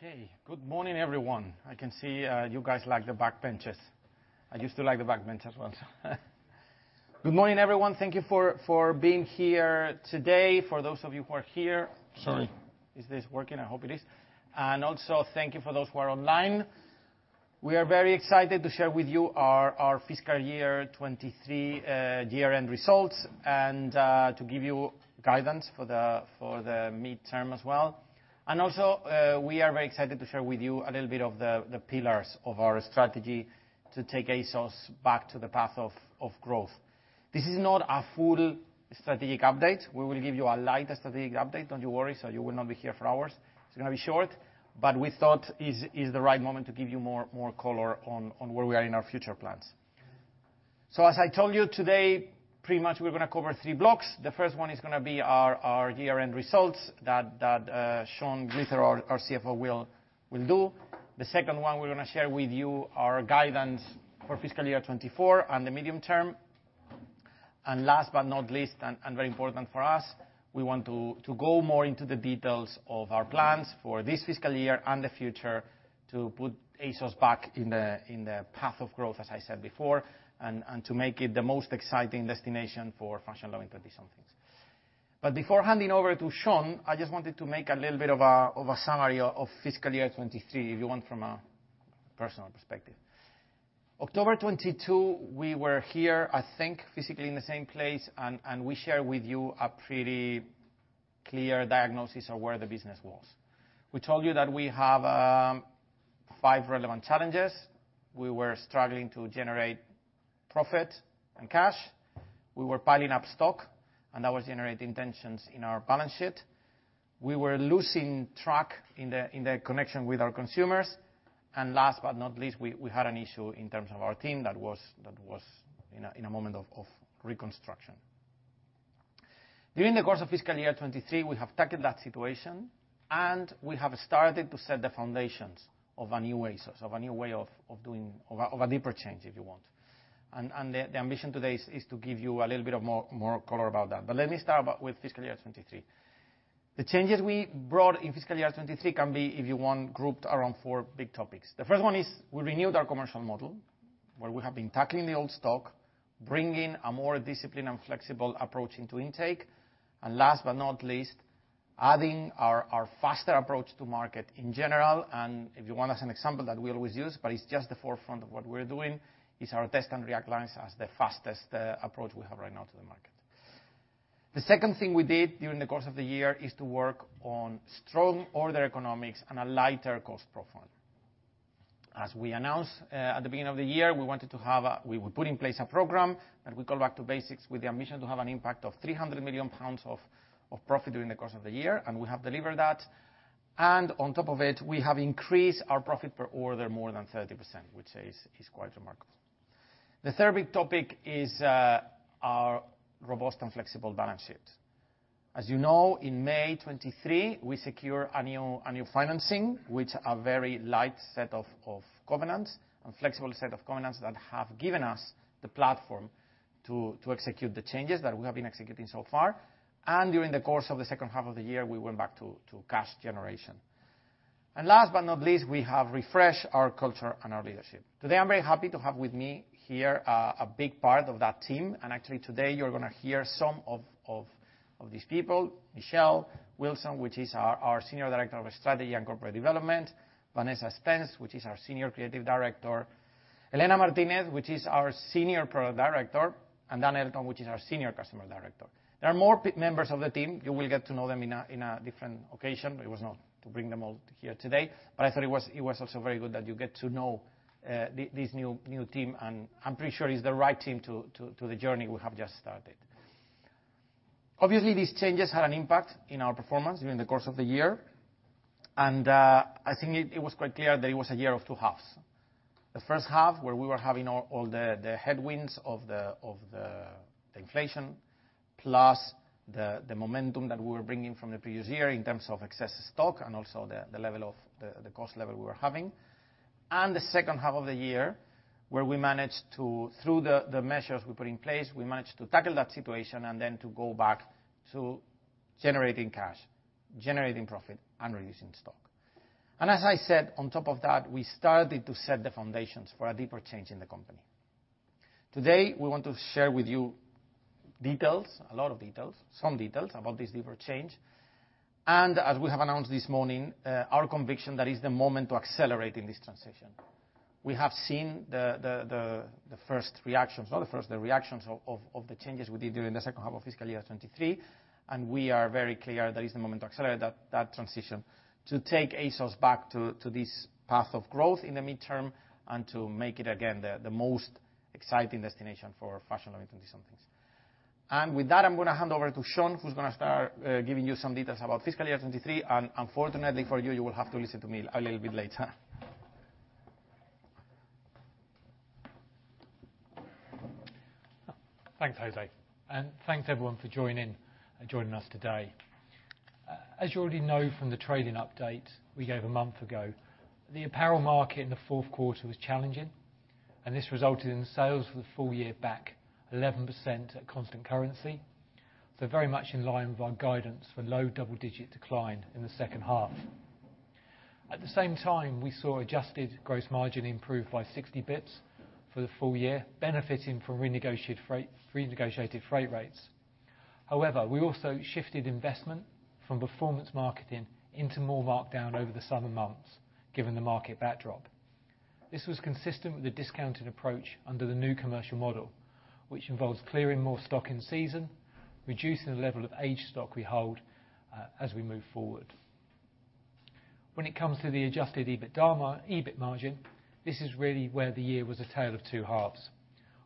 Okay, good morning, everyone. I can see you guys like the back benches. I used to like the back benches as well. Good morning, everyone. Thank you for being here today, for those of you who are here. Sorry. Is this working? I hope it is. Also, thank you for those who are online. We are very excited to share with you our, our fiscal year 2023, year-end results, and, to give you guidance for the, for the midterm as well. Also, we are very excited to share with you a little bit of the, the pillars of our strategy to take ASOS back to the path of, of growth. This is not a full strategic update. We will give you a light strategic update, don't you worry, so you will not be here for hours. It's gonna be short, but we thought is, is the right moment to give you more, more color on, on where we are in our future plans. So as I told you today, pretty much we're gonna cover three blocks. The first one is gonna be our year-end results that Sean Glithero, our CFO, will do. The second one, we're gonna share with you our guidance for fiscal year 2024 and the medium term. Last but not least, very important for us, we want to go more into the details of our plans for this fiscal year and the future to put ASOS back in the path of growth, as I said before, and to make it the most exciting destination for fashion-loving twenty-somethings. But before handing over to Sean, I just wanted to make a little bit of a summary of fiscal year 2023, if you want, from a personal perspective. October 2022, we were here, I think, physically in the same place, and we shared with you a pretty clear diagnosis of where the business was. We told you that we have five relevant challenges. We were struggling to generate profit and cash. We were piling up stock, and that was generating tensions in our balance sheet. We were losing track in the connection with our consumers. And last but not least, we had an issue in terms of our team that was in a moment of reconstruction. During the course of fiscal year 2023, we have tackled that situation, and we have started to set the foundations of a new ASOS, of a new way of doing... of a deeper change, if you want. The ambition today is to give you a little bit of more color about that. But let me start with fiscal year 2023. The changes we brought in fiscal year 2023 can be, if you want, grouped around four big topics. The first one is we renewed our commercial model, where we have been tackling the old stock, bringing a more disciplined and flexible approach into intake, and last but not least, adding our faster approach to market in general. And if you want, as an example that we always use, but it's just the forefront of what we're doing, is our Test and React lines as the fastest approach we have right now to the market. The second thing we did during the course of the year is to work on strong order economics and a lighter cost profile. As we announced at the beginning of the year, we wanted to have a we would put in place a program, and we go back to basics with the ambition to have an impact of 300 million pounds of profit during the course of the year, and we have delivered that. On top of it, we have increased our profit per order more than 30%, which is quite remarkable. The third big topic is our robust and flexible balance sheet. As you know, in May 2023, we secure a new financing, which a very light set of covenants and flexible set of covenants that have given us the platform to execute the changes that we have been executing so far. During the course of the second half of the year, we went back to cash generation. Last but not least, we have refreshed our culture and our leadership. Today, I'm very happy to have with me here, a big part of that team, and actually today you're gonna hear some of these people: Michelle Wilson, which is our Senior Director of Strategy and Corporate Development; Vanessa Spence, which is our Senior Creative Director; Elena Martínez, which is our Senior Product Director; and Dan Elton, which is our Senior Customer Director. There are more members of the team. You will get to know them in a different occasion. It was not to bring them all here today, but I thought it was also very good that you get to know this new team, and I'm pretty sure it's the right team to the journey we have just started. Obviously, these changes had an impact in our performance during the course of the year, and I think it was quite clear that it was a year of two halves. The first half, where we were having all the headwinds of the inflation, plus the momentum that we were bringing from the previous year in terms of excess stock and also the level of the cost level we were having. And the second half of the year, where we managed to, through the measures we put in place, we managed to tackle that situation and then to go back to generating cash, generating profit, and reducing stock. And as I said, on top of that, we started to set the foundations for a deeper change in the company. Today, we want to share with you details, a lot of details, some details about this deeper change. And as we have announced this morning, our conviction, that is the moment to accelerate in this transition. We have seen the first reactions, not the first, the reactions of the changes we did during the second half of fiscal year 2023, and we are very clear that is the moment to accelerate that transition, to take ASOS back to this path of growth in the midterm, and to make it again the most exciting destination for fashion and twenty-somethings. And with that, I'm gonna hand over to Sean, who's gonna start giving you some details about fiscal year 2023. And unfortunately for you, you will have to listen to me a little bit later. Thanks, José, and thanks, everyone, for joining us today. As you already know from the trading update we gave a month ago, the apparel market in the fourth quarter was challenging, and this resulted in sales for the full year back 11% at constant currency. So very much in line with our guidance for low double-digit decline in the second half. At the same time, we saw adjusted gross margin improve by 60 basis points for the full year, benefiting from renegotiated freight rates. However, we also shifted investment from performance marketing into more markdown over the summer months, given the market backdrop. This was consistent with the discounted approach under the new commercial model, which involves clearing more stock in season, reducing the level of aged stock we hold as we move forward. When it comes to the adjusted EBITDA and EBIT margin, this is really where the year was a tale of two halves,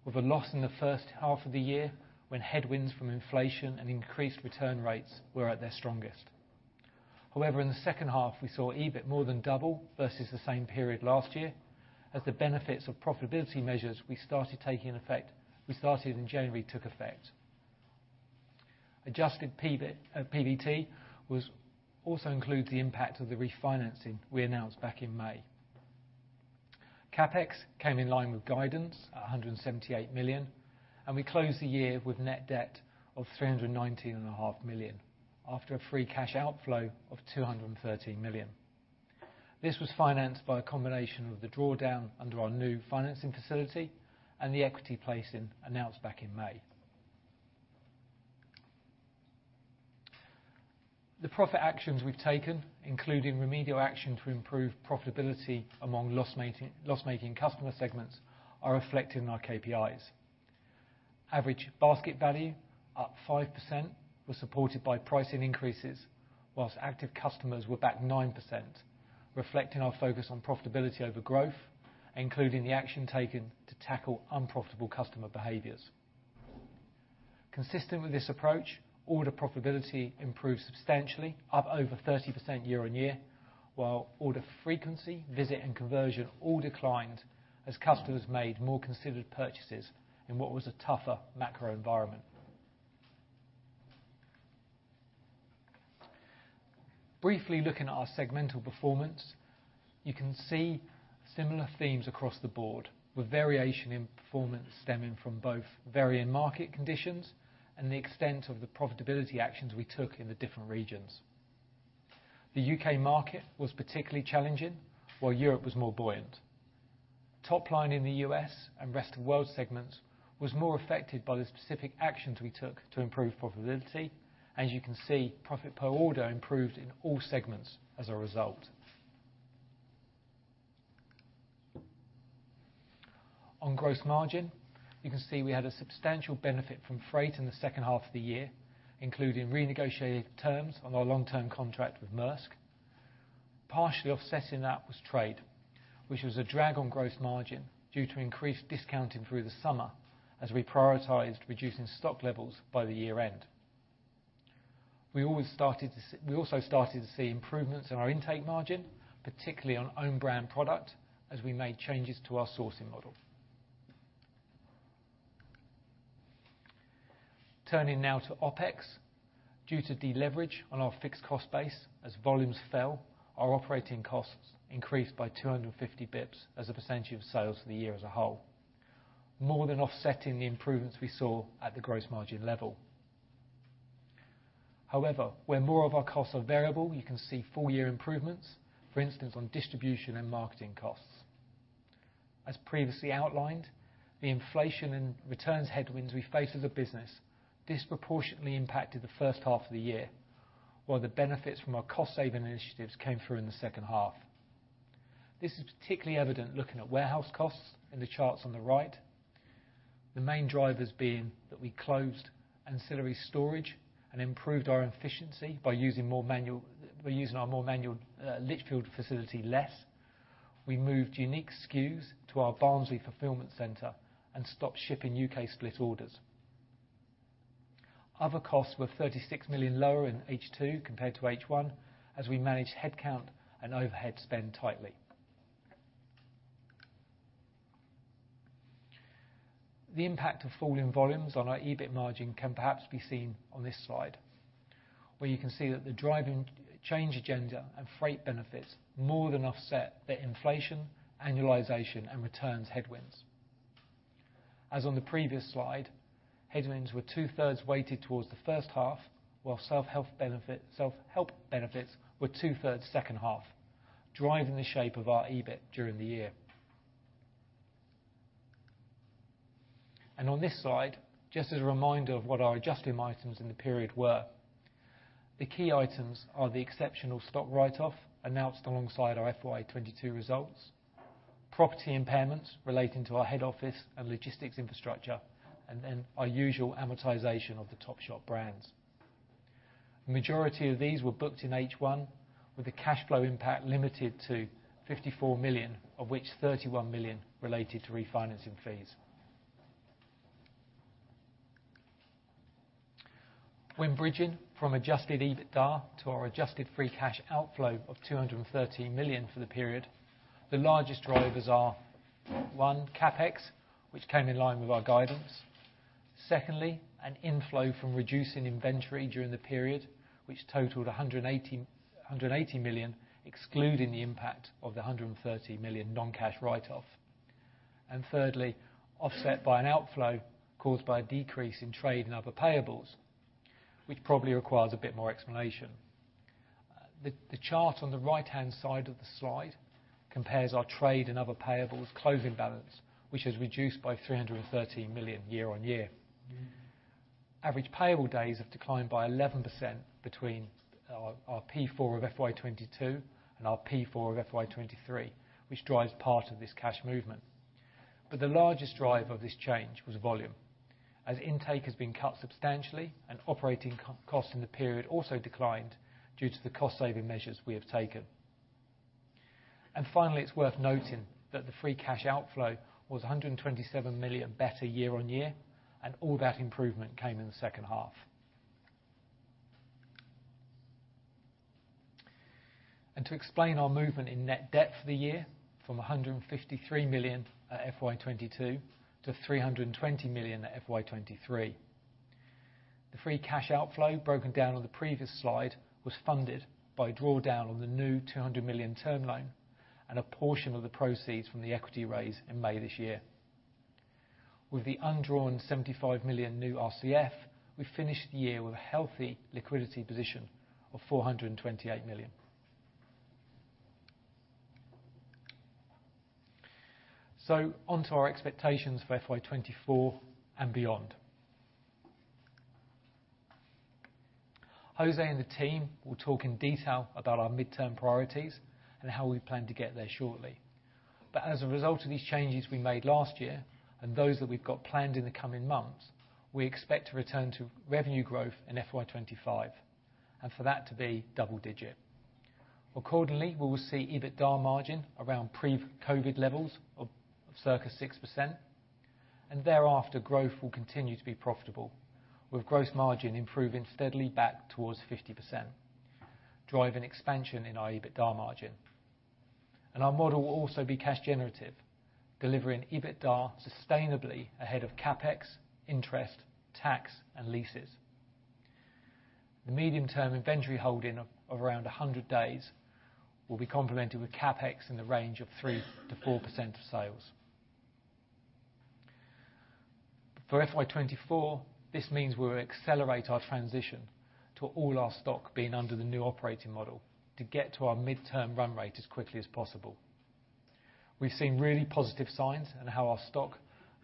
with a loss in the first half of the year, when headwinds from inflation and increased return rates were at their strongest. However, in the second half, we saw EBIT more than double versus the same period last year, as the benefits of profitability measures we started in January took effect. Adjusted PBT also includes the impact of the refinancing we announced back in May. CapEx came in line with guidance at 178 million, and we closed the year with net debt of 319.5 million, after a free cash outflow of 213 million. This was financed by a combination of the drawdown under our new financing facility and the equity placing announced back in May. The profit actions we've taken, including remedial action to improve profitability among loss-making, loss-making customer segments, are reflected in our KPIs. Average basket value, up 5%, was supported by pricing increases, whilst active customers were back 9%, reflecting our focus on profitability over growth, including the action taken to tackle unprofitable customer behaviors. Consistent with this approach, order profitability improved substantially, up over 30% year-on-year, while order frequency, visit, and conversion all declined as customers made more considered purchases in what was a tougher macro environment. Briefly looking at our segmental performance, you can see similar themes across the board, with variation in performance stemming from both varying market conditions and the extent of the profitability actions we took in the different regions. The UK market was particularly challenging, while Europe was more buoyant. Top line in the U.S. and Rest of World segments was more affected by the specific actions we took to improve profitability. As you can see, profit per order improved in all segments as a result. On gross margin, you can see we had a substantial benefit from freight in the second half of the year, including renegotiated terms on our long-term contract with Maersk. Partially offsetting that was trade, which was a drag on gross margin due to increased discounting through the summer, as we prioritized reducing stock levels by the year end. We also started to see improvements in our intake margin, particularly on own brand product, as we made changes to our sourcing model. Turning now to OpEx. Due to deleverage on our fixed cost base as volumes fell, our operating costs increased by 250 basis points as a percentage of sales for the year as a whole, more than offsetting the improvements we saw at the gross margin level. However, where more of our costs are variable, you can see full year improvements, for instance, on distribution and marketing costs. As previously outlined, the inflation and returns headwinds we face as a business disproportionately impacted the first half of the year, while the benefits from our cost-saving initiatives came through in the second half. This is particularly evident looking at warehouse costs in the charts on the right. The main drivers being that we closed ancillary storage and improved our efficiency by using our more manual Lichfield facility less. We moved unique SKUs to our Barnsley fulfillment center and stopped shipping UK split orders. Other costs were 36 million lower in H2 compared to H1, as we managed headcount and overhead spend tightly. The impact of falling volumes on our EBIT margin can perhaps be seen on this slide, where you can see that the Driving Change agenda and freight benefits more than offset the inflation, annualization, and returns headwinds. As on the previous slide, headwinds were two-thirds weighted towards the first half, while self-help benefits were two-thirds second half, driving the shape of our EBIT during the year. On this slide, just as a reminder of what our adjustment items in the period were, the key items are the exceptional stock write-off, announced alongside our FY 2022 results, property impairments relating to our head office and logistics infrastructure, and then our usual amortization of the Topshop brands. The majority of these were booked in H1, with the cash flow impact limited to 54 million, of which 31 million related to refinancing fees. When bridging from Adjusted EBITDA to our adjusted free cash outflow of 213 million for the period, the largest drivers are 1, CapEx, which came in line with our guidance, secondly, an inflow from reducing inventory during the period, which totaled 180 million, excluding the impact of the 130 million non-cash write-off. And thirdly, offset by an outflow caused by a decrease in trade and other payables, which probably requires a bit more explanation. The chart on the right-hand side of the slide compares our trade and other payables closing balance, which has reduced by 330 million year-on-year. Average payable days have declined by 11% between our P4 of FY 2022 and our P4 of FY 2023, which drives part of this cash movement. But the largest drive of this change was volume, as intake has been cut substantially and operating costs in the period also declined due to the cost-saving measures we have taken. And finally, it's worth noting that the free cash outflow was 127 million better year-on-year, and all that improvement came in the second half. To explain our movement in net debt for the year, from 153 million at FY 2022 to 320 million at FY 2023, the free cash outflow, broken down on the previous slide, was funded by a drawdown on the new 200 million term loan and a portion of the proceeds from the equity raise in May this year. With the undrawn 75 million new RCF, we finished the year with a healthy liquidity position of 428 million. Onto our expectations for FY 2024 and beyond. José and the team will talk in detail about our midterm priorities and how we plan to get there shortly. But as a result of these changes we made last year and those that we've got planned in the coming months, we expect to return to revenue growth in FY 2025, and for that to be double-digit. Accordingly, we will see EBITDA margin around pre-COVID levels of circa 6%, and thereafter, growth will continue to be profitable, with gross margin improving steadily back towards 50%, driving expansion in our EBITDA margin. Our model will also be cash generative, delivering EBITDA sustainably ahead of CapEx, interest, tax, and leases. The medium-term inventory holding of around 100 days will be complemented with CapEx in the range of 3%-4% of sales. For FY 2024, this means we will accelerate our transition to all our stock being under the new operating model to get to our midterm run rate as quickly as possible. We've seen really positive signs in how our stock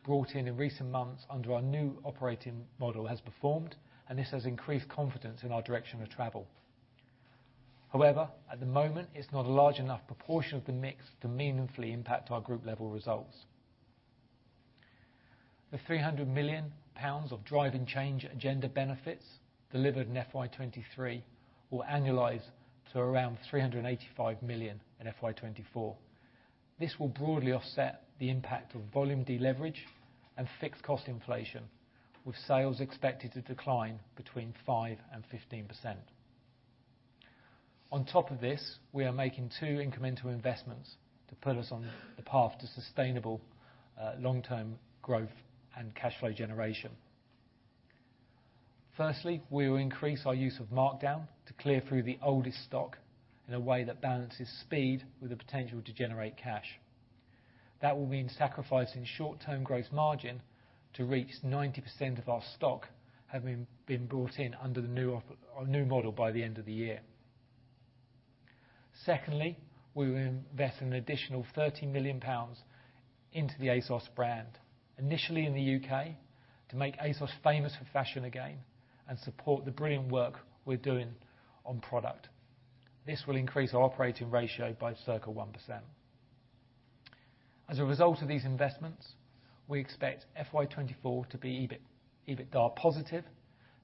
brought in in recent months under our new operating model has performed, and this has increased confidence in our direction of travel. However, at the moment, it's not a large enough proportion of the mix to meaningfully impact our group level results. The 300 million pounds of Driving Change agenda benefits delivered in FY 2023 will annualize to around 385 million in FY 2024. This will broadly offset the impact of volume deleverage and fixed cost inflation, with sales expected to decline between 5% and 15%. On top of this, we are making two incremental investments to put us on the path to sustainable, long-term growth and cash flow generation. Firstly, we will increase our use of markdown to clear through the oldest stock in a way that balances speed with the potential to generate cash. That will mean sacrificing short-term growth margin to reach 90% of our stock, having been brought in under the new model by the end of the year. Secondly, we will invest an additional 30 million pounds into the ASOS brand, initially in the UK, to make ASOS famous for fashion again and support the brilliant work we're doing on product. This will increase our operating ratio by circa 1%. As a result of these investments, we expect FY 2024 to be EBIT, EBITDA positive,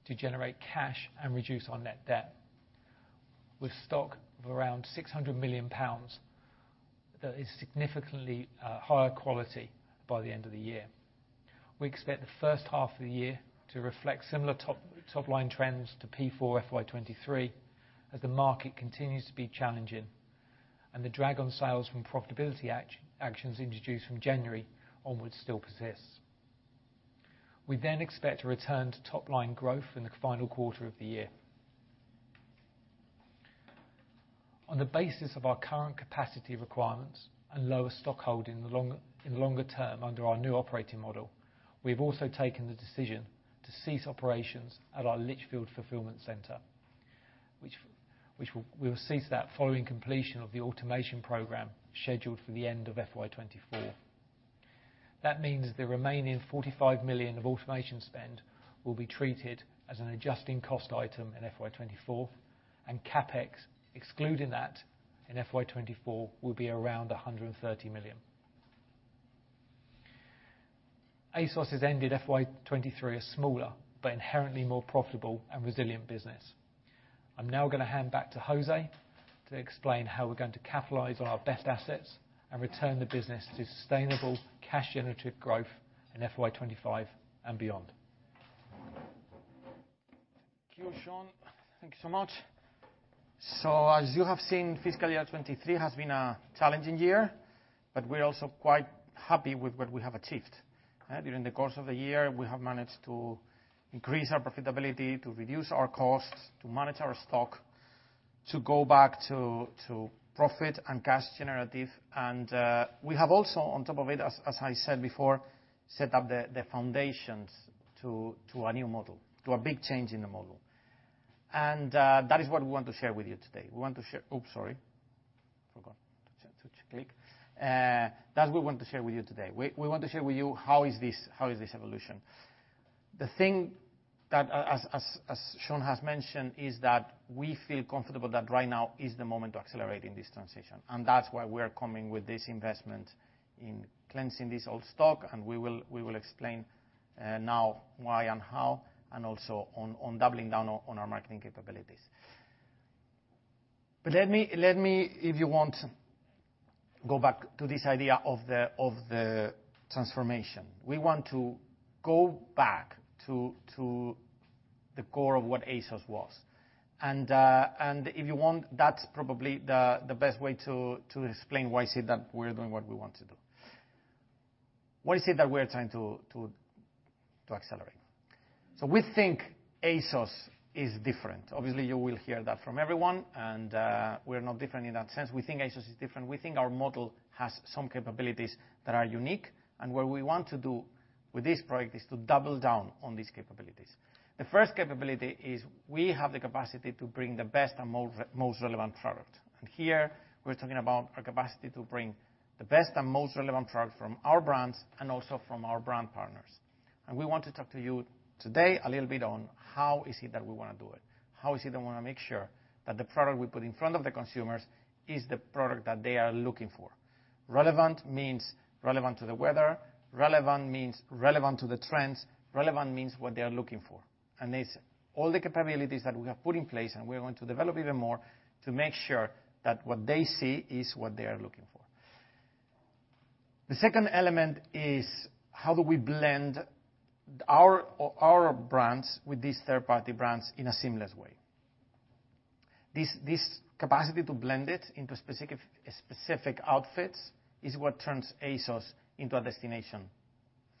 to generate cash and reduce our net debt with stock of around 600 million pounds that is significantly higher quality by the end of the year. We expect the first half of the year to reflect similar top-line trends to P4 FY 2023, as the market continues to be challenging, and the drag on sales from profitability actions introduced from January onwards still persists. We then expect to return to top-line growth in the final quarter of the year. On the basis of our current capacity requirements and lower stock holding in the longer term under our new operating model, we've also taken the decision to cease operations at our Lichfield fulfillment center, which we will cease following completion of the automation program scheduled for the end of FY 2024. That means the remaining 45 million of automation spend will be treated as an adjusting cost item in FY 2024, and CapEx, excluding that in FY 2024, will be around 130 million. ASOS has ended FY 2023 as smaller, but inherently more profitable and resilient business. I'm now going to hand back to José to explain how we're going to capitalize on our best assets and return the business to sustainable, cash-generative growth in FY 2025 and beyond. Thank you, Sean. Thank you so much. So as you have seen, fiscal year 2023 has been a challenging year, but we're also quite happy with what we have achieved during the course of the year. We have managed to increase our profitability, to reduce our costs, to manage our stock, to go back to profit and cash generative. And we have also, on top of it, as I said before, set up the foundations to a new model, to a big change in the model. And that is what we want to share with you today. We want to share. Oops, sorry! Forgot to click. That's what we want to share with you today. We want to share with you how is this, how is this evolution. The thing that as Sean has mentioned is that we feel comfortable that right now is the moment to accelerate in this transition, and that's why we are coming with this investment in cleansing this old stock. And we will explain now why and how and also on doubling down on our marketing capabilities. But let me, if you want, go back to this idea of the transformation. We want to go back to the core of what ASOS was. And if you want, that's probably the best way to explain why is it that we're doing what we want to do. Why is it that we're trying to accelerate? So we think ASOS is different. Obviously, you will hear that from everyone, and we're not different in that sense. We think ASOS is different. We think our model has some capabilities that are unique, and what we want to do with this project is to double down on these capabilities. The first capability is we have the capacity to bring the best and most relevant product, and here we're talking about our capacity to bring the best and most relevant product from our brands and also from our brand partners. We want to talk to you today a little bit on how is it that we wanna do it, how is it that we wanna make sure that the product we put in front of the consumers is the product that they are looking for. Relevant means relevant to the weather, relevant means relevant to the trends, relevant means what they are looking for, and it's all the capabilities that we have put in place, and we are going to develop even more to make sure that what they see is what they are looking for. The second element is: how do we blend our brands with these third-party brands in a seamless way? This capacity to blend it into specific outfits is what turns ASOS into a destination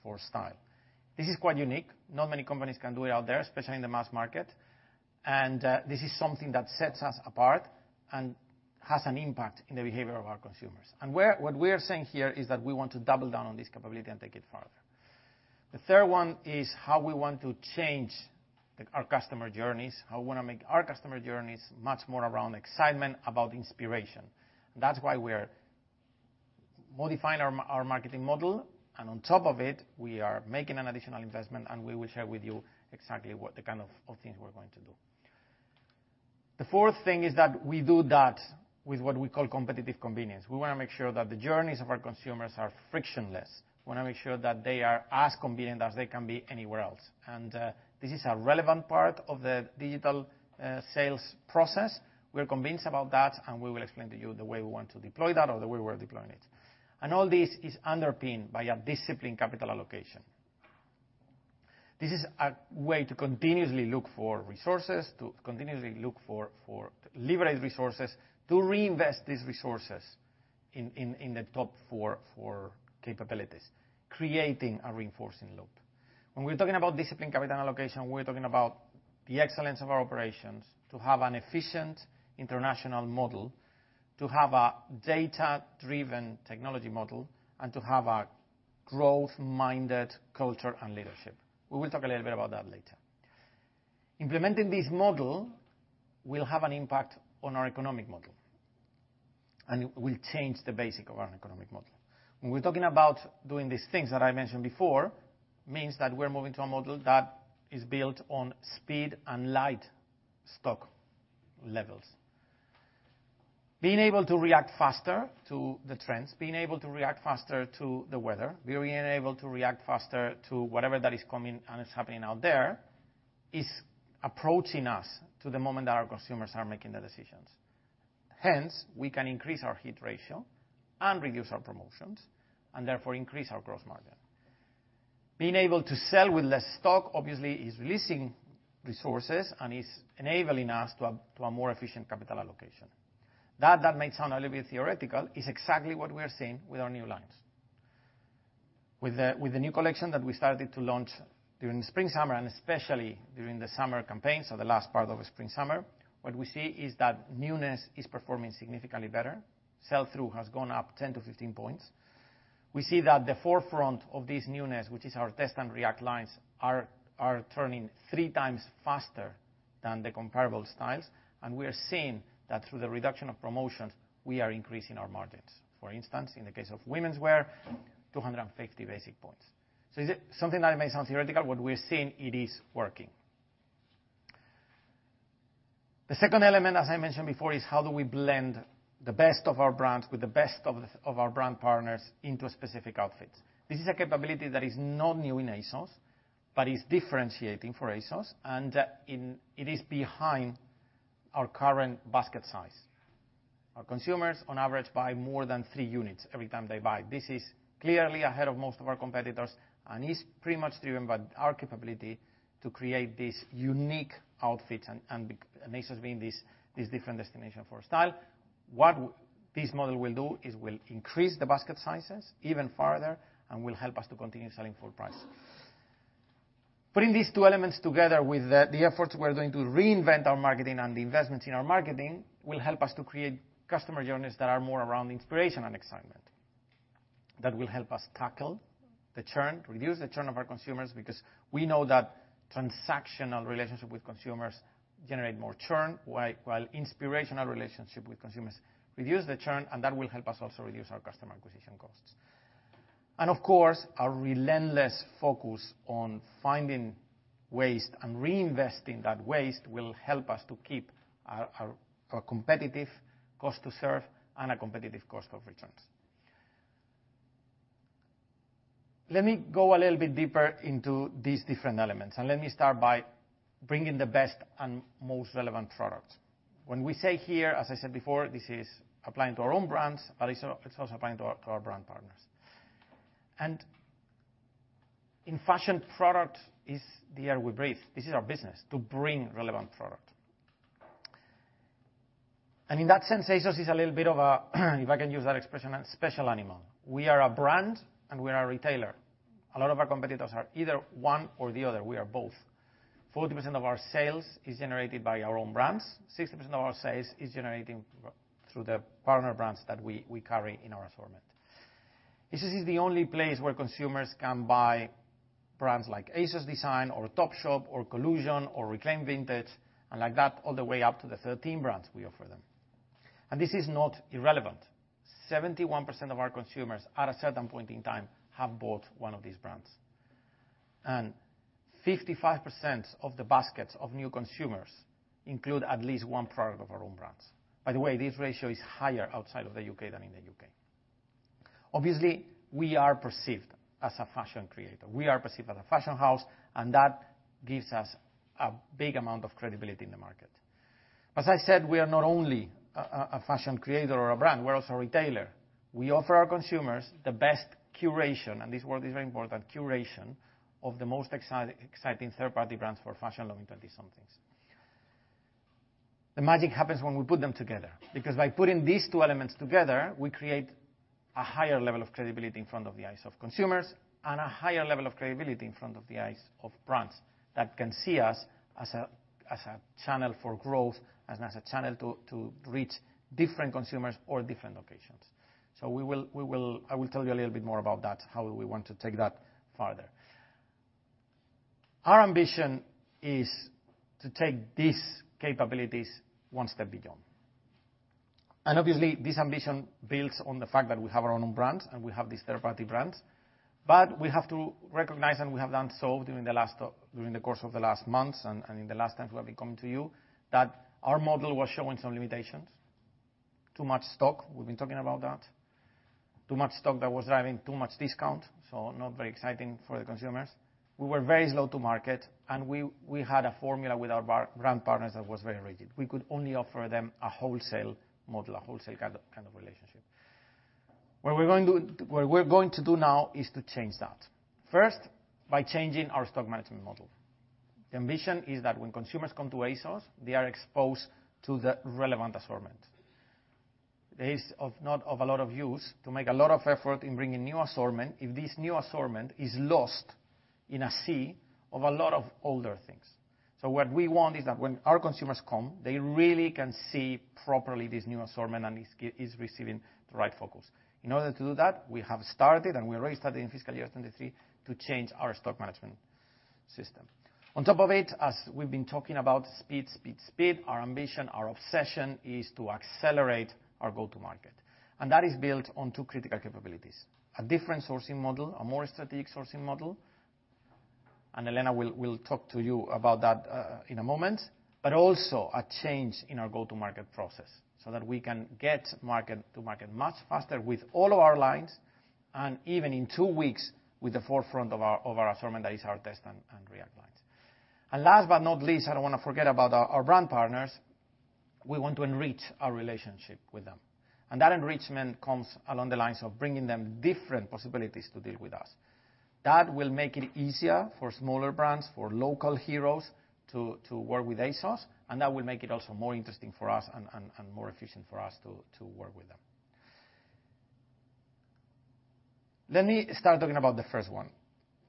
for style. This is quite unique. Not many companies can do it out there, especially in the mass market, and this is something that sets us apart and has an impact in the behavior of our consumers. What we are saying here is that we want to double down on this capability and take it further. The third one is how we want to change our customer journeys, how we wanna make our customer journeys much more around excitement, about inspiration. That's why we are modifying our marketing model, and on top of it, we are making an additional investment, and we will share with you exactly what the kind of things we're going to do. The fourth thing is that we do that with what we call competitive convenience. We wanna make sure that the journeys of our consumers are frictionless. We wanna make sure that they are as convenient as they can be anywhere else, and this is a relevant part of the digital sales process. We're convinced about that, and we will explain to you the way we want to deploy that or the way we're deploying it. All this is underpinned by a disciplined capital allocation. This is a way to continuously look for resources, to continuously look for liberated resources, to reinvest these resources in the top four capabilities, creating a reinforcing loop. When we're talking about disciplined capital allocation, we're talking about the excellence of our operations, to have an efficient international model, to have a data-driven technology model, and to have a growth-minded culture and leadership. We will talk a little bit about that later. Implementing this model will have an impact on our economic model, and it will change the basics of our economic model. When we're talking about doing these things that I mentioned before, means that we're moving to a model that is built on speed and light stock levels. Being able to react faster to the trends, being able to react faster to the weather, being able to react faster to whatever that is coming and is happening out there, is approaching us to the moment that our consumers are making the decisions. Hence, we can increase our hit ratio and reduce our promotions and therefore increase our growth margin. Being able to sell with less stock, obviously, is releasing resources and is enabling us to a more efficient capital allocation. That may sound a little bit theoretical, is exactly what we are seeing with our new lines. With the new collection that we started to launch during the spring/summer, and especially during the summer campaign, so the last part of the spring/summer, what we see is that newness is performing significantly better. Sell-through has gone up 10-15 points. We see that the forefront of this newness, which is our Test and React lines, are turning 3 times faster than the comparable styles, and we are seeing that through the reduction of promotions, we are increasing our margins. For instance, in the case of womenswear, 250 basis points. So is it something that may sound theoretical, what we are seeing, it is working. The second element, as I mentioned before, is how do we blend the best of our brands with the best of our brand partners into specific outfits? This is a capability that is not new in ASOS, but is differentiating for ASOS, and it is behind our current basket size. Our consumers, on average, buy more than 3 units every time they buy. This is clearly ahead of most of our competitors, and is pretty much driven by our capability to create these unique outfits and ASOS being this different destination for style. What this model will do is increase the basket sizes even farther, and will help us to continue selling full price. Putting these two elements together with the efforts we're doing to reinvent our marketing and the investments in our marketing will help us to create customer journeys that are more around inspiration and excitement. That will help us tackle the churn, reduce the churn of our consumers, because we know that transactional relationship with consumers generate more churn, while inspirational relationship with consumers reduce the churn, and that will help us also reduce our customer acquisition costs. Of course, our relentless focus on finding waste and reinvesting that waste will help us to keep our a competitive cost to serve and a competitive cost of returns. Let me go a little bit deeper into these different elements, and let me start by bringing the best and most relevant product. When we say here, as I said before, this is applying to our own brands, but it's also applying to our brand partners. In fashion, product is the air we breathe. This is our business, to bring relevant product. In that sense, ASOS is a little bit of a, if I can use that expression, a special animal. We are a brand and we are a retailer. A lot of our competitors are either one or the other. We are both. 40% of our sales is generated by our own brands. 60% of our sales is generating through the partner brands that we, we carry in our assortment. ASOS is the only place where consumers can buy brands like ASOS Design or Topshop or Collusion or Reclaimed Vintage, and like that, all the way up to the 13 brands we offer them. This is not irrelevant. 71% of our consumers, at a certain point in time, have bought one of these brands. 55% of the baskets of new consumers include at least one product of our own brands. By the way, this ratio is higher outside of the UK than in the UK. Obviously, we are perceived as a fashion creator. We are perceived as a fashion house, and that gives us a big amount of credibility in the market. As I said, we are not only a fashion creator or a brand, we're also a retailer. We offer our consumers the best curation, and this word is very important, curation, of the most exciting third-party brands for fashion-loving twenty-somethings. The magic happens when we put them together, because by putting these two elements together, we create a higher level of credibility in front of the eyes of consumers, and a higher level of credibility in front of the eyes of brands that can see us as a channel for growth and as a channel to reach different consumers or different locations. So, I will tell you a little bit more about that, how we want to take that farther. Our ambition is to take these capabilities one step beyond. Obviously, this ambition builds on the fact that we have our own brands, and we have these third-party brands, but we have to recognize, and we have done so during the course of the last months, and in the last times we have been coming to you, that our model was showing some limitations. Too much stock, we've been talking about that. Too much stock that was driving too much discount, so not very exciting for the consumers. We were very slow to market, and we had a formula with our brand partners that was very rigid. We could only offer them a wholesale model, a wholesale kind of relationship. What we're going to do now is to change that, first, by changing our stock management model. The ambition is that when consumers come to ASOS, they are exposed to the relevant assortment. It is not of a lot of use to make a lot of effort in bringing new assortment, if this new assortment is lost in a sea of a lot of older things. So what we want is that when our consumers come, they really can see properly this new assortment, and it's receiving the right focus. In order to do that, we have started, and we already started in fiscal year 2023, to change our stock management system. On top of it, as we've been talking about speed, speed, speed, our ambition, our obsession, is to accelerate our go-to market, and that is built on two critical capabilities: a different sourcing model, a more strategic sourcing model, and Elena will talk to you about that in a moment. But also a change in our go-to-market process, so that we can get market-to-market much faster with all of our lines, and even in two weeks, with the forefront of our assortment, that is our Test and React lines. And last but not least, I don't want to forget about our brand partners. We want to enrich our relationship with them, and that enrichment comes along the lines of bringing them different possibilities to deal with us. That will make it easier for smaller brands, for local heroes, to work with ASOS, and that will make it also more interesting for us and more efficient for us to work with them. Let me start talking about the first one,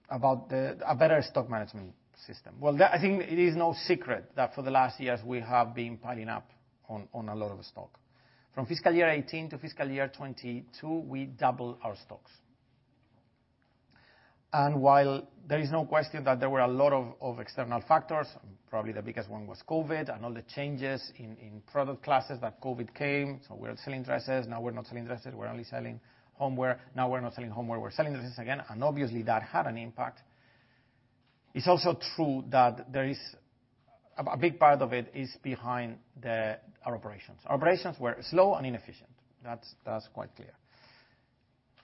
about the... a better stock management system. Well, that, I think it is no secret that for the last years we have been piling up on a lot of stock. From fiscal year 2018 to fiscal year 2022, we doubled our stocks. While there is no question that there were a lot of external factors, probably the biggest one was COVID and all the changes in product classes that COVID came, so we're selling dresses, now we're not selling dresses, we're only selling homeware. Now we're not selling homeware, we're selling dresses again, and obviously, that had an impact. It's also true that there is... a big part of it is behind our operations. Our operations were slow and inefficient. That's quite clear.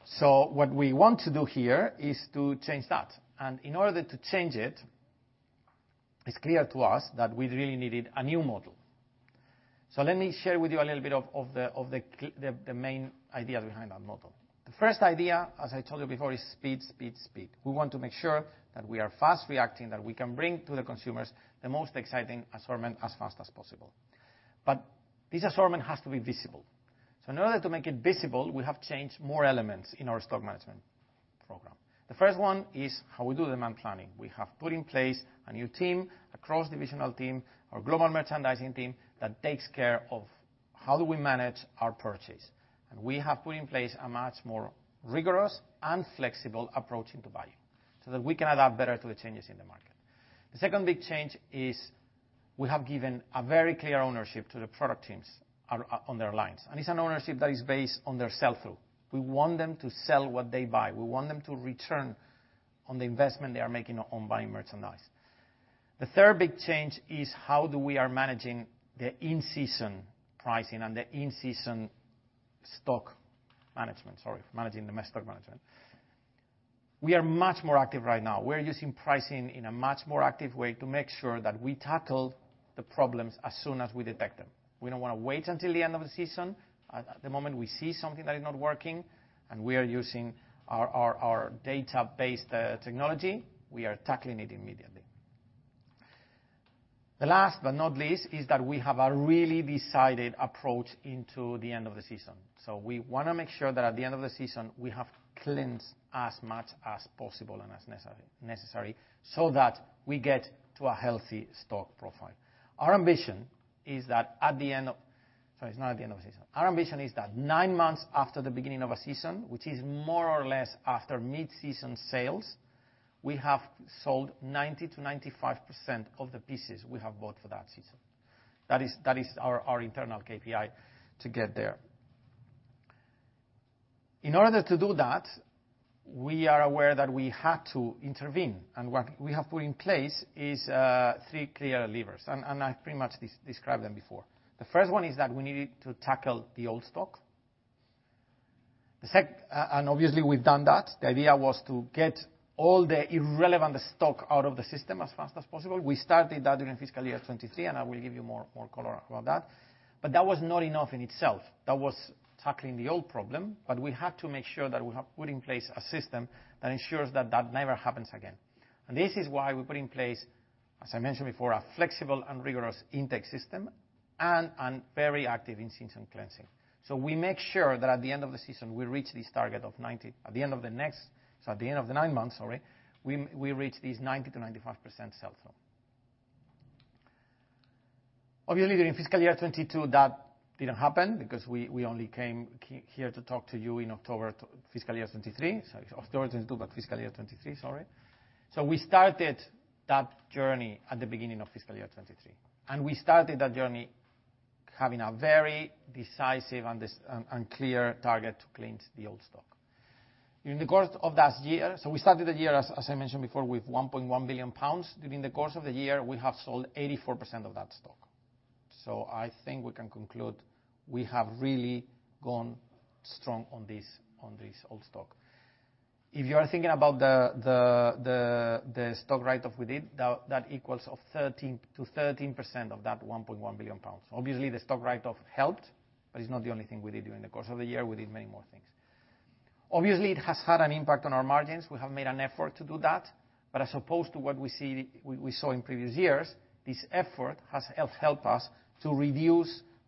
So what we want to do here is to change that. And in order to change it-... It's clear to us that we really needed a new model. So let me share with you a little bit of the main ideas behind our model. The first idea, as I told you before, is speed, speed, speed. We want to make sure that we are fast reacting, that we can bring to the consumers the most exciting assortment as fast as possible. But this assortment has to be visible. So in order to make it visible, we have changed more elements in our stock management program. The first one is how we do demand planning. We have put in place a new team, a cross-divisional team, our global merchandising team, that takes care of how we manage our purchase. We have put in place a much more rigorous and flexible approach into buying, so that we can adapt better to the changes in the market. The second big change is we have given a very clear ownership to the product teams on, on their lines, and it's an ownership that is based on their sell-through. We want them to sell what they buy. We want them to return on the investment they are making on buying merchandise. The third big change is how do we are managing the in-season pricing and the in-season stock management, sorry, managing the stock management. We are much more active right now. We are using pricing in a much more active way to make sure that we tackle the problems as soon as we detect them. We don't wanna wait until the end of the season. At the moment, we see something that is not working, and we are using our data-based technology; we are tackling it immediately. The last, but not least, is that we have a really decided approach into the end of the season. So we wanna make sure that at the end of the season, we have cleansed as much as possible and as necessary, so that we get to a healthy stock profile. Our ambition is that at the end of... Sorry, not at the end of the season. Our ambition is that nine months after the beginning of a season, which is more or less after mid-season sales, we have sold 90%-95% of the pieces we have bought for that season. That is our internal KPI to get there. In order to do that, we are aware that we had to intervene, and what we have put in place is three clear levers, and I pretty much described them before. The first one is that we needed to tackle the old stock. And obviously, we've done that. The idea was to get all the irrelevant stock out of the system as fast as possible. We started that during fiscal year 2023, and I will give you more color about that. But that was not enough in itself. That was tackling the old problem, but we had to make sure that we have put in place a system that ensures that that never happens again. And this is why we put in place, as I mentioned before, a flexible and rigorous intake system and very active in-season cleansing. So we make sure that at the end of the season, we reach this target of 90%. At the end of the next, so at the end of the nine months, sorry, we, we reach these 90%-95% sell-through. Obviously, during fiscal year 2022, that didn't happen because we, we only came here to talk to you in October 2022, fiscal year 2023. Sorry, October 2022, but fiscal year 2023, sorry. So we started that journey at the beginning of fiscal year 2023, and we started that journey having a very decisive and clear target to cleanse the old stock. In the course of that year, so we started the year, as, as I mentioned before, with 1.1 billion pounds. During the course of the year, we have sold 84% of that stock. So I think we can conclude we have really gone strong on this old stock. If you are thinking about the stock write-off we did, that equals of 13 to 13% of that 1.1 billion pounds. Obviously, the stock write-off helped, but it's not the only thing we did during the course of the year. We did many more things. Obviously, it has had an impact on our margins. We have made an effort to do that, but as opposed to what we see, we saw in previous years, this effort has helped us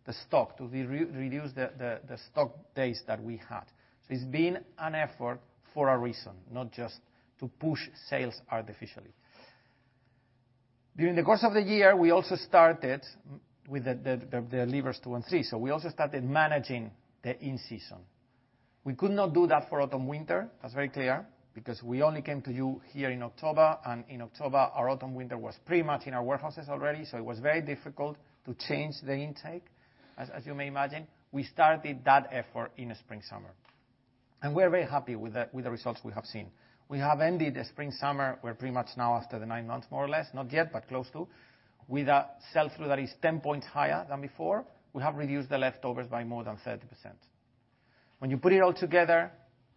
to reduce the stock days that we had. So it's been an effort for a reason, not just to push sales artificially. During the course of the year, we also started with the levers 2 and 3, so we also started managing the in-season. We could not do that for autumn, winter. That's very clear, because we only came to you here in October, and in October, our autumn, winter was pretty much in our warehouses already, so it was very difficult to change the intake, as you may imagine. We started that effort in spring, summer, and we're very happy with the results we have seen. We have ended the spring, summer, we're pretty much now after the 9 months, more or less, not yet, but close to, with a sell-through that is 10 points higher than before. We have reduced the leftovers by more than 30%. When you put it all together,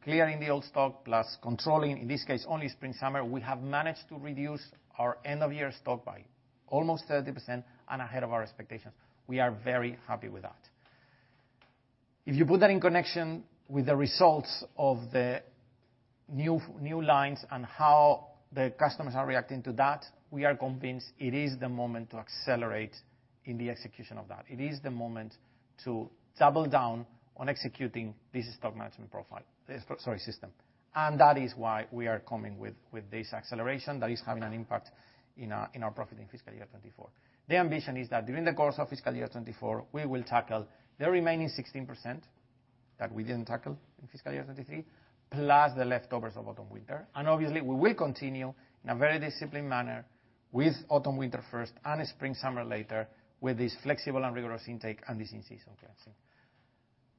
clearing the old stock plus controlling, in this case, only spring, summer, we have managed to reduce our end-of-year stock by almost 30% and ahead of our expectations. We are very happy with that. If you put that in connection with the results of the new lines and how the customers are reacting to that, we are convinced it is the moment to accelerate in the execution of that. It is the moment to double down on executing this stock management profile, system. And that is why we are coming with this acceleration that is having an impact in our profit in fiscal year 2024. The ambition is that during the course of fiscal year 2024, we will tackle the remaining 16% that we didn't tackle in fiscal year 2023, plus the leftovers of autumn, winter. Obviously, we will continue in a very disciplined manner with autumn, winter first and spring, summer later, with this flexible and rigorous intake and this in-season cleansing.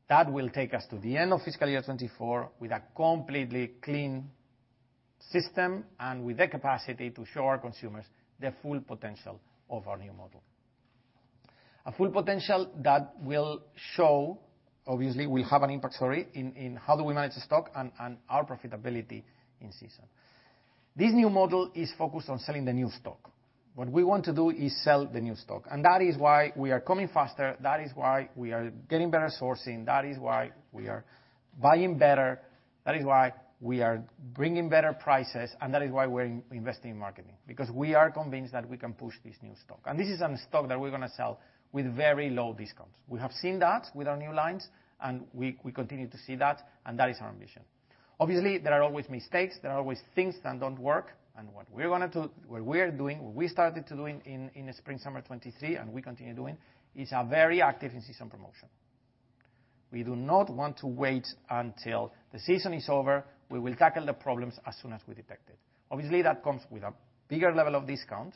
That will take us to the end of fiscal year 2024 with a completely clean system and with the capacity to show our consumers the full potential of our new model. A full potential that will show, obviously, will have an impact, sorry, in how we manage the stock and our profitability in season. This new model is focused on selling the new stock. What we want to do is sell the new stock, and that is why we are coming faster, that is why we are getting better sourcing, that is why we are buying better, that is why we are bringing better prices, and that is why we're investing in marketing, because we are convinced that we can push this new stock. And this is some stock that we're gonna sell with very low discounts. We have seen that with our new lines, and we, we continue to see that, and that is our ambition. Obviously, there are always mistakes. There are always things that don't work, and what we're gonna do, what we are doing, what we started to doing in, in the spring/summer 2023, and we continue doing, is a very active in-season promotion. We do not want to wait until the season is over. We will tackle the problems as soon as we detect it. Obviously, that comes with a bigger level of discount,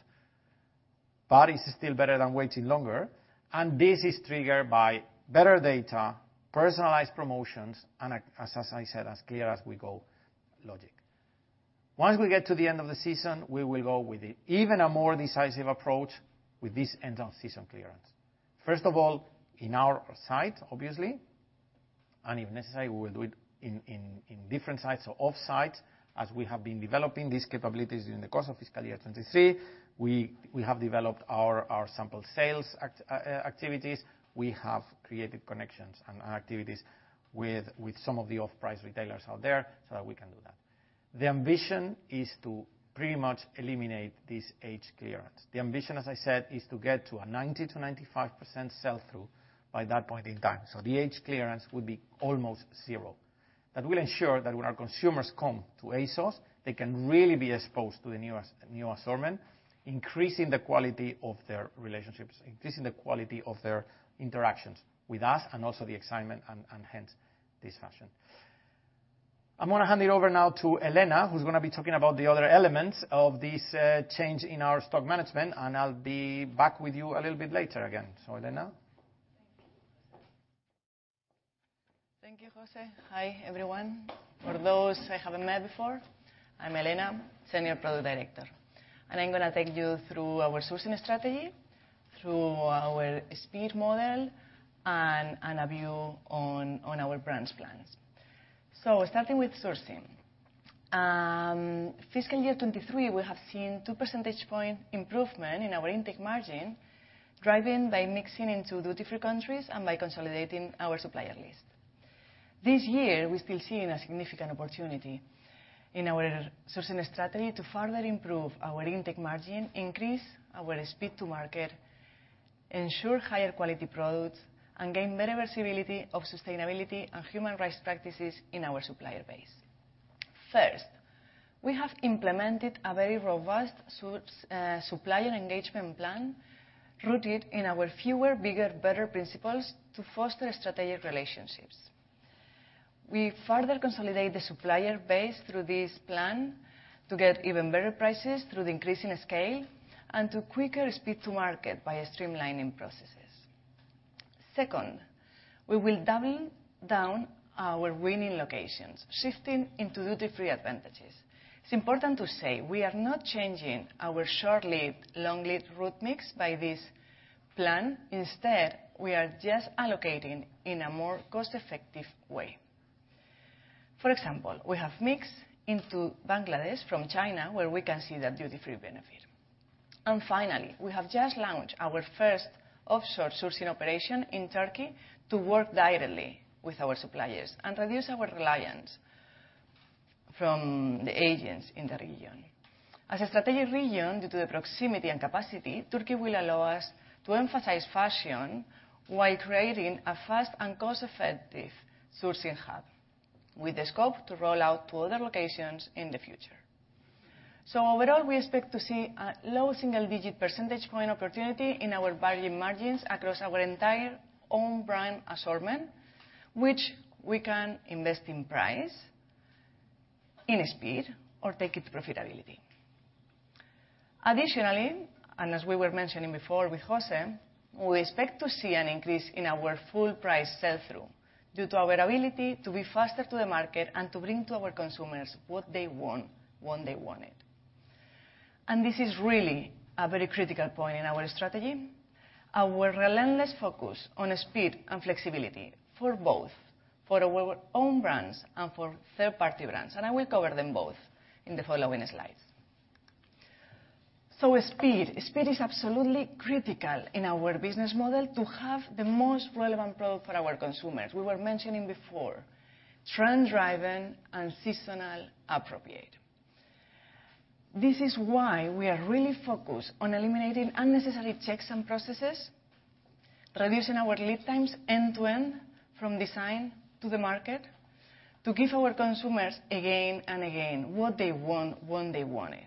but it's still better than waiting longer, and this is triggered by better data, personalized promotions and, as I said, as-clear-as-we-go logic. Once we get to the end of the season, we will go with an even more decisive approach with this end-of-season clearance. First of all, in our site, obviously, and if necessary, we will do it in different sites or offsite, as we have been developing these capabilities in the course of fiscal year 2023. We have developed our sample sales activities. We have created connections and activities with some of the off-price retailers out there so that we can do that. The ambition is to pretty much eliminate this aged clearance. The ambition, as I said, is to get to a 90%-95% sell-through by that point in time, so the age clearance would be almost zero. That will ensure that when our consumers come to ASOS, they can really be exposed to the new new assortment, increasing the quality of their relationships, increasing the quality of their interactions with us and also the excitement, and, and hence, this fashion. I'm gonna hand it over now to Elena, who's gonna be talking about the other elements of this change in our stock management, and I'll be back with you a little bit later again. So, Elena? Thank you, José. Hi, everyone. For those I haven't met before, I'm Elena, Senior Product Director, and I'm gonna take you through our sourcing strategy, through our speed model and a view on our brand plans. Starting with sourcing, fiscal year 2023, we have seen 2 percentage point improvement in our intake margin, driven by mixing into the different countries and by consolidating our supplier list. This year, we're still seeing a significant opportunity in our sourcing strategy to further improve our intake margin, increase our speed to market, ensure higher quality products, and gain better visibility of sustainability and human rights practices in our supplier base. First, we have implemented a very robust supplier engagement plan, rooted in our fewer, bigger, better principles to foster strategic relationships. We further consolidate the supplier base through this plan to get even better prices through the increase in scale and to quicker speed to market by streamlining processes. Second, we will double down our winning locations, shifting into duty-free advantages. It's important to say, we are not changing our short lead, long lead route mix by this plan. Instead, we are just allocating in a more cost-effective way. For example, we have mixed into Bangladesh from China, where we can see the duty-free benefit. And finally, we have just launched our first offshore sourcing operation in Turkey to work directly with our suppliers and reduce our reliance from the agents in the region. As a strategic region, due to the proximity and capacity, Turkey will allow us to emphasize fashion while creating a fast and cost-effective sourcing hub, with the scope to roll out to other locations in the future. So overall, we expect to see a low single-digit percentage point opportunity in our buying margins across our entire own brand assortment, which we can invest in price, in speed, or take it to profitability. Additionally, and as we were mentioning before with José, we expect to see an increase in our full price sell-through due to our ability to be faster to the market and to bring to our consumers what they want, when they want it. And this is really a very critical point in our strategy, our relentless focus on speed and flexibility for both, for our own brands and for third-party brands, and I will cover them both in the following slides. So speed. Speed is absolutely critical in our business model to have the most relevant product for our consumers. We were mentioning before, trend driving and seasonal appropriate. This is why we are really focused on eliminating unnecessary checks and processes, reducing our lead times end to end, from design to the market, to give our consumers again and again what they want, when they want it.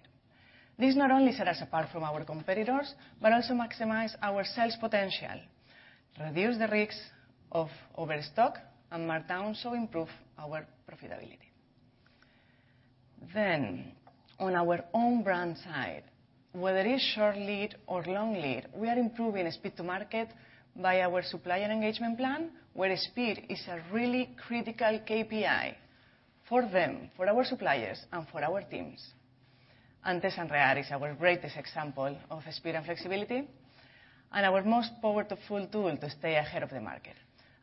This not only set us apart from our competitors, but also maximize our sales potential, reduce the risks of overstock and markdown, so improve our profitability. On our own brand side, whether it is short lead or long lead, we are improving speed to market by our supplier engagement plan, where speed is a really critical KPI for them, for our suppliers and for our teams, and Test and React is our greatest example of speed and flexibility, and our most powerful tool to stay ahead of the market.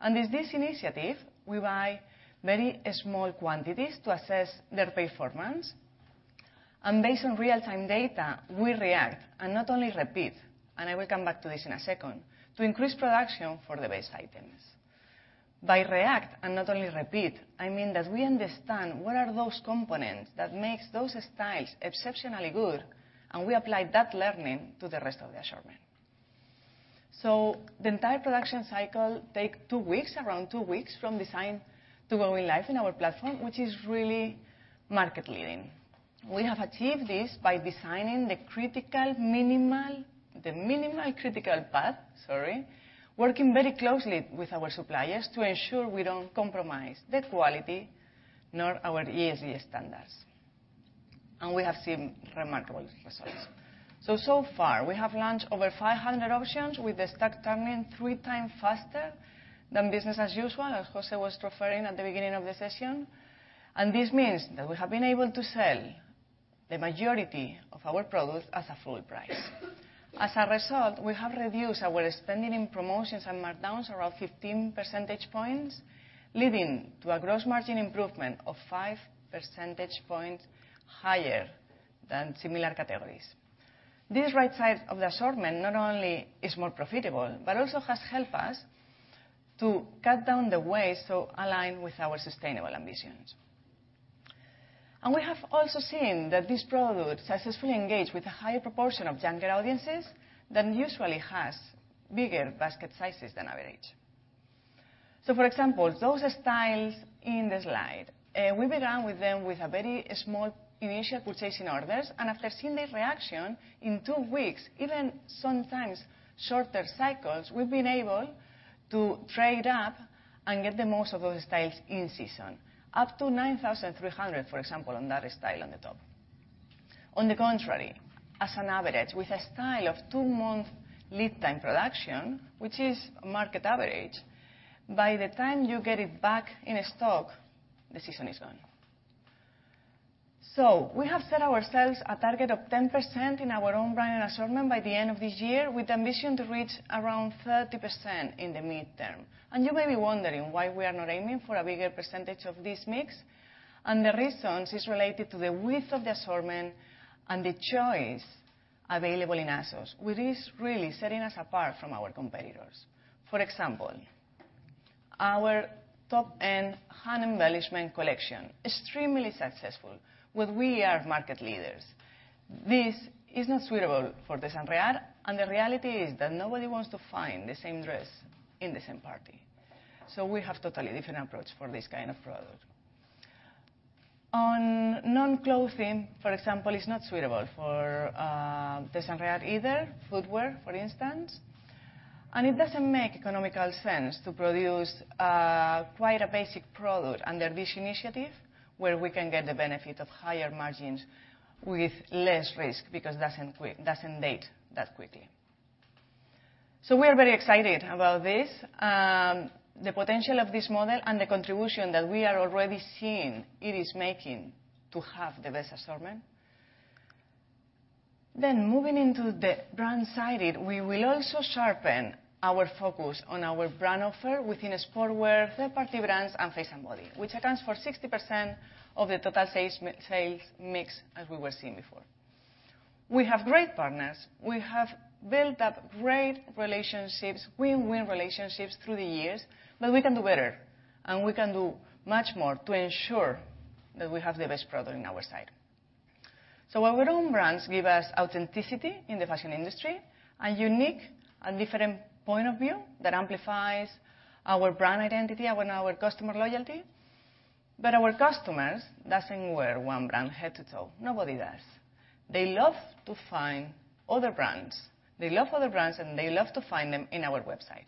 With this initiative, we buy very small quantities to assess their performance, and based on real-time data, we react, and not only repeat, and I will come back to this in a second, to increase production for the best items. By react and not only repeat, I mean that we understand what are those components that makes those styles exceptionally good, and we apply that learning to the rest of the assortment. So the entire production cycle take two weeks, around two weeks, from design to going live in our platform, which is really market leading. We have achieved this by designing the critical minimal, the minimal critical path, sorry, working very closely with our suppliers to ensure we don't compromise the quality, nor our ESG standards, and we have seen remarkable results. So, so far, we have launched over 500 options, with the stock turning three times faster than business as usual, as José was referring at the beginning of the session. This means that we have been able to sell the majority of our products at a full price. As a result, we have reduced our spending in promotions and markdowns around 15 percentage points, leading to a gross margin improvement of 5 percentage points higher than similar categories. This right side of the assortment not only is more profitable, but also has helped us to cut down the waste, so align with our sustainable ambitions. We have also seen that this product successfully engage with a higher proportion of younger audiences than usually has bigger basket sizes than average. So, for example, those styles in the slide, we began with them with a very small initial purchasing orders, and after seeing the reaction, in two weeks, even sometimes shorter cycles, we've been able to trade up and get the most of those styles in season, up to 9,300, for example, on that style on the top. On the contrary, as an average, with a style of two-month lead time production, which is market average, by the time you get it back in stock, the season is gone. So we have set ourselves a target of 10% in our own brand and assortment by the end of this year, with ambition to reach around 30% in the midterm. You may be wondering why we are not aiming for a bigger percentage of this mix, and the reason is related to the width of the assortment and the choice available in ASOS, which is really setting us apart from our competitors. For example, our top-end hand embellishment collection, extremely successful, where we are market leaders. This is not suitable for Test and React, and the reality is that nobody wants to find the same dress in the same party. So we have totally different approach for this kind of product. On non-clothing, for example, is not suitable for Test and React either, footwear, for instance. And it doesn't make economical sense to produce quite a basic product under this initiative, where we can get the benefit of higher margins with less risk, because it doesn't date that quickly. So we are very excited about this, the potential of this model and the contribution that we are already seeing it is making to have the best assortment. Then moving into the brand side, we will also sharpen our focus on our brand offer within sportswear, third-party brands, and Face + Body, which accounts for 60% of the total sales mix, as we were seeing before. We have great partners. We have built up great relationships, win-win relationships through the years, but we can do better, and we can do much more to ensure that we have the best product on our site. So our own brands give us authenticity in the fashion industry, a unique and different point of view that amplifies our brand identity and our customer loyalty. But our customers doesn't wear one brand head to toe. Nobody does. They love to find other brands. They love other brands, and they love to find them in our website.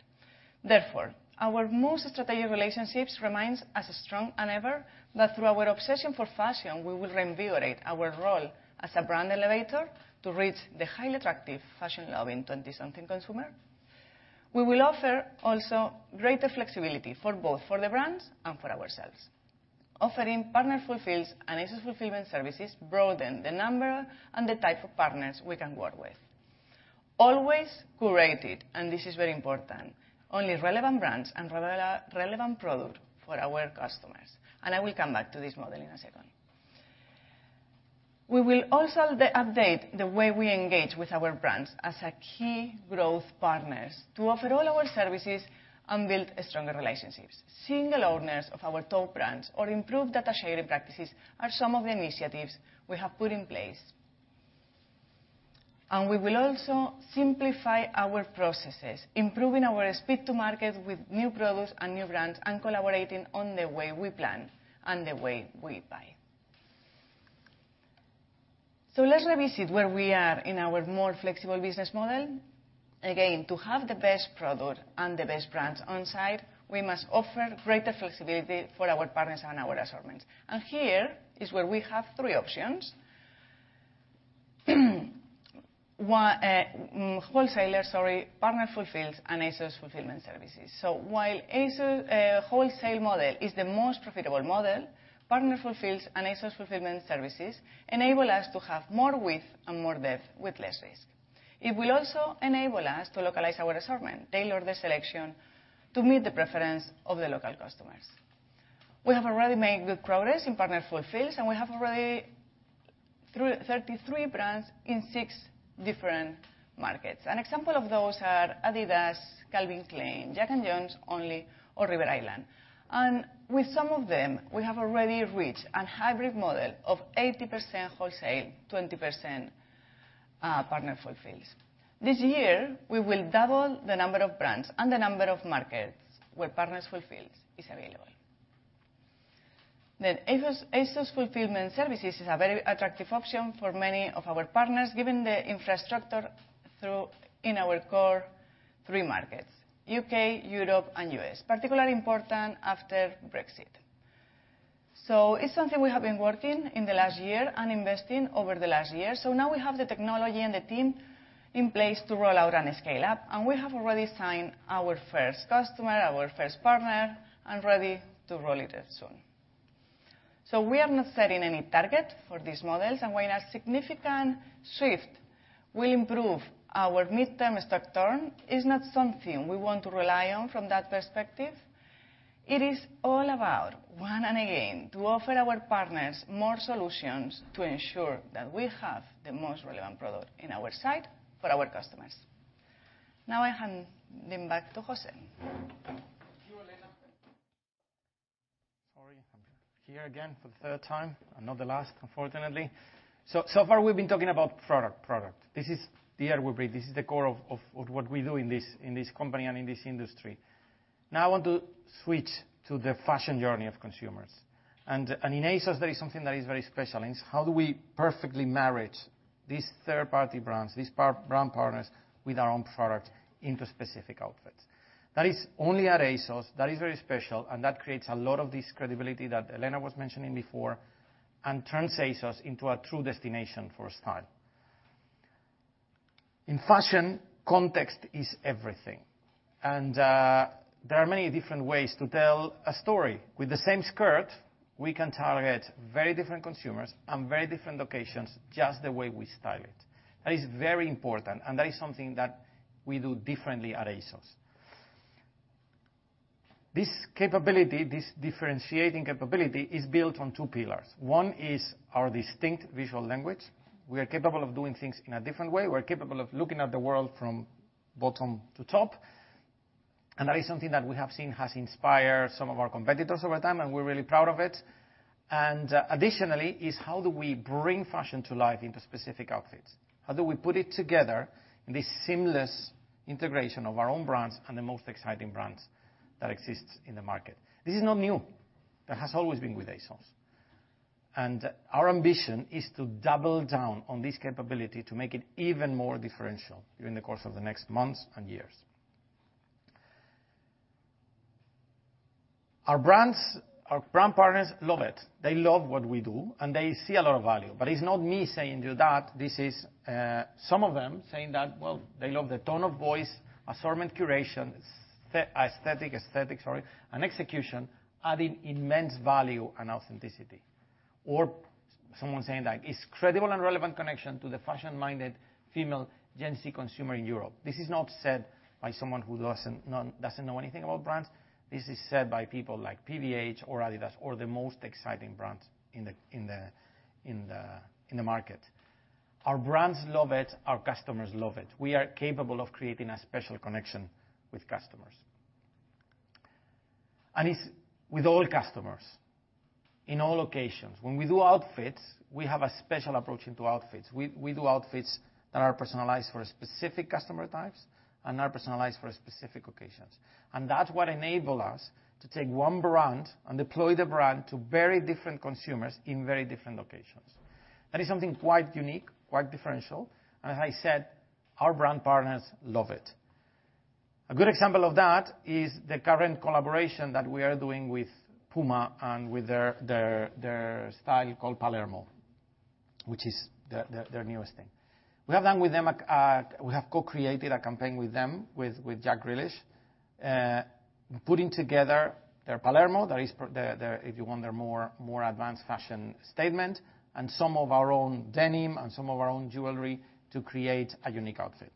Therefore, our most strategic relationships remains as strong as ever, but through our obsession for fashion, we will reinvigorate our role as a brand elevator to reach the highly attractive, fashion-loving twenty-something consumer. We will offer also greater flexibility for both, for the brands and for ourselves. Offering Partner Fulfils and ASOS Fulfillment Services broaden the number and the type of partners we can work with. Always curated, and this is very important, only relevant brands and relevant product for our customers. And I will come back to this model in a second. We will also update the way we engage with our brands as a key growth partners to offer all our services and build stronger relationships. Seeing the owners of our top brands or improve data sharing practices are some of the initiatives we have put in place. We will also simplify our processes, improving our speed to market with new products and new brands, and collaborating on the way we plan and the way we buy. Let's revisit where we are in our more flexible business model. Again, to have the best product and the best brands on site, we must offer greater flexibility for our partners and our assortments. Here is where we have three options.... wholesalers, sorry, Partner Fulfils and ASOS Fulfillment Services. While ASOS wholesale model is the most profitable model, Partner Fulfils, and ASOS Fulfillment Services enable us to have more width and more depth with less risk. It will also enable us to localize our assortment, tailor the selection to meet the preference of the local customers. We have already made good progress in partner fulfills, and we have already through 33 brands in six different markets. An example of those are Adidas, Calvin Klein, Jack & Jones, Only, or River Island. And with some of them, we have already reached a hybrid model of 80% wholesale, 20% partner fulfills. This year, we will double the number of brands and the number of markets where partner fulfills is available. Then ASOS, ASOS Fulfillment Services is a very attractive option for many of our partners, given the infrastructure through in our core three markets: U.K., Europe, and U.S., particularly important after Brexit. So it's something we have been working in the last year and investing over the last year. So now we have the technology and the team in place to roll out and scale up, and we have already signed our first customer, our first partner, and ready to roll it out soon. So we are not setting any target for these models, and when a significant shift will improve our midterm stock turn, is not something we want to rely on from that perspective. It is all about, one and again, to offer our partners more solutions to ensure that we have the most relevant product in our site for our customers. Now, I hand them back to José. Thank you, Elena. Sorry. I'm here again for the third time, and not the last, unfortunately. So, so far, we've been talking about product, product. This is the air we breathe. This is the core of what we do in this company and in this industry. Now, I want to switch to the fashion journey of consumers. And in ASOS, there is something that is very special, and it's how do we perfectly marriage these third-party brands, these partner brand partners, with our own product into specific outfits. That is only at ASOS, that is very special, and that creates a lot of this credibility that Elena was mentioning before and turns ASOS into a true destination for style. In fashion, context is everything, and there are many different ways to tell a story. With the same skirt, we can target very different consumers and very different locations, just the way we style it. That is very important, and that is something that we do differently at ASOS. This capability, this differentiating capability, is built on two pillars. One is our distinct visual language. We are capable of doing things in a different way. We're capable of looking at the world from bottom to top, and that is something that we have seen has inspired some of our competitors over time, and we're really proud of it. And additionally, is how do we bring fashion to life into specific outfits? How do we put it together in this seamless integration of our own brands and the most exciting brands that exists in the market? This is not new. That has always been with ASOS, and our ambition is to double down on this capability to make it even more differential during the course of the next months and years. Our brands, our brand partners love it. They love what we do, and they see a lot of value. But it's not me saying to you that this is some of them saying that, well, they love the tone of voice, assortment curation, aesthetic, and execution, adding immense value and authenticity. Or someone saying that, "It's credible and relevant connection to the fashion-minded female Gen Z consumer in Europe." This is not said by someone who doesn't know anything about brands. This is said by people like PVH or Adidas or the most exciting brands in the market. Our brands love it. Our customers love it. We are capable of creating a special connection with customers. It's with all customers in all locations. When we do outfits, we have a special approach into outfits. We do outfits that are personalized for specific customer types and are personalized for specific occasions. That's what enable us to take one brand and deploy the brand to very different consumers in very different locations. That is something quite unique, quite differential, and as I said, our brand partners love it. A good example of that is the current collaboration that we are doing with Puma and with their style called Palermo, which is their newest thing. We have done with them a... We have co-created a campaign with them, with Jack Grealish, putting together their Palermo, that is their, if you want, their more advanced fashion statement, and some of our own denim and some of our own jewelry to create a unique outfit.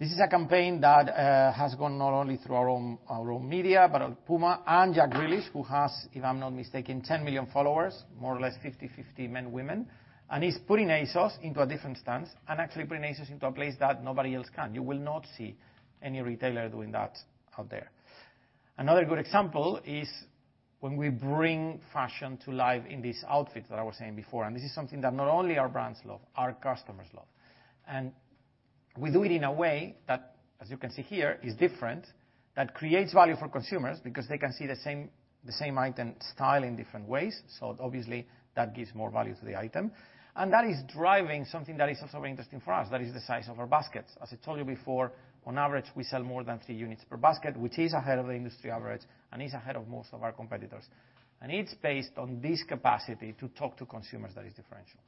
This is a campaign that has gone not only through our own media, but Puma and Jack Grealish, who has, if I'm not mistaken, 10 million followers, more or less 50/50 men, women, and is putting ASOS into a different stance and actually putting ASOS into a place that nobody else can. You will not see any retailer doing that out there. Another good example is when we bring fashion to life in this outfit that I was saying before, and this is something that not only our brands love, our customers love. And we do it in a way that, as you can see here, is different, that creates value for consumers because they can see the same, the same item styled in different ways. So obviously, that gives more value to the item. And that is driving something that is also very interesting for us. That is the size of our baskets. As I told you before, on average, we sell more than three units per basket, which is ahead of the industry average and is ahead of most of our competitors. And it's based on this capacity to talk to consumers that is differential...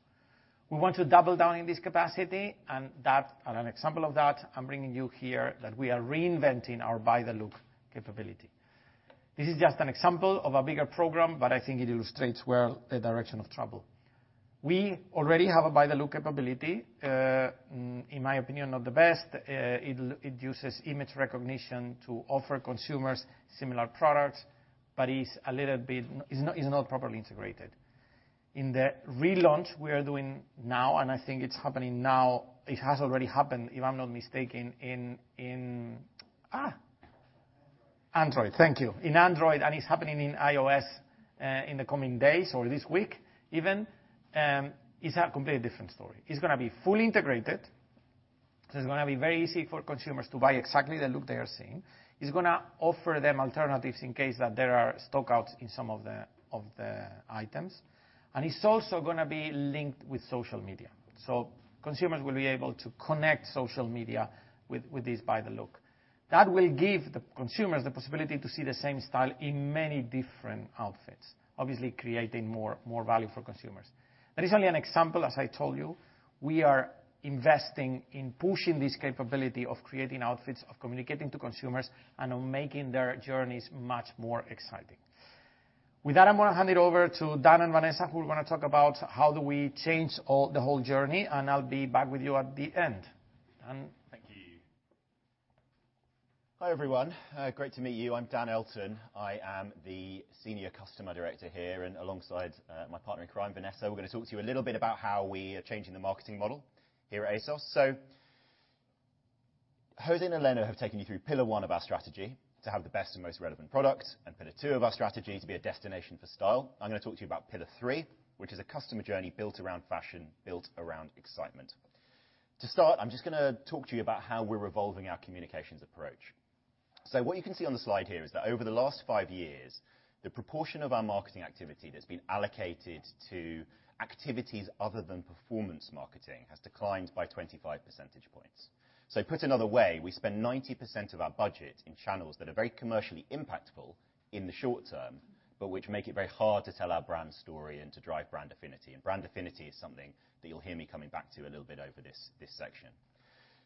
We want to double down in this capacity, and that, and an example of that, I'm bringing you here, that we are reinventing our Buy the Look capability. This is just an example of a bigger program, but I think it illustrates well the direction of travel. We already have a Buy the Look capability, in my opinion, not the best. It uses image recognition to offer consumers similar products, but is a little bit not properly integrated. In the relaunch we are doing now, and I think it's happening now, it has already happened, if I'm not mistaken, in. Android. Android, thank you. In Android, and it's happening in iOS, in the coming days or this week even, it's a completely different story. It's gonna be fully integrated. So it's gonna be very easy for consumers to buy exactly the look they are seeing. It's gonna offer them alternatives in case that there are stock outs in some of the items, and it's also gonna be linked with social media. So consumers will be able to connect social media with this Buy the Look. That will give the consumers the possibility to see the same style in many different outfits, obviously creating more value for consumers. That is only an example, as I told you. We are investing in pushing this capability of creating outfits, of communicating to consumers, and on making their journeys much more exciting. With that, I'm gonna hand it over to Dan and Vanessa, who are gonna talk about how do we change all, the whole journey, and I'll be back with you at the end. Dan? Thank you. Hi, everyone. Great to meet you. I'm Dan Elton. I am the Senior Customer Director here, and alongside my partner in crime, Vanessa, we're gonna talk to you a little bit about how we are changing the marketing model here at ASOS. So, José and Elena have taken you through pillar one of our strategy, to have the best and most relevant product, and pillar two of our strategy, to be a destination for style. I'm gonna talk to you about pillar three, which is a customer journey built around fashion, built around excitement. To start, I'm just gonna talk to you about how we're evolving our communications approach. So what you can see on the slide here is that over the last five years, the proportion of our marketing activity that's been allocated to activities other than performance marketing has declined by 25 percentage points. So put another way, we spend 90% of our budget in channels that are very commercially impactful in the short term, but which make it very hard to tell our brand story and to drive brand affinity. And brand affinity is something that you'll hear me coming back to a little bit over this, this section.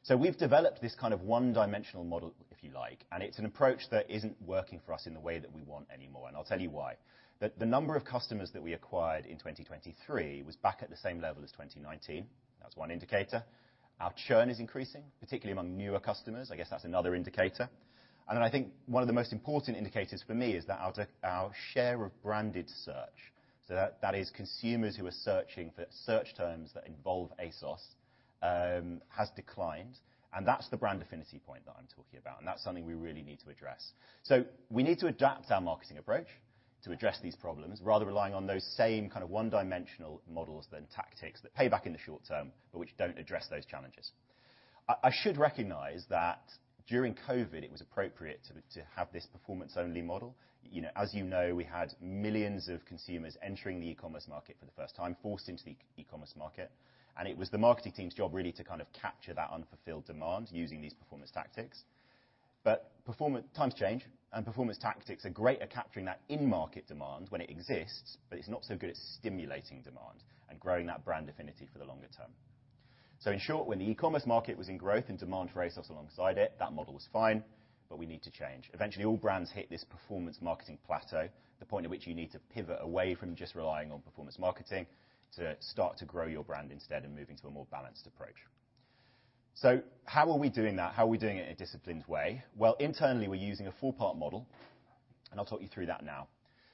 So we've developed this kind of one-dimensional model, if you like, and it's an approach that isn't working for us in the way that we want anymore, and I'll tell you why. That the number of customers that we acquired in 2023 was back at the same level as 2019. That's one indicator. Our churn is increasing, particularly among newer customers. I guess that's another indicator. And then I think one of the most important indicators for me is that our share of branded search, so that, that is consumers who are searching for search terms that involve ASOS, has declined, and that's the brand affinity point that I'm talking about, and that's something we really need to address. So we need to adapt our marketing approach to address these problems, rather than relying on those same kind of one-dimensional models, then tactics, that pay back in the short term, but which don't address those challenges. I should recognize that during COVID, it was appropriate to have this performance-only model. You know, as you know, we had millions of consumers entering the e-commerce market for the first time, forced into the e-commerce market, and it was the marketing team's job, really, to kind of capture that unfulfilled demand using these performance tactics. But times change, and performance tactics are great at capturing that in-market demand when it exists, but it's not so good at stimulating demand and growing that brand affinity for the longer term. So in short, when the e-commerce market was in growth and demand for ASOS alongside it, that model was fine, but we need to change. Eventually, all brands hit this performance marketing plateau, the point at which you need to pivot away from just relying on performance marketing to start to grow your brand instead and moving to a more balanced approach. So how are we doing that? How are we doing it in a disciplined way? Well, internally, we're using a four-part model, and I'll talk you through that now.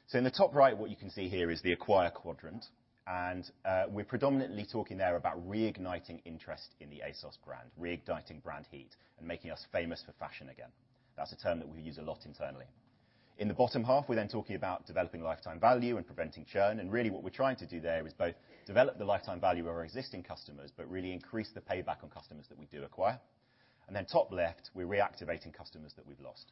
So in the top right, what you can see here is the acquire quadrant, and we're predominantly talking there about reigniting interest in the ASOS brand, reigniting brand heat and making us famous for fashion again. That's a term that we use a lot internally. In the bottom half, we're then talking about developing lifetime value and preventing churn, and really what we're trying to do there is both develop the lifetime value of our existing customers, but really increase the payback on customers that we do acquire. And then top left, we're reactivating customers that we've lost.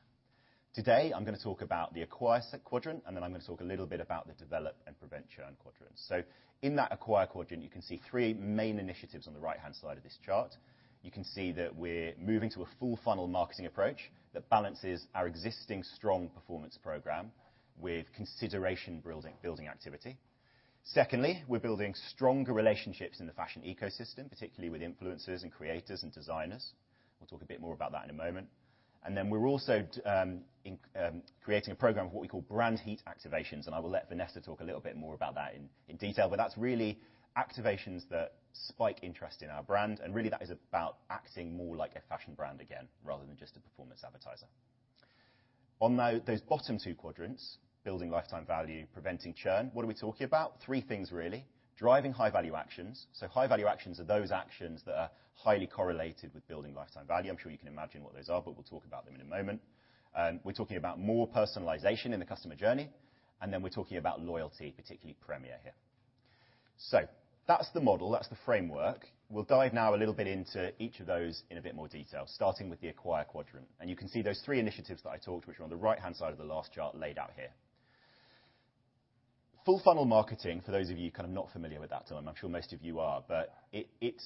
Today, I'm gonna talk about the acquire quadrant, and then I'm gonna talk a little bit about the develop and prevent churn quadrants. So in that acquire quadrant, you can see three main initiatives on the right-hand side of this chart. You can see that we're moving to a full funnel marketing approach that balances our existing strong performance program with consideration building activity. Secondly, we're building stronger relationships in the fashion ecosystem, particularly with influencers and creators and designers. We'll talk a bit more about that in a moment. And then we're also in creating a program of what we call brand heat activations, and I will let Vanessa talk a little bit more about that in detail, but that's really activations that spike interest in our brand, and really that is about acting more like a fashion brand again, rather than just a performance advertiser. On those bottom two quadrants, building lifetime value, preventing churn, what are we talking about? Three things really: driving high-value actions. So high-value actions are those actions that are highly correlated with building lifetime value. I'm sure you can imagine what those are, but we'll talk about them in a moment. We're talking about more personalization in the customer journey, and then we're talking about loyalty, particularly Premier here. So that's the model. That's the framework. We'll dive now a little bit into each of those in a bit more detail, starting with the acquire quadrant. And you can see those three initiatives that I talked, which are on the right-hand side of the last chart, laid out here. Full funnel marketing, for those of you kind of not familiar with that term, I'm sure most of you are, but it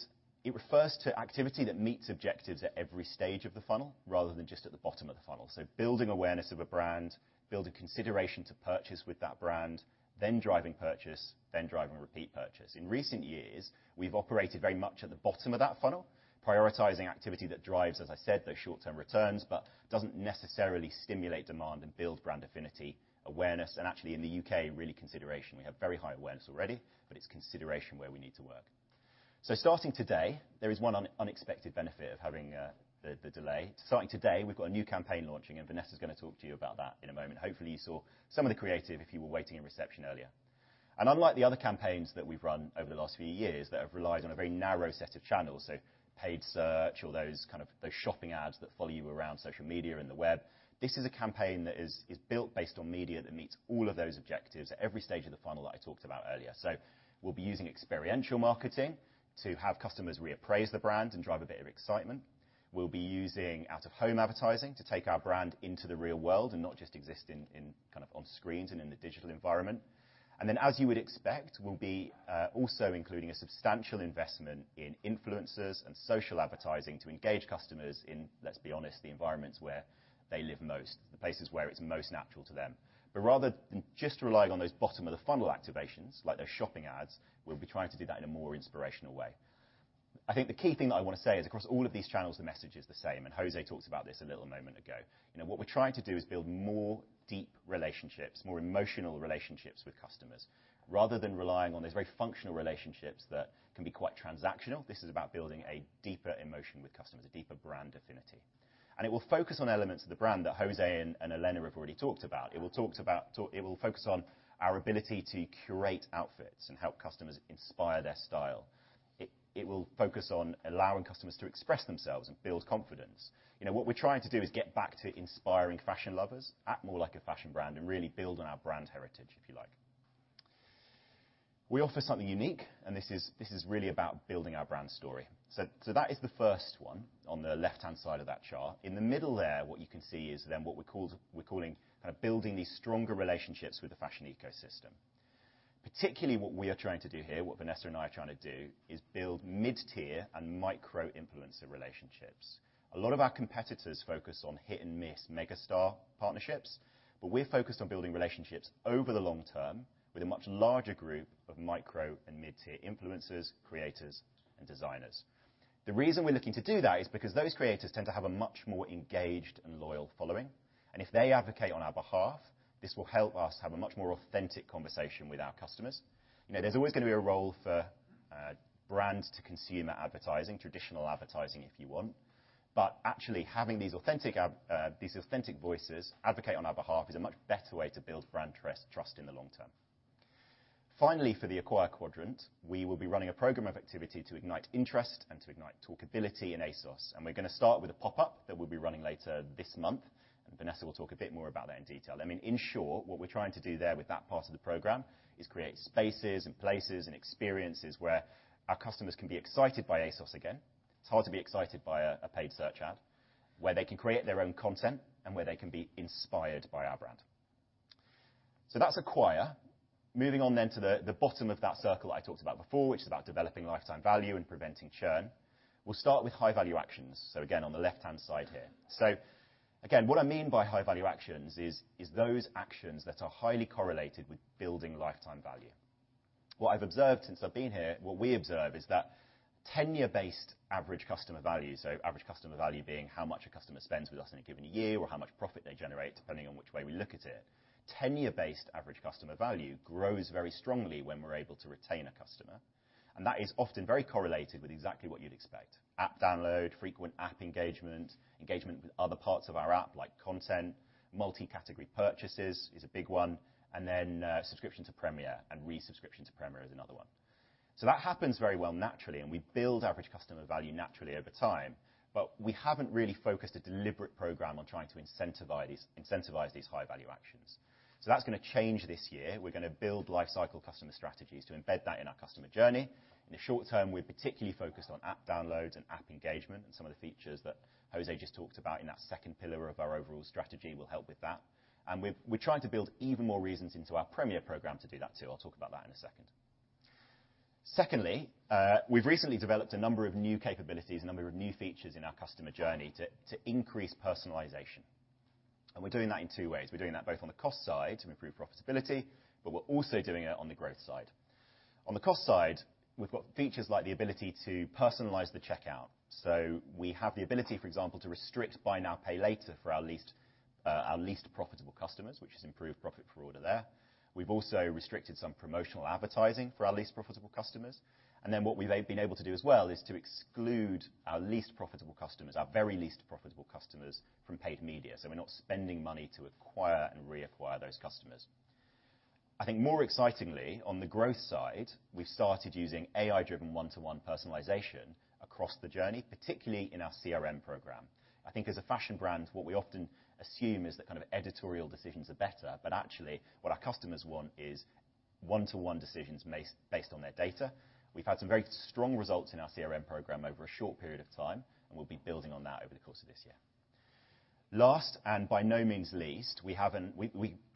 refers to activity that meets objectives at every stage of the funnel, rather than just at the bottom of the funnel. So building awareness of a brand, building consideration to purchase with that brand, then driving purchase, then driving repeat purchase. In recent years, we've operated very much at the bottom of that funnel, prioritizing activity that drives, as I said, those short-term returns, but doesn't necessarily stimulate demand and build brand affinity, awareness, and actually, in the UK, really consideration. We have very high awareness already, but it's consideration where we need to work. So starting today, there is one unexpected benefit of having the delay. Starting today, we've got a new campaign launching, and Vanessa's gonna talk to you about that in a moment. Hopefully, you saw some of the creative if you were waiting in reception earlier. Unlike the other campaigns that we've run over the last few years that have relied on a very narrow set of channels, so paid search or those kind of, those shopping ads that follow you around social media and the web, this is a campaign that is built based on media that meets all of those objectives at every stage of the funnel that I talked about earlier. We'll be using experiential marketing to have customers reappraise the brand and drive a bit of excitement. We'll be using out-of-home advertising to take our brand into the real world and not just exist in, kind of, on screens and in the digital environment. Then, as you would expect, we'll be also including a substantial investment in influencers and social advertising to engage customers in, let's be honest, the environments where they live most, the places where it's most natural to them. Rather than just relying on those bottom-of-the-funnel activations, like those shopping ads, we'll be trying to do that in a more inspirational way. I think the key thing that I wanna say is, across all of these channels, the message is the same, and José talked about this a little moment ago. You know, what we're trying to do is build more deep relationships, more emotional relationships with customers, rather than relying on these very functional relationships that can be quite transactional. This is about building a deeper emotion with customers, a deeper brand affinity. And it will focus on elements of the brand that José and Elena have already talked about. It will focus on our ability to curate outfits and help customers inspire their style. It will focus on allowing customers to express themselves and build confidence. You know, what we're trying to do is get back to inspiring fashion lovers, act more like a fashion brand, and really build on our brand heritage, if you like. We offer something unique, and this is really about building our brand story. So that is the first one on the left-hand side of that chart. In the middle there, what you can see is then what we're calling kind of building these stronger relationships with the fashion ecosystem. Particularly, what we are trying to do here, what Vanessa and I are trying to do, is build mid-tier and micro-influencer relationships. A lot of our competitors focus on hit-and-miss mega-star partnerships, but we're focused on building relationships over the long term with a much larger group of micro and mid-tier influencers, creators, and designers. The reason we're looking to do that is because those creators tend to have a much more engaged and loyal following, and if they advocate on our behalf, this will help us have a much more authentic conversation with our customers. You know, there's always gonna be a role for brand-to-consumer advertising, traditional advertising, if you want. But actually, having these authentic voices advocate on our behalf is a much better way to build brand trust, trust in the long term. Finally, for the acquire quadrant, we will be running a program of activity to ignite interest and to ignite talkability in ASOS, and we're gonna start with a pop-up that we'll be running later this month. And Vanessa will talk a bit more about that in detail. I mean, in short, what we're trying to do there with that part of the program is create spaces and places and experiences where our customers can be excited by ASOS again. It's hard to be excited by a paid search ad, where they can create their own content and where they can be inspired by our brand. So that's acquire. Moving on then to the bottom of that circle I talked about before, which is about developing lifetime value and preventing churn. We'll start with high-value actions, so again, on the left-hand side here. So again, what I mean by high-value actions is those actions that are highly correlated with building lifetime value. What I've observed since I've been here, what we observe is that tenure-based average customer value, so average customer value being how much a customer spends with us in a given year or how much profit they generate, depending on which way we look at it, tenure-based average customer value grows very strongly when we're able to retain a customer, and that is often very correlated with exactly what you'd expect: app download, frequent app engagement, engagement with other parts of our app, like content, multi-category purchases is a big one, and then, subscription to Premier, and resubscription to Premier is another one. So that happens very well naturally, and we build average customer value naturally over time, but we haven't really focused a deliberate program on trying to incentivize these--incentivize these high-value actions. So that's gonna change this year. We're gonna build lifecycle customer strategies to embed that in our customer journey. In the short term, we're particularly focused on app downloads and app engagement, and some of the features that José just talked about in that second pillar of our overall strategy will help with that. And we've... We're trying to build even more reasons into our Premier program to do that, too. I'll talk about that in a second. Secondly, we've recently developed a number of new capabilities, a number of new features in our customer journey to increase personalization, and we're doing that in two ways. We're doing that both on the cost side to improve profitability, but we're also doing it on the growth side. On the cost side, we've got features like the ability to personalize the checkout. So we have the ability, for example, to restrict buy now, pay later for our least, our least profitable customers, which has improved profit per order there. We've also restricted some promotional advertising for our least profitable customers, and then what we've been able to do as well is to exclude our least profitable customers, our very least profitable customers, from paid media, so we're not spending money to acquire and reacquire those customers. I think more excitingly, on the growth side, we've started using AI-driven one-to-one personalization across the journey, particularly in our CRM program. I think as a fashion brand, what we often assume is that kind of editorial decisions are better, but actually, what our customers want is one-to-one decisions made based on their data. We've had some very strong results in our CRM program over a short period of time, and we'll be building on that over the course of this year. Last, and by no means least, we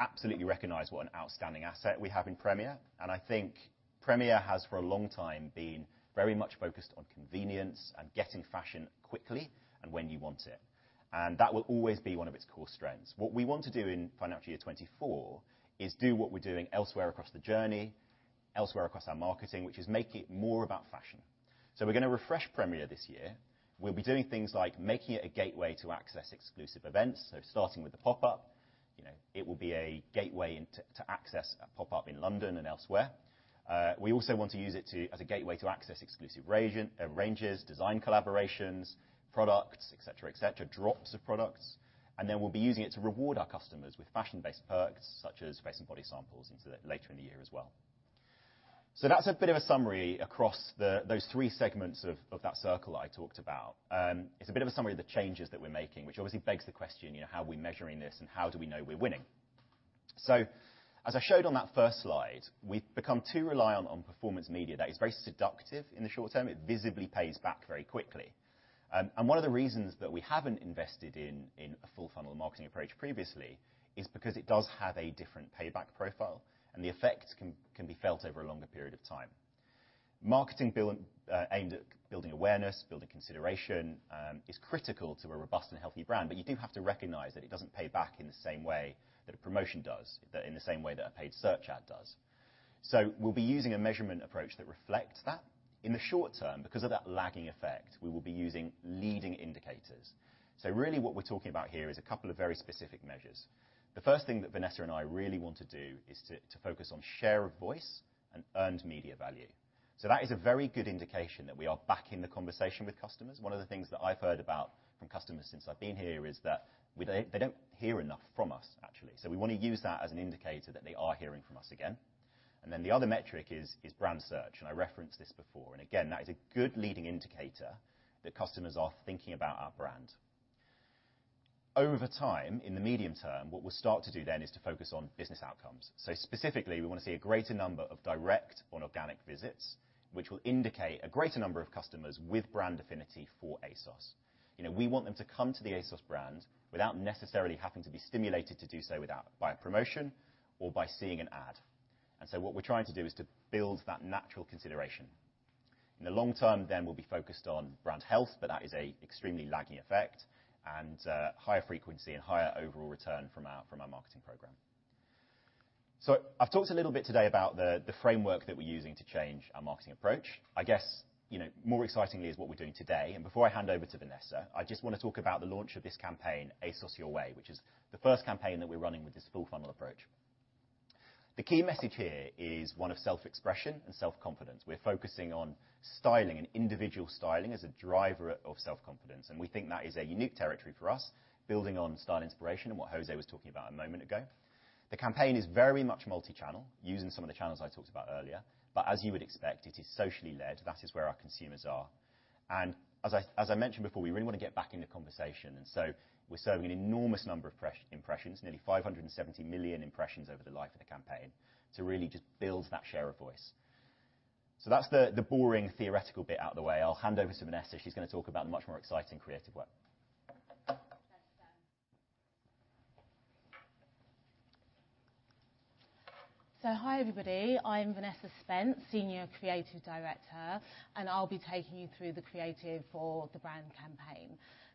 absolutely recognize what an outstanding asset we have in Premier, and I think Premier has, for a long time, been very much focused on convenience and getting fashion quickly and when you want it. And that will always be one of its core strengths. What we want to do in financial year 2024 is do what we're doing elsewhere across the journey, elsewhere across our marketing, which is make it more about fashion. So we're gonna refresh Premier this year. We'll be doing things like making it a gateway to access exclusive events. So starting with the pop-up, you know, it will be a gateway into to access a pop-up in London and elsewhere. We also want to use it to, as a gateway to access exclusive ranges, design collaborations, products, et cetera, et cetera, drops of products, and then we'll be using it to reward our customers with fashion-based perks, such as face and body samples later in the year as well. So that's a bit of a summary across those three segments of that circle I talked about. It's a bit of a summary of the changes that we're making, which obviously begs the question, you know, how are we measuring this, and how do we know we're winning? So, as I showed on that first slide, we've become too reliant on performance media. That is very seductive in the short term. It visibly pays back very quickly. And one of the reasons that we haven't invested in a full funnel marketing approach previously is because it does have a different payback profile, and the effect can be felt over a longer period of time. Marketing build aimed at building awareness, building consideration, is critical to a robust and healthy brand, but you do have to recognize that it doesn't pay back in the same way that a promotion does, that in the same way that a paid search ad does. So we'll be using a measurement approach that reflects that. In the short term, because of that lagging effect, we will be using leading indicators. So really what we're talking about here is a couple of very specific measures. The first thing that Vanessa and I really want to do is to focus on share of voice and earned media value. So that is a very good indication that we are back in the conversation with customers. One of the things that I've heard about from customers since I've been here is that we don't, they don't hear enough from us, actually. So we wanna use that as an indicator that they are hearing from us again. And then the other metric is brand search, and I referenced this before. And again, that is a good leading indicator that customers are thinking about our brand. Over time, in the medium term, what we'll start to do then is to focus on business outcomes. So specifically, we wanna see a greater number of direct on organic visits, which will indicate a greater number of customers with brand affinity for ASOS. You know, we want them to come to the ASOS brand without necessarily having to be stimulated to do so without, by a promotion or by seeing an ad. And so what we're trying to do is to build that natural consideration. In the long term, then we'll be focused on brand health, but that is an extremely lagging effect, and higher frequency and higher overall return from our, from our marketing program. So I've talked a little bit today about the, the framework that we're using to change our marketing approach. I guess, you know, more excitingly is what we're doing today, and before I hand over to Vanessa, I just want to talk about the launch of this campaign, ASOS Your Way, which is the first campaign that we're running with this full funnel approach. The key message here is one of self-expression and self-confidence. We're focusing on styling and individual styling as a driver of self-confidence, and we think that is a unique territory for us, building on style inspiration and what José was talking about a moment ago. The campaign is very much multi-channel, using some of the channels I talked about earlier. But as you would expect, it is socially led. That is where our consumers are. As I mentioned before, we really want to get back in the conversation, and so we're serving an enormous number of impressions, nearly 570 million impressions over the life of the campaign, to really just build that share of voice. So that's the boring theoretical bit out of the way. I'll hand over to Vanessa. She's going to talk about the much more exciting creative work. Thanks, Dan. So hi, everybody. I'm Vanessa Spence, senior creative director, and I'll be taking you through the creative for the brand campaign.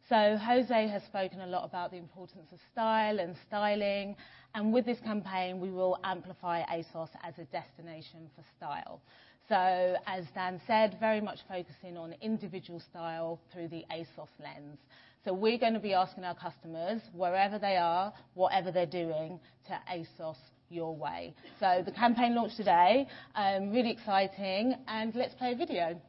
So José has spoken a lot about the importance of style and styling, and with this campaign, we will amplify ASOS as a destination for style. So, as Dan said, very much focusing on individual style through the ASOS lens. So we're gonna be asking our customers, wherever they are, whatever they're doing, to ASOS your way. So the campaign launched today, really exciting, and let's play a video.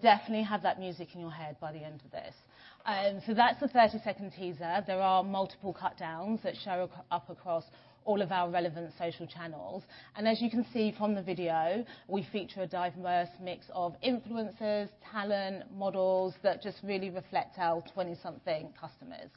Yeah! Say it is not making dollars, baby, it's not making sense. How you think you are when you can... Surely yes, surely yes, it's fine. I'm alive. I'm alive and this is fine. ASOS Your Way. So you'll definitely have that music in your head by the end of this. So that's the 30-second teaser. There are multiple cutdowns that show up across all of our relevant social channels, and as you can see from the video, we feature a diverse mix of influencers, talent, models, that just really reflect our 20-something customers.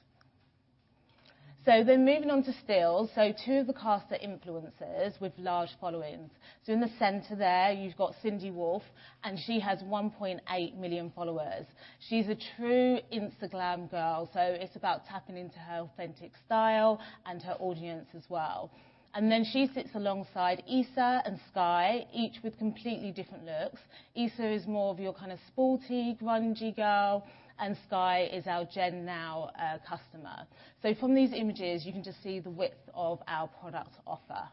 So then moving on to stills. So two of the cast are influencers with large followings. So in the center there, you've got Cindy Wolf, and she has 1.8 million followers. She's a true Insta glam girl, so it's about tapping into her authentic style and her audience as well. And then she sits alongside Issa and Skye, each with completely different looks. Issa is more of your kind of sporty, grungy girl, and Skye is our Gen Now customer. So from these images, you can just see the width of our product offer.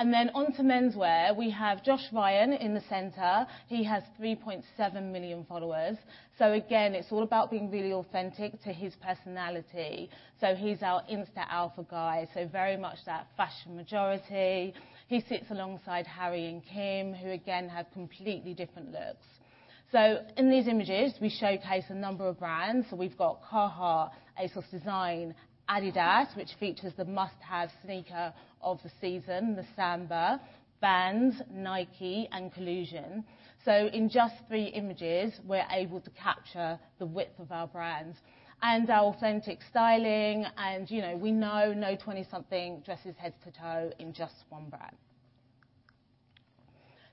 And then on to menswear, we have Josh Ryan in the center. He has 3.7 million followers. So again, it's all about being really authentic to his personality. So he's our Insta alpha guy, so very much that fashion majority. He sits alongside Harry and Kim, who again, have completely different looks.... So in these images, we showcase a number of brands. So we've got Carhartt, ASOS Design, Adidas, which features the must-have sneaker of the season, the Samba, Vans, Nike, and Collusion. So in just three images, we're able to capture the width of our brands and our authentic styling, and, you know, we know no 20-something dresses head to toe in just one brand.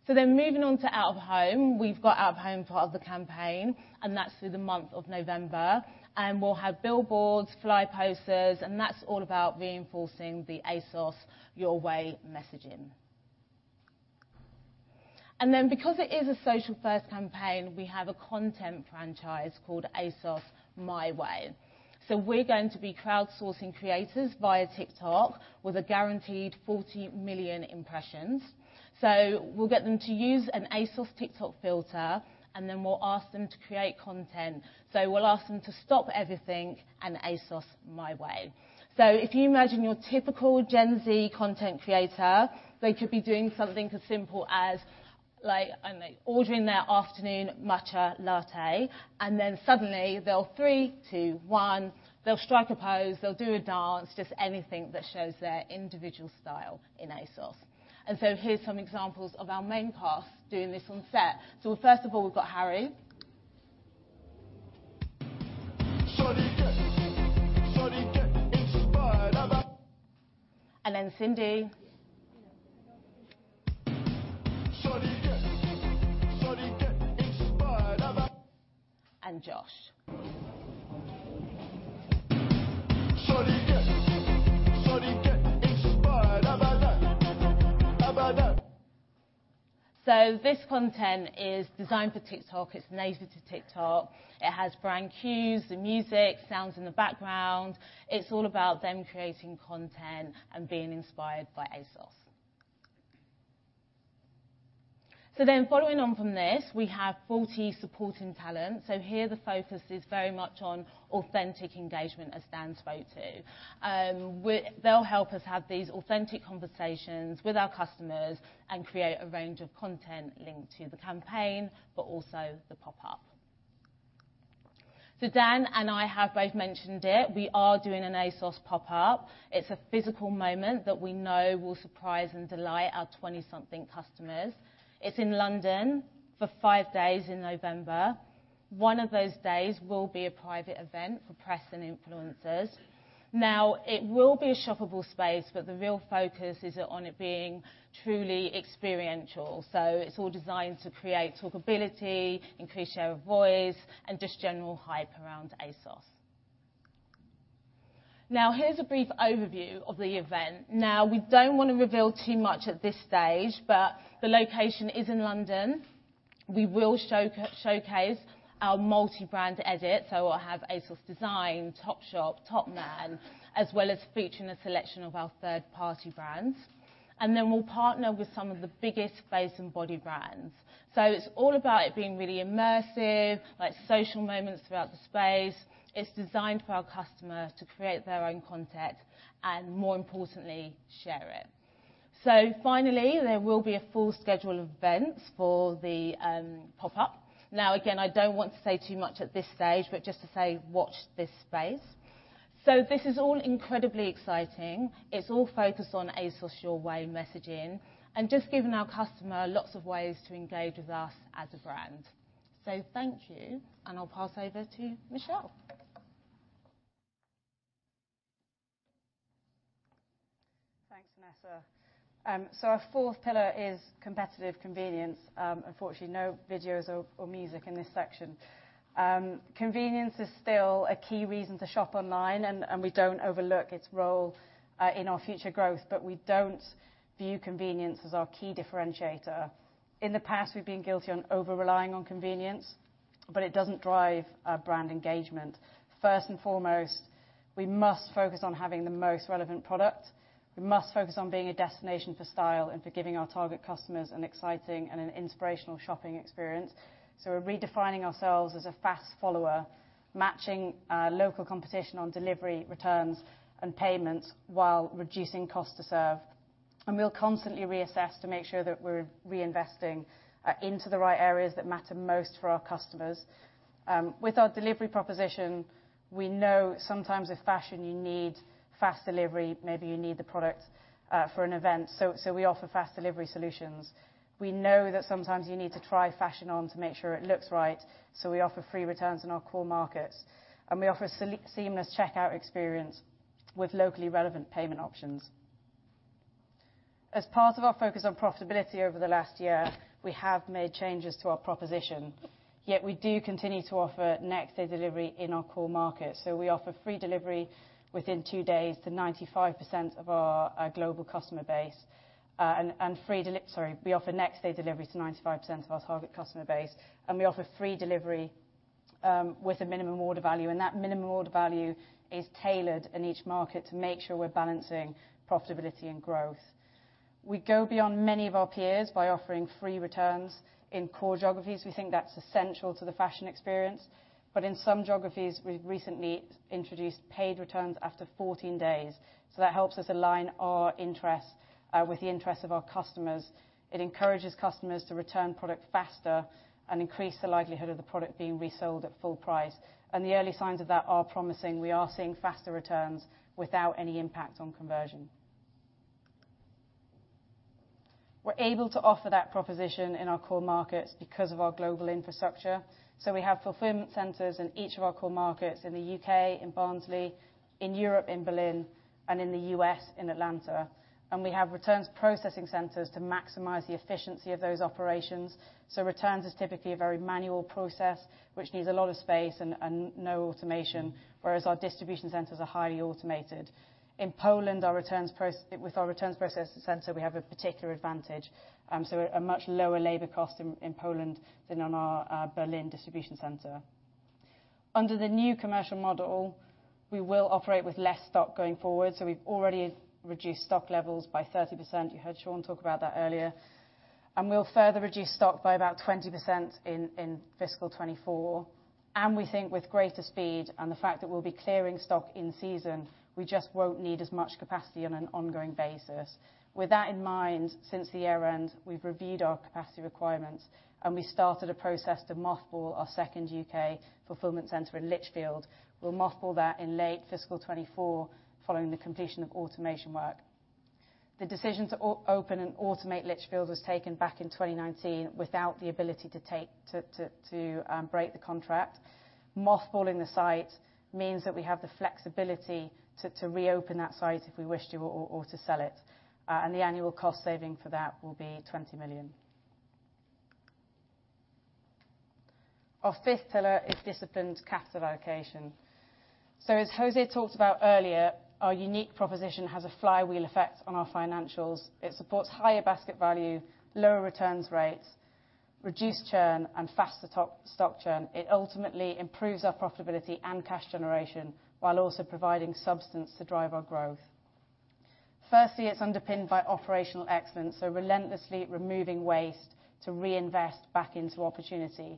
So then moving on to out-of-home. We've got out-of-home part of the campaign, and that's through the month of November, and we'll have billboards, fly posters, and that's all about reinforcing the ASOS Your Way messaging. And then, because it is a social-first campaign, we have a content franchise called ASOS My Way. So we're going to be crowdsourcing creators via TikTok with a guaranteed 40 million impressions. So we'll get them to use an ASOS TikTok filter, and then we'll ask them to create content. So we'll ask them to stop everything and ASOS My Way. So if you imagine your typical Gen Z content creator, they could be doing something as simple as, like, I don't know, ordering their afternoon matcha latte, and then suddenly they'll three, two, one, they'll strike a pose, they'll do a dance, just anything that shows their individual style in ASOS. Here's some examples of our main cast doing this on set. First of all, we've got Harry. So do you get inspired by- And then Cindy. So do you get inspired by- And Josh. So do you get inspired by that, by that? So this content is designed for TikTok. It's native to TikTok. It has brand cues, the music, sounds in the background. It's all about them creating content and being inspired by ASOS. So then following on from this, we have 40 supporting talent. So here the focus is very much on authentic engagement, as Dan spoke to. They'll help us have these authentic conversations with our customers and create a range of content linked to the campaign, but also the pop-up. So Dan and I have both mentioned it, we are doing an ASOS pop-up. It's a physical moment that we know will surprise and delight our 20-something customers. It's in London for five days in November. One of those days will be a private event for press and influencers. Now, it will be a shoppable space, but the real focus is on it being truly experiential. It's all designed to create talkability, increase share of voice, and just general hype around ASOS. Now, here's a brief overview of the event. Now, we don't want to reveal too much at this stage, but the location is in London. We will showcase our multi-brand edit, so we'll have ASOS Design, Topshop, Topman, as well as featuring a selection of our third-party brands. Then we'll partner with some of the biggest face and body brands. It's all about it being really immersive, like social moments throughout the space. It's designed for our customers to create their own content and, more importantly, share it. Finally, there will be a full schedule of events for the pop-up. Now, again, I don't want to say too much at this stage, but just to say, watch this space. This is all incredibly exciting. It's all focused on ASOS Your Way messaging and just giving our customer lots of ways to engage with us as a brand. Thank you, and I'll pass over to Michelle. Thanks, Nessa. So our fourth pillar is competitive convenience. Unfortunately, no videos or music in this section. Convenience is still a key reason to shop online, and we don't overlook its role in our future growth, but we don't view convenience as our key differentiator. In the past, we've been guilty on over-relying on convenience, but it doesn't drive our brand engagement. First and foremost, we must focus on having the most relevant product. We must focus on being a destination for style and for giving our target customers an exciting and an inspirational shopping experience. So we're redefining ourselves as a fast follower, matching local competition on delivery, returns, and payments while reducing cost to serve. And we'll constantly reassess to make sure that we're reinvesting into the right areas that matter most for our customers. With our delivery proposition, we know sometimes with fashion, you need fast delivery, maybe you need the product for an event, so, so we offer fast delivery solutions. We know that sometimes you need to try fashion on to make sure it looks right, so we offer free returns in our core markets, and we offer seamless checkout experience with locally relevant payment options. As part of our focus on profitability over the last year, we have made changes to our proposition, yet we do continue to offer next-day delivery in our core market. Sorry, we offer next-day delivery to 95% of our target customer base, and we offer free delivery, with a minimum order value, and that minimum order value is tailored in each market to make sure we're balancing profitability and growth. We go beyond many of our peers by offering free returns in core geographies. We think that's essential to the fashion experience, but in some geographies, we've recently introduced paid returns after 14 days, so that helps us align our interests, with the interests of our customers. It encourages customers to return product faster and increase the likelihood of the product being resold at full price, and the early signs of that are promising. We are seeing faster returns without any impact on conversion. We're able to offer that proposition in our core markets because of our global infrastructure. So we have fulfillment centers in each of our core markets, in the U.K., in Barnsley, in Europe, in Berlin, and in the U.S., in Atlanta, and we have returns processing centers to maximize the efficiency of those operations. So returns is typically a very manual process, which needs a lot of space and no automation, whereas our distribution centers are highly automated. In Poland, our returns processing center, we have a particular advantage, so a much lower labor cost in Poland than in our Berlin distribution center. Under the new commercial model, we will operate with less stock going forward, so we've already reduced stock levels by 30%. You heard Sean talk about that earlier. We'll further reduce stock by about 20% in fiscal 2024. We think with greater speed and the fact that we'll be clearing stock in season, we just won't need as much capacity on an ongoing basis. With that in mind, since the year end, we've reviewed our capacity requirements, and we started a process to mothball our second UK fulfillment center in Lichfield. We'll mothball that in late fiscal 2024, following the completion of automation work. The decision to open and automate Lichfield was taken back in 2019 without the ability to break the contract. Mothballing the site means that we have the flexibility to reopen that site if we wish to or to sell it, and the annual cost saving for that will be £20 million. Our fifth pillar is disciplined capital allocation. So as José talked about earlier, our unique proposition has a flywheel effect on our financials. It supports higher basket value, lower returns rates, reduced churn, and faster top stock churn. It ultimately improves our profitability and cash generation, while also providing substance to drive our growth. Firstly, it's underpinned by operational excellence, so relentlessly removing waste to reinvest back into opportunity,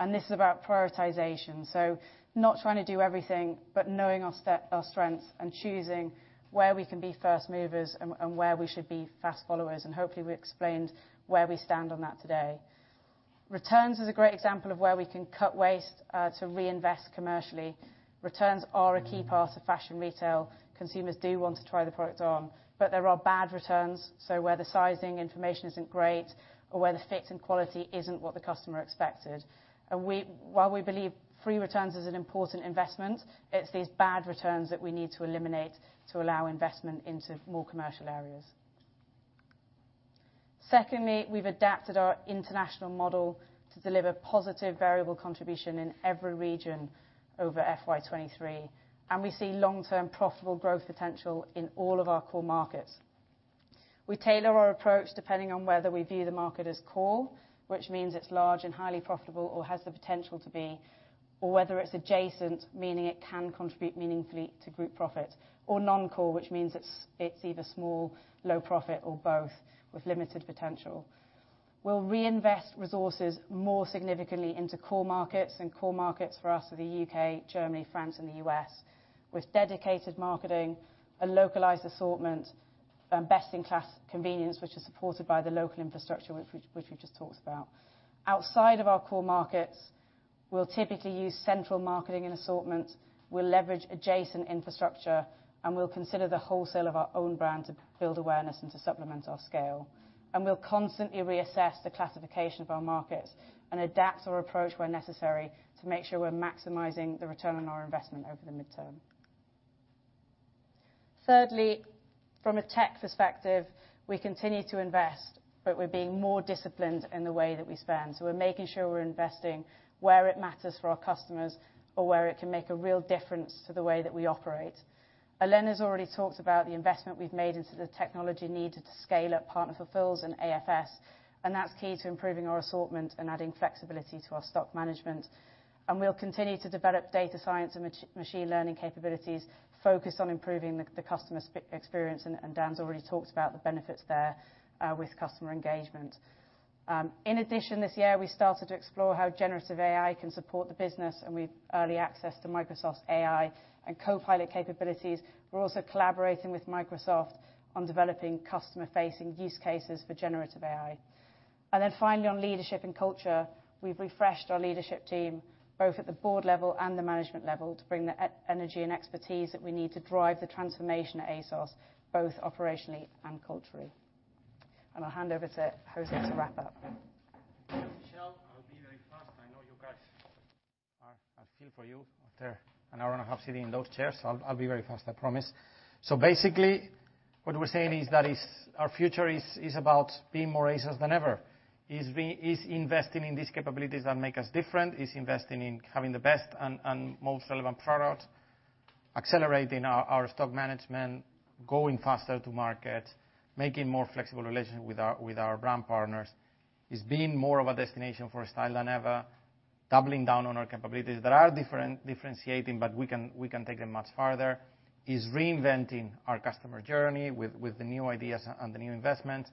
and this is about prioritization, so not trying to do everything but knowing our strengths and choosing where we can be first movers and, and where we should be fast followers, and hopefully, we explained where we stand on that today. Returns is a great example of where we can cut waste to reinvest commercially. Returns are a key part of fashion retail. Consumers do want to try the product on, but there are bad returns, so where the sizing information isn't great or where the fit and quality isn't what the customer expected. We, while we believe free returns is an important investment, it's these bad returns that we need to eliminate to allow investment into more commercial areas. Secondly, we've adapted our international model to deliver positive variable contribution in every region over FY 2023, and we see long-term profitable growth potential in all of our core markets. We tailor our approach depending on whether we view the market as core, which means it's large and highly profitable or has the potential to be, or whether it's adjacent, meaning it can contribute meaningfully to group profit, or non-core, which means it's, it's either small, low profit, or both, with limited potential. We'll reinvest resources more significantly into core markets, and core markets for us are the U.K., Germany, France, and the U.S., with dedicated marketing, a localized assortment, and best-in-class convenience, which is supported by the local infrastructure, which we just talked about. Outside of our core markets, we'll typically use central marketing and assortment. We'll leverage adjacent infrastructure, and we'll consider the wholesale of our own brand to build awareness and to supplement our scale. We'll constantly reassess the classification of our markets and adapt our approach when necessary to make sure we're maximizing the return on our investment over the midterm. Thirdly, from a tech perspective, we continue to invest, but we're being more disciplined in the way that we spend, so we're making sure we're investing where it matters for our customers or where it can make a real difference to the way that we operate. Elena's already talked about the investment we've made into the technology needed to scale up partner fulfills and AFS, and that's key to improving our assortment and adding flexibility to our stock management. We'll continue to develop data science and machine learning capabilities focused on improving the customer experience, and Dan's already talked about the benefits there with customer engagement. In addition, this year, we started to explore how generative AI can support the business, and we've early access to Microsoft's AI and Copilot capabilities. We're also collaborating with Microsoft on developing customer-facing use cases for generative AI. Then finally, on leadership and culture, we've refreshed our leadership team, both at the board level and the management level, to bring the energy and expertise that we need to drive the transformation at ASOS, both operationally and culturally. I'll hand over to José to wrap up. Michelle, I'll be very fast. I know you guys are—I feel for you after an hour and a half sitting in those chairs. I'll be very fast, I promise. So basically, what we're saying is that our future is about being more ASOS than ever: investing in these capabilities that make us different, investing in having the best and most relevant products, accelerating our stock management, going faster to market, making more flexible relationships with our brand partners. It's being more of a destination for style than ever... doubling down on our capabilities that are differentiating, but we can take them much farther. Is reinventing our customer journey with the new ideas and the new investments,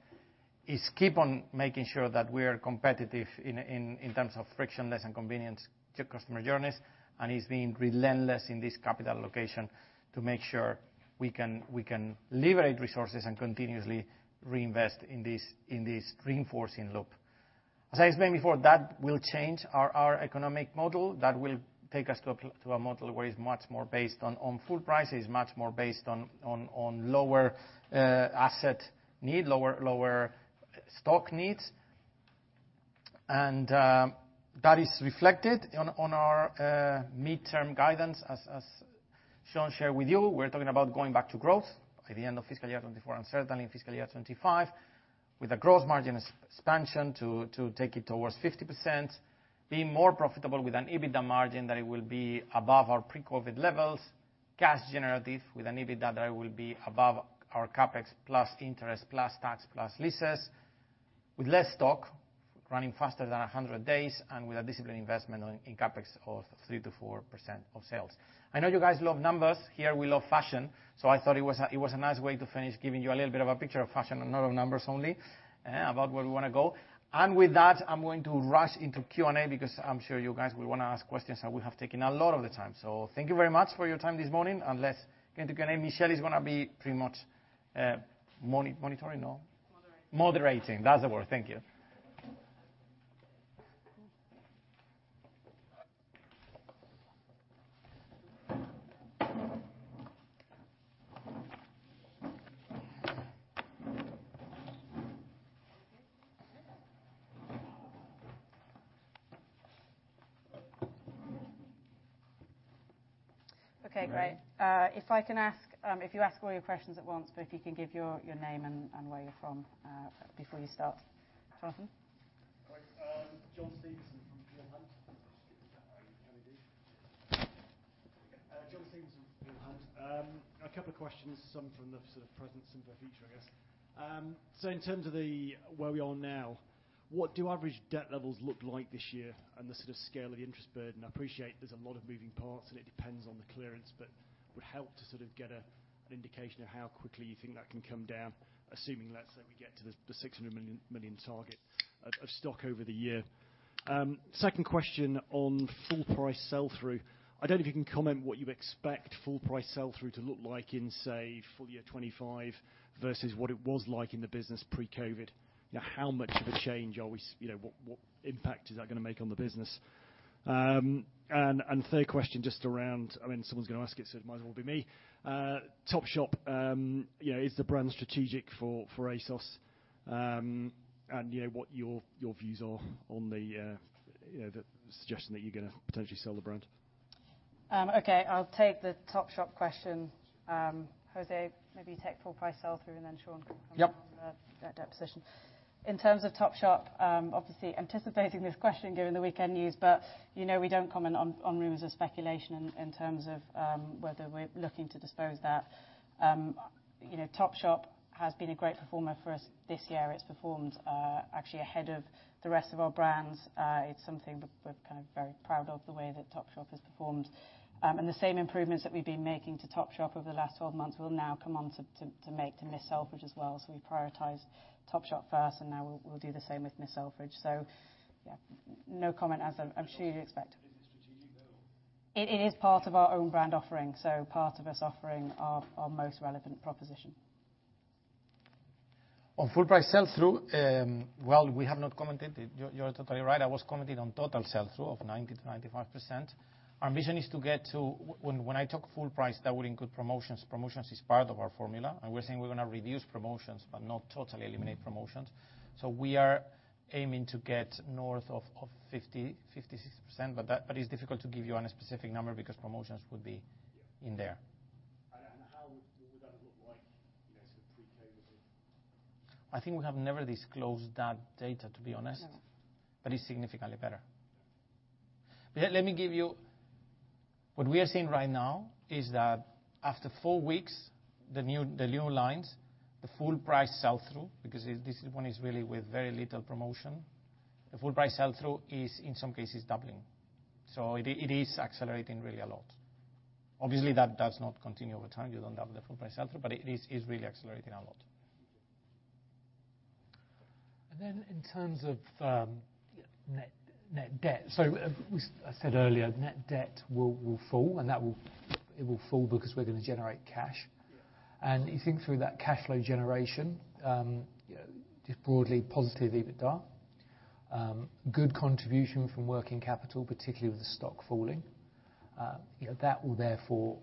is keep on making sure that we are competitive in terms of frictionless and convenience to customer journeys, and is being relentless in this capital allocation to make sure we can liberate resources and continuously reinvest in this reinforcing loop. As I explained before, that will change our economic model. That will take us to a model where it's much more based on full price. It's much more based on lower asset need, lower stock needs. And that is reflected on our midterm guidance, as Sean shared with you. We're talking about going back to growth by the end of fiscal year 2024, and certainly in fiscal year 2025, with a growth margin expansion to, to take it towards 50%, being more profitable with an EBITDA margin, that it will be above our pre-COVID levels, cash generative, with an EBITDA that will be above our CapEx, plus interest, plus tax, plus leases, with less stock, running faster than 100 days, and with a disciplined investment on, in CapEx of 3%-4% of sales. I know you guys love numbers. Here, we love fashion, so I thought it was a nice way to finish, giving you a little bit of a picture of fashion and not of numbers only, about where we wanna go. With that, I'm going to rush into Q&A because I'm sure you guys will wanna ask questions, and we have taken a lot of the time. Thank you very much for your time this morning. Let's get into Q&A. Michelle is gonna be pretty much monitoring, no? Moderating. Moderating, that's the word. Thank you. Okay, great. If I can ask, if you ask all your questions at once, but if you can give your name and where you're from before you start. Jonathan? All right, John Stevenson from Peel Hunt. John Stevenson from Peel Hunt. A couple of questions, some from the sort of present, some for future, I guess. So in terms of the where we are now, what do average debt levels look like this year, and the sort of scale of the interest burden? I appreciate there's a lot of moving parts, and it depends on the clearance, but it would help to sort of get an indication of how quickly you think that can come down, assuming, let's say, we get to the six hundred million target of stock over the year. Second question, on full price sell-through, I don't know if you can comment what you expect full price sell-through to look like in, say, full year 2025 versus what it was like in the business pre-COVID. You know, how much of a change are we? You know, what impact is that gonna make on the business? And third question, just around, I mean, someone's gonna ask it, so it might as well be me. Topshop, you know, is the brand strategic for ASOS? And you know, what your views are on the suggestion that you're gonna potentially sell the brand. Okay, I'll take the Topshop question. José, maybe you take full price sell-through, and then Sean- Yep. That deposition. In terms of Topshop, obviously anticipating this question given the weekend news, but, you know, we don't comment on rumors or speculation in terms of whether we're looking to dispose that. You know, Topshop has been a great performer for us this year. It's performed, actually ahead of the rest of our brands. It's something we're kind of very proud of, the way that Topshop has performed. And the same improvements that we've been making to Topshop over the last 12 months will now come on to make to Miss Selfridge as well. So we prioritize Topshop first, and now we'll do the same with Miss Selfridge. So, yeah, no comment, as I'm sure you expect. It is part of our own brand offering, so part of us offering our, our most relevant proposition. On full price sell-through, well, we have not commented. You're, you're totally right. I was commented on total sell-through of 90%-95%. Our mission is to get to... When, when I talk full price, that would include promotions. Promotions is part of our formula, and we're saying we're gonna reduce promotions but not totally eliminate promotions. So we are aiming to get north of 50, 50, 60%, but that, but it's difficult to give you a specific number because promotions would be in there. How would that look like, you know, sort of pre-COVID? I think we have never disclosed that data, to be honest. But it's significantly better. Yeah. But let me give you... What we are seeing right now is that after four weeks, the new lines, the full price sell-through, because this one is really with very little promotion, the full price sell-through is in some cases doubling. So it is accelerating really a lot. Obviously, that does not continue over time. You don't have the full price sell-through, but it is really accelerating a lot. In terms of net debt, as I said earlier, net debt will fall, and it will fall because we're gonna generate cash. Yeah. You think through that cash flow generation, you know, just broadly positive EBITDA. Good contribution from working capital, particularly with the stock falling. You know, that will therefore.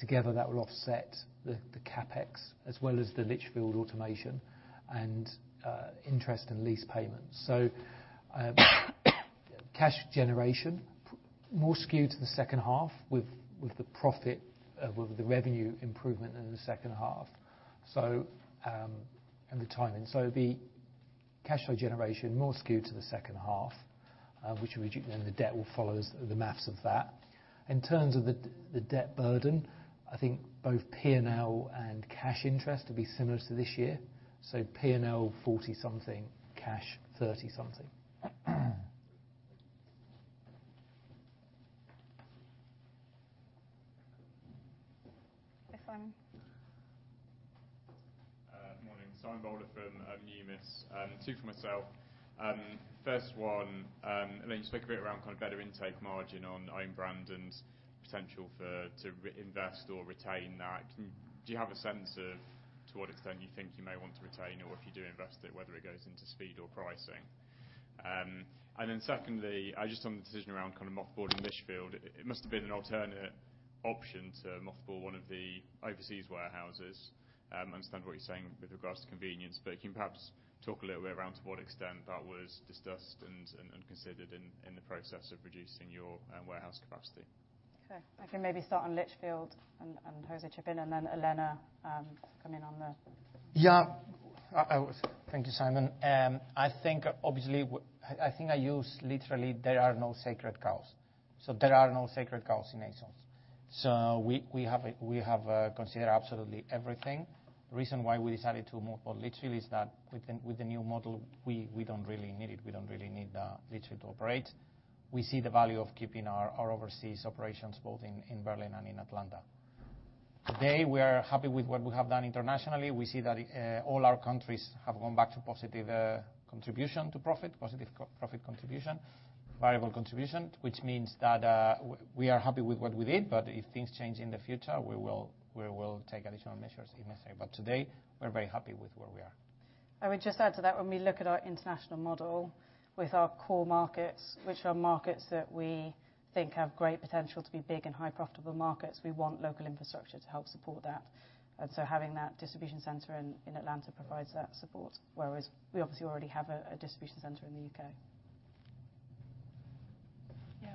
Together, that will offset the CapEx, as well as the Lichfield automation and interest and lease payments. So, cash generation more skewed to the second half with the profit with the revenue improvement in the second half. And the timing. So the cash flow generation more skewed to the second half, which would and the debt will follow us, the math of that. In terms of the debt burden, I think both P&L and cash interest will be similar to this year. So P&L, 40-something, cash, 30-something. Good morning. Simon Bowler from, Numis. Two for myself. First one, I know you spoke a bit around kind of better intake margin on own brand and potential for-- to re-invest or retain that. Can-- Do you have a sense of to what extent you think you may want to retain, or if you do invest it, whether it goes into speed or pricing? And then secondly, just on the decision around kind of mothballing Lichfield, it, it must have been an alternate option to mothball one of the overseas warehouses. I understand what you're saying with regards to convenience, but can you perhaps talk a little bit around to what extent that was discussed and, and, and considered in, in the process of reducing your, warehouse capacity? Okay. I can maybe start on Lichfield, and José chip in, and then Elena come in on the- Yeah, I... Thank you, Simon. I think obviously, what—I think I use literally, there are no sacred cows. So there are no sacred cows in ASOS. So we have considered absolutely everything. The reason why we decided to move on Lichfield is that with the new model, we don't really need it. We don't really need Lichfield to operate. We see the value of keeping our overseas operations, both in Berlin and in Atlanta. Today, we are happy with what we have done internationally. We see that all our countries have gone back to positive contribution to profit, positive co-profit contribution, variable contribution, which means that we are happy with what we did. But if things change in the future, we will take additional measures if necessary. But today, we're very happy with where we are. I would just add to that, when we look at our international model with our core markets, which are markets that we think have great potential to be big and high profitable markets, we want local infrastructure to help support that. So having that distribution center in Atlanta provides that support, whereas we obviously already have a distribution center in the U.K. Yeah.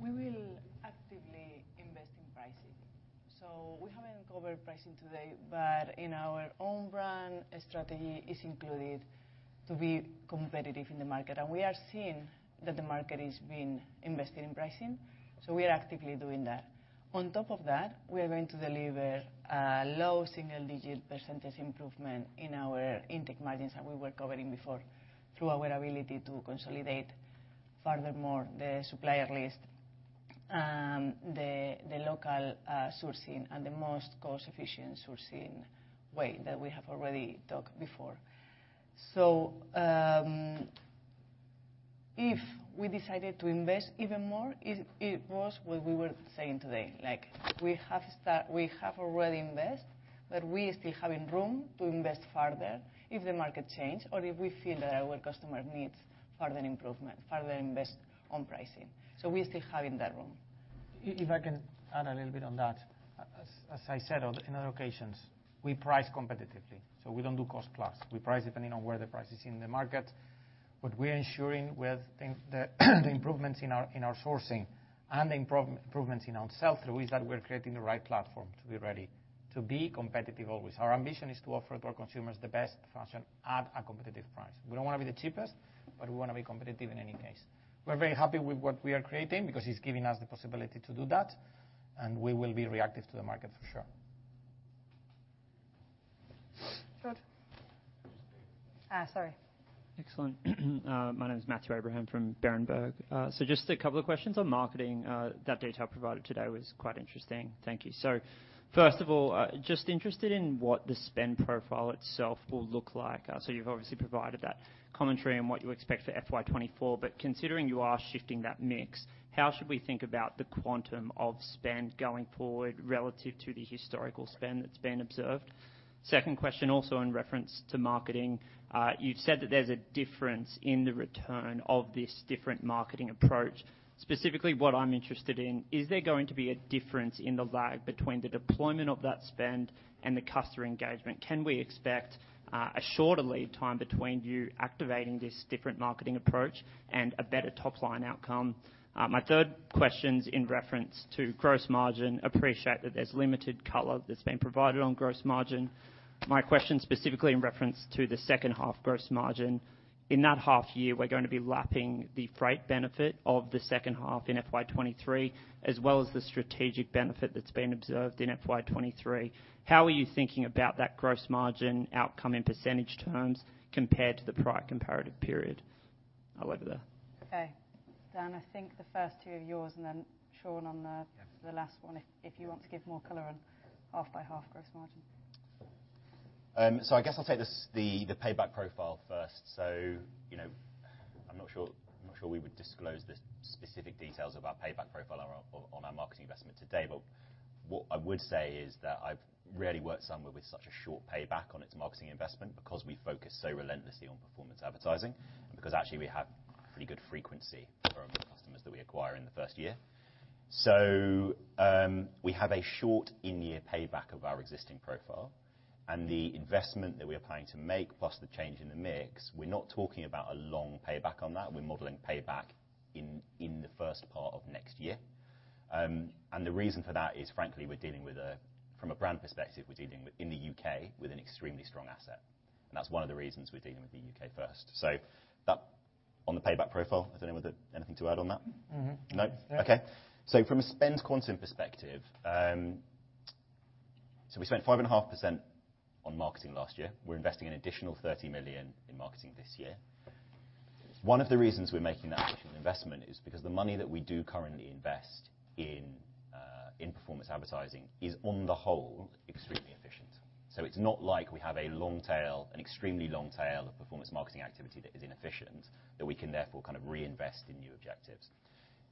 We will actively invest in pricing. So we haven't covered pricing today, but in our own brand, strategy is included to be competitive in the market. And we are seeing that the market is being invested in pricing, so we are actively doing that. On top of that, we are going to deliver a low single digit percentage improvement in our intake margins that we were covering before, through our ability to consolidate furthermore the supplier list, the local sourcing and the most cost-efficient sourcing way that we have already talked before. So, if we decided to invest even more, it was what we were saying today. Like, we have already invest, but we still having room to invest further if the market change or if we feel that our customer needs further improvement, further invest on pricing. So we still having that room. If I can add a little bit on that. As I said on in other occasions, we price competitively, so we don't do cost plus. We price depending on where the price is in the market. What we're ensuring with the improvements in our sourcing and the improvements in our sell-through is that we're creating the right platform to be ready to be competitive always. Our ambition is to offer our consumers the best fashion at a competitive price. We don't want to be the cheapest, but we want to be competitive in any case. We're very happy with what we are creating because it's giving us the possibility to do that, and we will be reactive to the market for sure. Good. Sorry. Excellent. My name is Matthew Abraham from Berenberg. So just a couple of questions on marketing. That data provided today was quite interesting. Thank you. So first of all, just interested in what the spend profile itself will look like. So you've obviously provided that commentary on what you expect for FY 2024, but considering you are shifting that mix, how should we think about the quantum of spend going forward relative to the historical spend that's been observed? Second question, also in reference to marketing, you've said that there's a difference in the return of this different marketing approach. Specifically what I'm interested in, is there going to be a difference in the lag between the deployment of that spend and the customer engagement? Can we expect a shorter lead time between you activating this different marketing approach and a better top line outcome? My third question's in reference to gross margin. Appreciate that there's limited color that's been provided on gross margin. My question specifically in reference to the second half gross margin, in that half year, we're going to be lapping the freight benefit of the second half in FY 2023, as well as the strategic benefit that's been observed in FY 2023. How are you thinking about that gross margin outcome in percentage terms compared to the prior comparative period? However the- Okay. Dan, I think the first two are yours, and then Sean, on the- Yes The last one, if you want to give more color on half by half gross margin? So, I guess I'll take this, the payback profile first. So, you know, I'm not sure, I'm not sure we would disclose the specific details of our payback profile on our marketing investment today, but what I would say is that I've rarely worked somewhere with such a short payback on its marketing investment, because we focus so relentlessly on performance advertising and because actually we have pretty good frequency for our customers that we acquire in the first year. So, we have a short in-year payback of our existing profile and the investment that we are planning to make, plus the change in the mix, we're not talking about a long payback on that. We're modeling payback in the first part of next year. And the reason for that is, frankly, we're dealing with a... From a brand perspective, we're dealing with, in the UK, with an extremely strong asset, and that's one of the reasons we're dealing with the UK first. So that- On the payback profile. I don't know whether anything to add on that? Mm-hmm. No? No. Okay, so from a spend quantum perspective, so we spent 5.5% on marketing last year. We're investing an additional 30 million in marketing this year. One of the reasons we're making that investment is because the money that we do currently invest in, in performance advertising is, on the whole, extremely efficient. So it's not like we have a long tail, an extremely long tail of performance marketing activity that is inefficient, that we can therefore kind of reinvest in new objectives.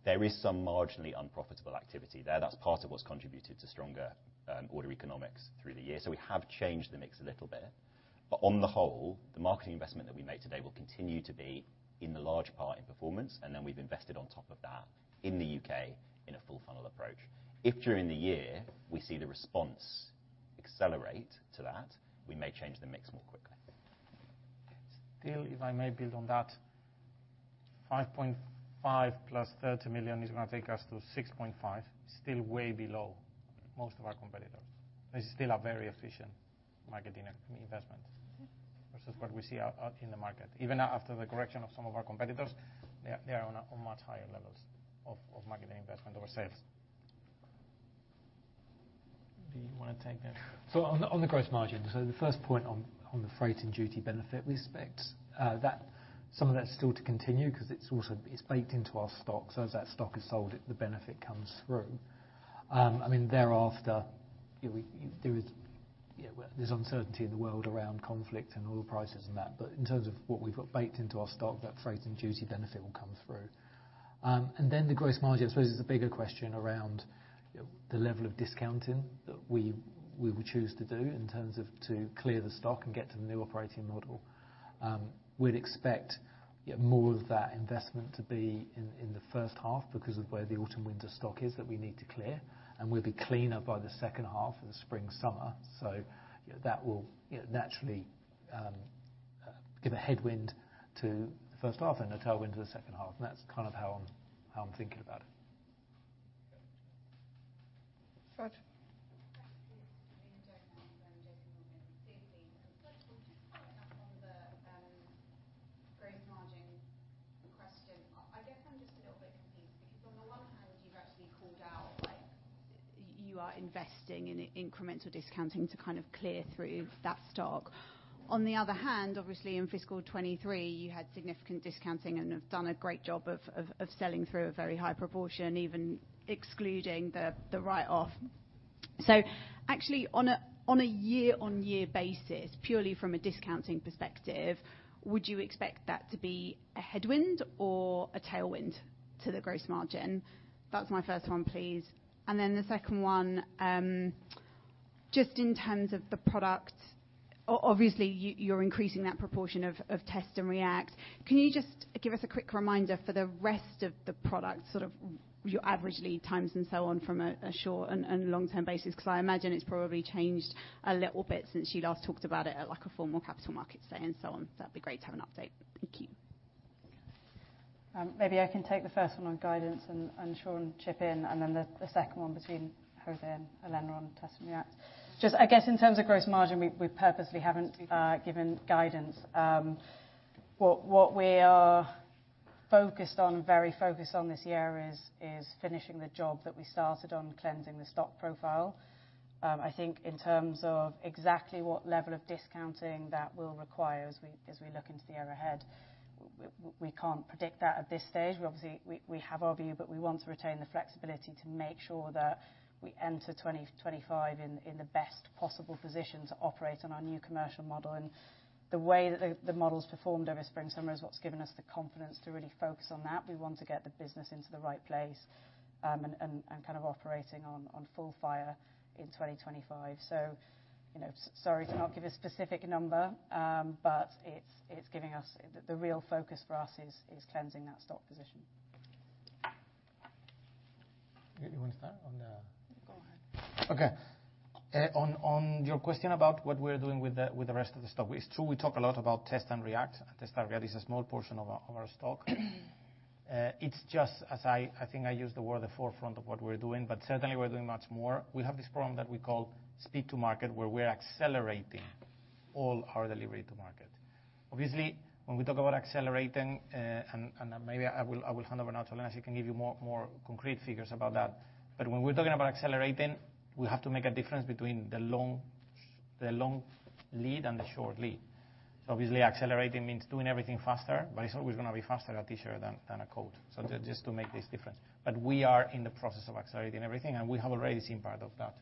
There is some marginally unprofitable activity there. That's part of what's contributed to stronger, order economics through the year, so we have changed the mix a little bit. But on the whole, the marketing investment that we make today will continue to be, in the large part, in performance, and then we've invested on top of that in the UK in a full funnel approach. If during the year we see the response accelerate to that, we may change the mix more quickly. Still, if I may build on that, 5.5 + 30 million is gonna take us to 6.5. Still way below most of our competitors, which is still a very efficient marketing investment versus what we see out in the market. Even after the correction of some of our competitors, they are on much higher levels of marketing investment over sales. Do you want to take that? So on the gross margin, the first point on the freight and duty benefit, we expect that some of that's still to continue because it's also, it's baked into our stock. So as that stock is sold, the benefit comes through. I mean, thereafter, you know, there is uncertainty in the world around conflict and oil prices and that, but in terms of what we've got baked into our stock, that freight and duty benefit will come through. And then the gross margin, I suppose, is a bigger question around you know, the level of discounting that we would choose to do in terms of to clear the stock and get to the new operating model. We'd expect, yeah, more of that investment to be in, in the first half because of where the autumn, winter stock is that we need to clear, and we'll be cleaner by the second half of the spring, summer. So that will, you know, naturally, give a headwind to the first half and a tailwind to the second half, and that's kind of how I'm, how I'm thinking about it. Fred? Good evening. First of all, just following up on the gross margin question. I guess I'm just a little bit confused, because on the one hand, you've actually called out, like, you are investing in incremental discounting to kind of clear through that stock. On the other hand, obviously, in fiscal 2023, you had significant discounting and have done a great job of selling through a very high proportion, even excluding the write-off. So actually, on a year-on-year basis, purely from a discounting perspective, would you expect that to be a headwind or a tailwind to the gross margin? That's my first one, please. And then the second one, just in terms of the product, obviously, you're increasing that proportion of Test and React. Can you just give us a quick reminder for the rest of the product, sort of your average lead times and so on, from a short and long-term basis? Because I imagine it's probably changed a little bit since you last talked about it at, like, a formal capital markets day and so on. That'd be great to have an update. Thank you. Maybe I can take the first one on guidance, and Sean chip in, and then the second one between José and Elena on Test and React. Just, I guess, in terms of gross margin, we purposely haven't given guidance. What we are focused on, very focused on this year is finishing the job that we started on cleansing the stock profile. I think in terms of exactly what level of discounting that will require as we look into the year ahead, we can't predict that at this stage. We obviously have our view, but we want to retain the flexibility to make sure that we enter 2025 in the best possible position to operate on our new commercial model. And the way that the model's performed over spring summer is what's given us the confidence to really focus on that. We want to get the business into the right place, and kind of operating on full fire in 2025. So, you know, sorry to not give a specific number, but it's giving us... The real focus for us is cleansing that stock position. You want to start on the- Go ahead. Okay, on your question about what we're doing with the rest of the stock. It's true, we talk a lot about Test and React, and Test and React is a small portion of our stock. It's just as I, I think I used the word the forefront of what we're doing, but certainly we're doing much more. We have this program that we call Speed to Market, where we're accelerating all our delivery to market. Obviously, when we talk about accelerating, and maybe I will hand over now to Elena, she can give you more concrete figures about that. But when we're talking about accelerating, we have to make a difference between the long lead and the short lead. So obviously, accelerating means doing everything faster, but it's always gonna be faster at T-shirt than, than a coat, so just to make this difference. But we are in the process of accelerating everything, and we have already seen part of that.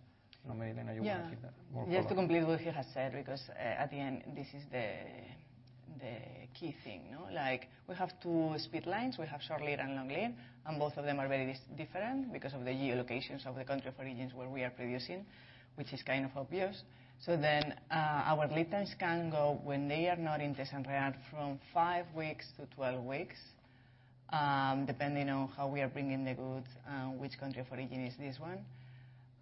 Maybe, Elena, you want to take that more- Yeah. Just to complete what he has said, because, at the end, this is the key thing, no? Like, we have two speed lines. We have short lead and long lead, and both of them are very different because of the geo locations of the country of origins where we are producing, which is kind of obvious. So then, our lead times can go when they are not in this end around from five weeks to 12 weeks, depending on how we are bringing the goods, which country of origin is this one.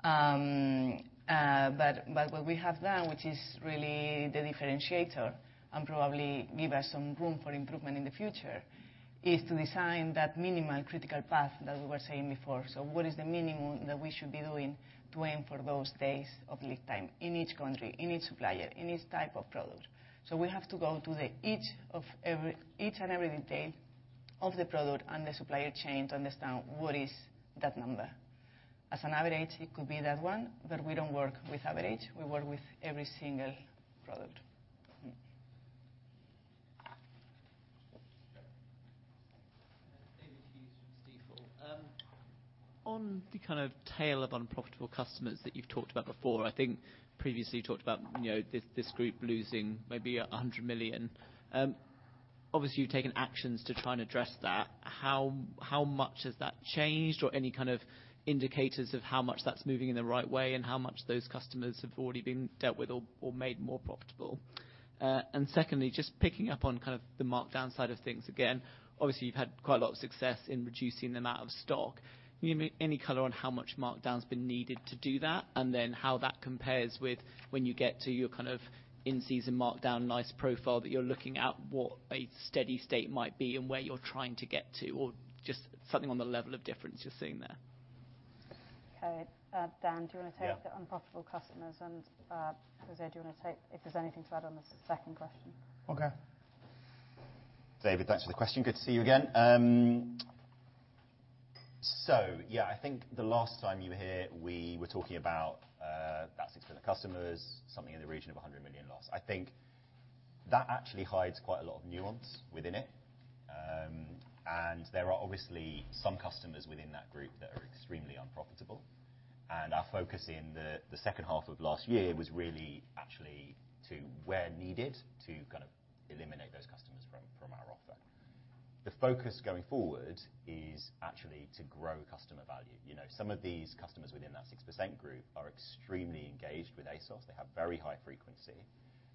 But, what we have done, which is really the differentiator, and probably give us some room for improvement in the future, is to design that minimal critical path that we were saying before. So what is the minimum that we should be doing to aim for those days of lead time in each country, in each supplier, in each type of product? We have to go to each and every detail of the product and the supply chain to understand what is that number. ... as an average, it could be that one, but we don't work with average, we work with every single product. David Hughes from Stifel. On the kind of tail of unprofitable customers that you've talked about before, I think previously you talked about, you know, this, this group losing maybe 100 million. Obviously, you've taken actions to try and address that. How, how much has that changed? Or any kind of indicators of how much that's moving in the right way, and how much those customers have already been dealt with or, or made more profitable? And secondly, just picking up on kind of the markdown side of things again, obviously, you've had quite a lot of success in reducing the amount of stock. Any, any color on how much markdown's been needed to do that, and then how that compares with when you get to your kind of in-season markdown, nice profile, that you're looking at what a steady state might be and where you're trying to get to? Or just something on the level of difference you're seeing there. Okay. Dan, do you wanna take- Yeah. the unprofitable customers, and, José, do you wanna take... If there's anything to add on the second question? Okay. David, thanks for the question. Good to see you again. So yeah, I think the last time you were here, we were talking about that 6% of customers, something in the region of a 100 million loss. I think that actually hides quite a lot of nuance within it. And there are obviously some customers within that group that are extremely unprofitable, and our focus in the second half of last year was actually to, where needed, to kind of eliminate those customers from our offer. The focus going forward is actually to grow customer value. You know, some of these customers within that 6% group are extremely engaged with ASOS. They have very high frequency,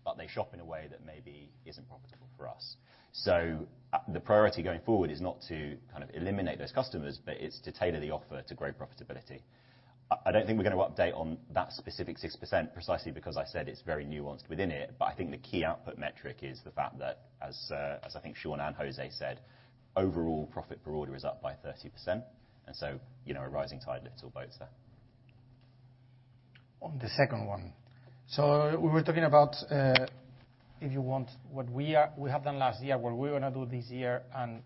but they shop in a way that maybe isn't profitable for us. So, the priority going forward is not to kind of eliminate those customers, but it's to tailor the offer to grow profitability. I, I don't think we're gonna update on that specific 6%, precisely because I said it's very nuanced within it, but I think the key output metric is the fact that, as, as I think Sean and José said, overall profit per order is up by 30%, and so, you know, a rising tide lifts all boats there. On the second one, so we were talking about, if you want, what we have done last year, what we're gonna do this year, and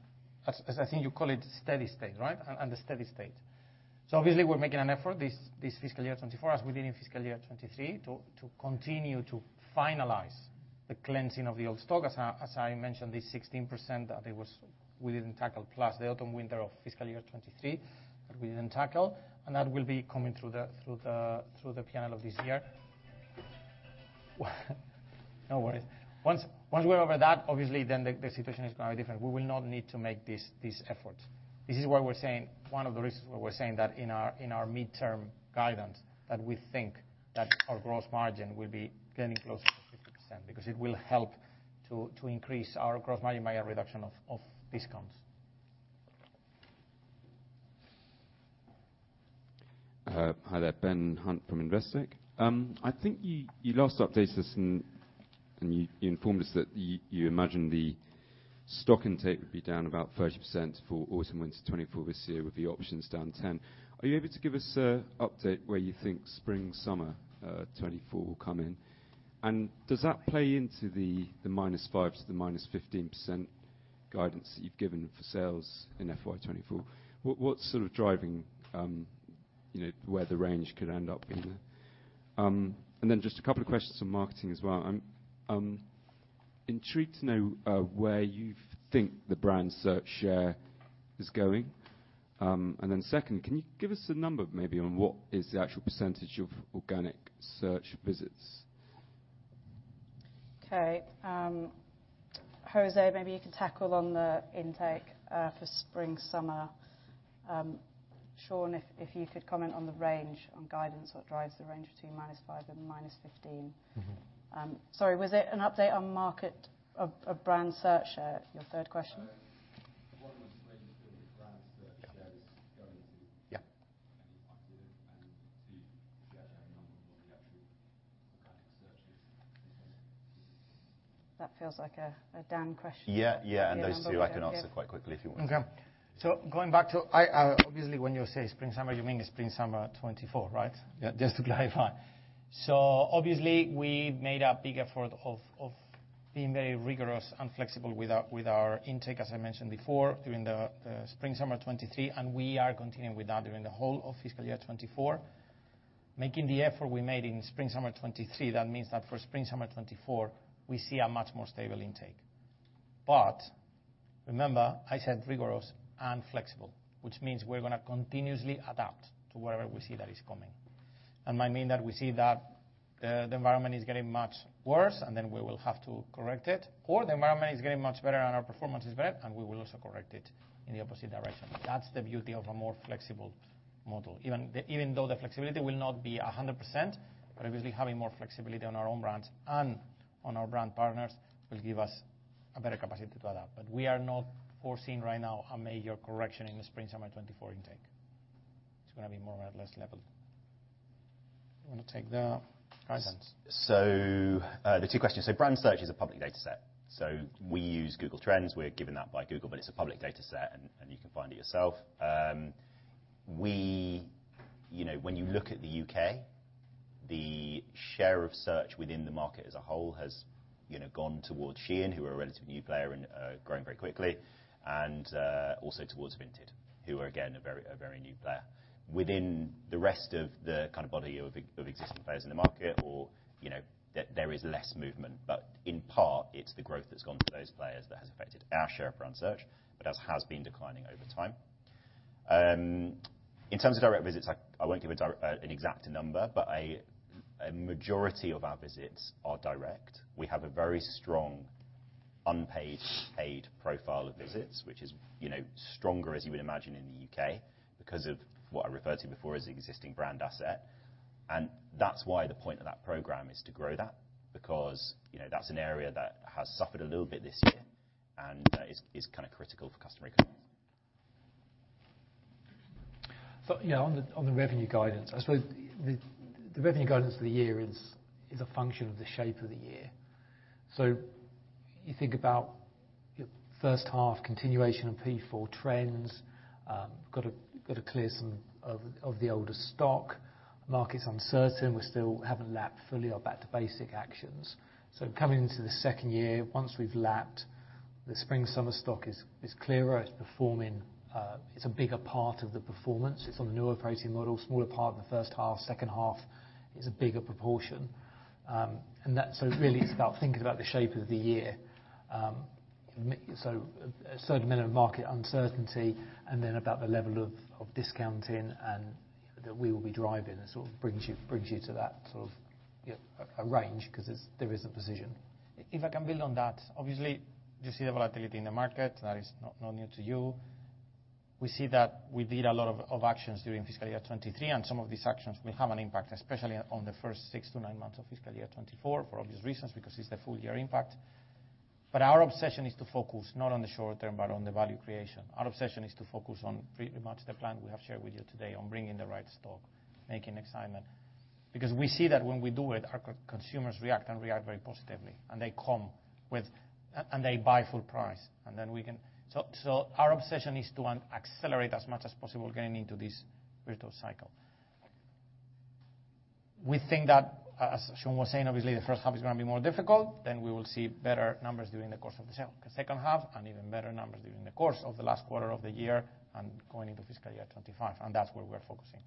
as I think you call it, steady state, right? And the steady state. So obviously, we're making an effort this fiscal year 2024, as we did in fiscal year 2023, to continue to finalize the cleansing of the old stock. As I mentioned, this 16% that it was, we didn't tackle, plus the autumn/winter of fiscal year 2023, that we didn't tackle, and that will be coming through the P&L of this year. No worries. Once we're over that, obviously, then the situation is gonna be different. We will not need to make these efforts. This is why we're saying, one of the reasons why we're saying that in our midterm guidance, that we think that our gross margin will be getting closer to 50%, because it will help to increase our gross margin by a reduction of discounts. Hi there, Ben Hunt from Investec. I think you last updated us and you informed us that you imagine the stock intake would be down about 30% for autumn/winter 2024 this year, with the options down 10%. Are you able to give us an update where you think spring/summer 2024 will come in? And does that play into the -5% to -15% guidance that you've given for sales in FY 2024? What's sort of driving, you know, where the range could end up being? And then just a couple of questions on marketing as well. I'm intrigued to know where you think the brand search share is going. And then second, can you give us a number maybe on what is the actual percentage of organic search visits? Okay. José, maybe you can tackle on the intake for spring/summer. Sean, if you could comment on the range on guidance, what drives the range between -5 and -15? Mm-hmm. Sorry, was it an update on market of brand search share, your third question? One, which way do you think the brand search share is going to? Yeah. Any idea? And two, do you have a number on the actual organic searches? That feels like a Dan question. Yeah, yeah, and those two I can answer quite quickly, if you want. Okay. So going back to... I obviously, when you say spring/summer, you mean spring/summer 2024, right? Yeah, just to clarify. So obviously, we made a big effort of being very rigorous and flexible with our intake, as I mentioned before, during the spring/summer 2023, and we are continuing with that during the whole of fiscal year 2024. Making the effort we made in spring/summer 2023, that means that for spring/summer 2024, we see a much more stable intake. But remember, I said rigorous and flexible, which means we're gonna continuously adapt to whatever we see that is coming. That might mean that we see that the environment is getting much worse, and then we will have to correct it, or the environment is getting much better and our performance is better, and we will also correct it in the opposite direction. That's the beauty of a more flexible model. Even though the flexibility will not be 100%, but obviously having more flexibility on our own brands and on our brand partners will give us a better capacity to adapt. But we are not foreseeing right now a major correction in the spring/summer 2024 intake. It's gonna be more or less level. You want to take the guidance? So, the two questions. So brand search is a public data set. So we use Google Trends. We're given that by Google, but it's a public data set, and you can find it yourself. You know, when you look at the UK... the share of search within the market as a whole has, you know, gone towards Shein, who are a relatively new player and growing very quickly, and also towards Vinted, who are, again, a very new player. Within the rest of the kind of body of existing players in the market, you know, there is less movement. But in part, it's the growth that's gone to those players that has affected our share of brand search, but as has been declining over time. In terms of direct visits, I won't give an exact number, but a majority of our visits are direct. We have a very strong unpaid, paid profile of visits, which is, you know, stronger as you would imagine in the UK, because of what I referred to before as the existing brand asset. That's why the point of that program is to grow that because, you know, that's an area that has suffered a little bit this year and is kind of critical for customer recurrence. So, yeah, on the revenue guidance, I suppose the revenue guidance for the year is a function of the shape of the year. So you think about your first half continuation of P4 trends, got to clear some of the older stock. Market's uncertain. We still haven't lapped fully our back to basic actions. So coming into the second year, once we've lapped, the spring summer stock is clearer. It's performing. It's a bigger part of the performance. It's on the newer pricing model, smaller part in the first half, second half is a bigger proportion. And that's, so really, it's about thinking about the shape of the year. So a certain amount of market uncertainty, and then about the level of discounting, and that we will be driving sort of brings you to that sort of, yeah, a range, 'cause it's— there is a precision. If I can build on that, obviously, you see the volatility in the market. That is not new to you. We see that we did a lot of actions during fiscal year 2023, and some of these actions will have an impact, especially on the first 6-9 months of fiscal year 2024, for obvious reasons, because it's the full year impact. But our obsession is to focus not on the short term, but on the value creation. Our obsession is to focus on pretty much the plan we have shared with you today on bringing the right stock, making excitement. Because we see that when we do it, our consumers react and react very positively, and they come with and they buy full price, and then we can... So our obsession is to accelerate as much as possible going into this virtual cycle. We think that, as Sean was saying, obviously, the first half is going to be more difficult, then we will see better numbers during the course of the second half, and even better numbers during the course of the last quarter of the year and going into fiscal year 2025, and that's where we're focusing.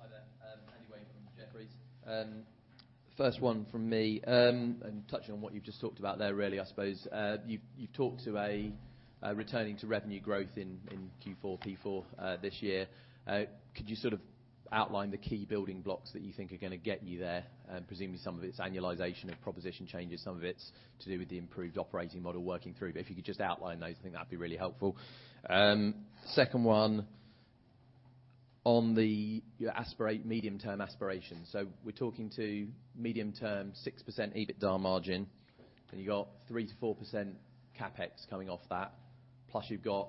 Hi there, Andy Wade from Jefferies. First one from me, and touching on what you've just talked about there, really, I suppose, you've talked about a returning to revenue growth in Q4 FY this year. Could you sort of outline the key building blocks that you think are going to get you there? And presumably, some of it's annualization of proposition changes, some of it's to do with the improved operating model working through. But if you could just outline those, I think that'd be really helpful. Second one, on your medium-term aspiration. So we're talking about medium term, 6% EBITDA margin, and you got 3%-4% CapEx coming off that, plus you've got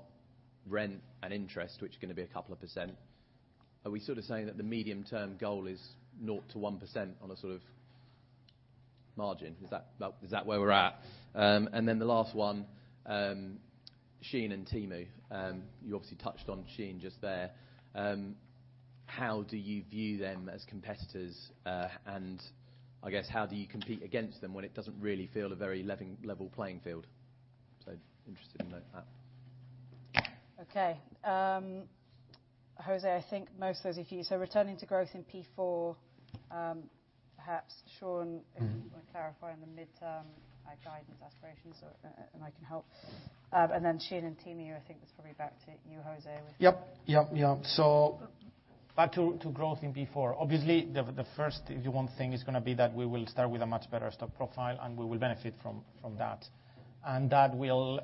rent and interest, which are going to be a couple of %. Are we sort of saying that the medium-term goal is 0%-1% on a sort of margin? Is that, is that where we're at? And then the last one, Shein and Temu. You obviously touched on Shein just there. How do you view them as competitors? And I guess, how do you compete against them when it doesn't really feel a very level playing field? So interested to note that. Okay, José, I think most of those are for you. Returning to growth in P4, perhaps Sean- Mm-hmm. If you want to clarify on the midterm guidance aspirations, and I can help. And then Shein and Temu, I think that's probably back to you, José. Yep, yep, yep. So back to growth in P4. Obviously, the first, if you want, thing is gonna be that we will start with a much better stock profile, and we will benefit from that. And that will...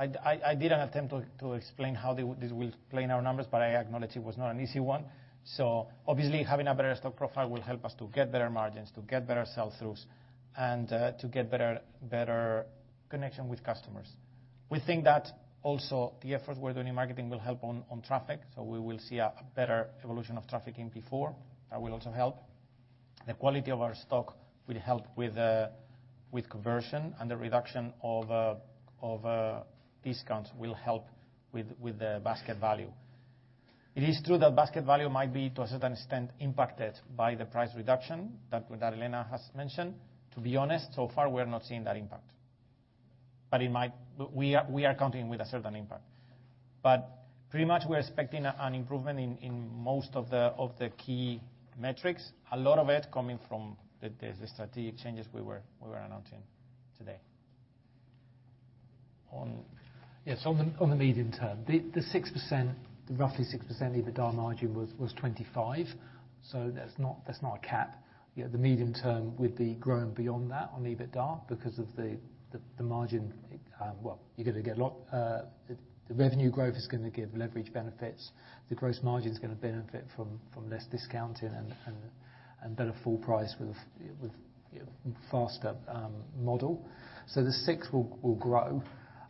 I did an attempt to explain how this will play in our numbers, but I acknowledge it was not an easy one. So obviously, having a better stock profile will help us to get better margins, to get better sell-throughs, and to get better connection with customers. We think that also the effort we're doing in marketing will help on traffic, so we will see a better evolution of traffic in P4. That will also help. The quality of our stock will help with conversion, and the reduction of discounts will help with the basket value. It is true that basket value might be, to a certain extent, impacted by the price reduction that Elena has mentioned. To be honest, so far, we are not seeing that impact, but it might... We are counting with a certain impact. But pretty much, we're expecting an improvement in most of the key metrics, a lot of it coming from the strategic changes we were announcing today. Yes, on the medium term, the six percent, the roughly 6% EBITDA margin was 25, so that's not a cap. Yeah, the medium term would be growing beyond that on EBITDA because of the margin, well, you're gonna get a lot. The revenue growth is gonna give leverage benefits. The gross margin is gonna benefit from less discounting and better full price with, you know, faster model. So the six will grow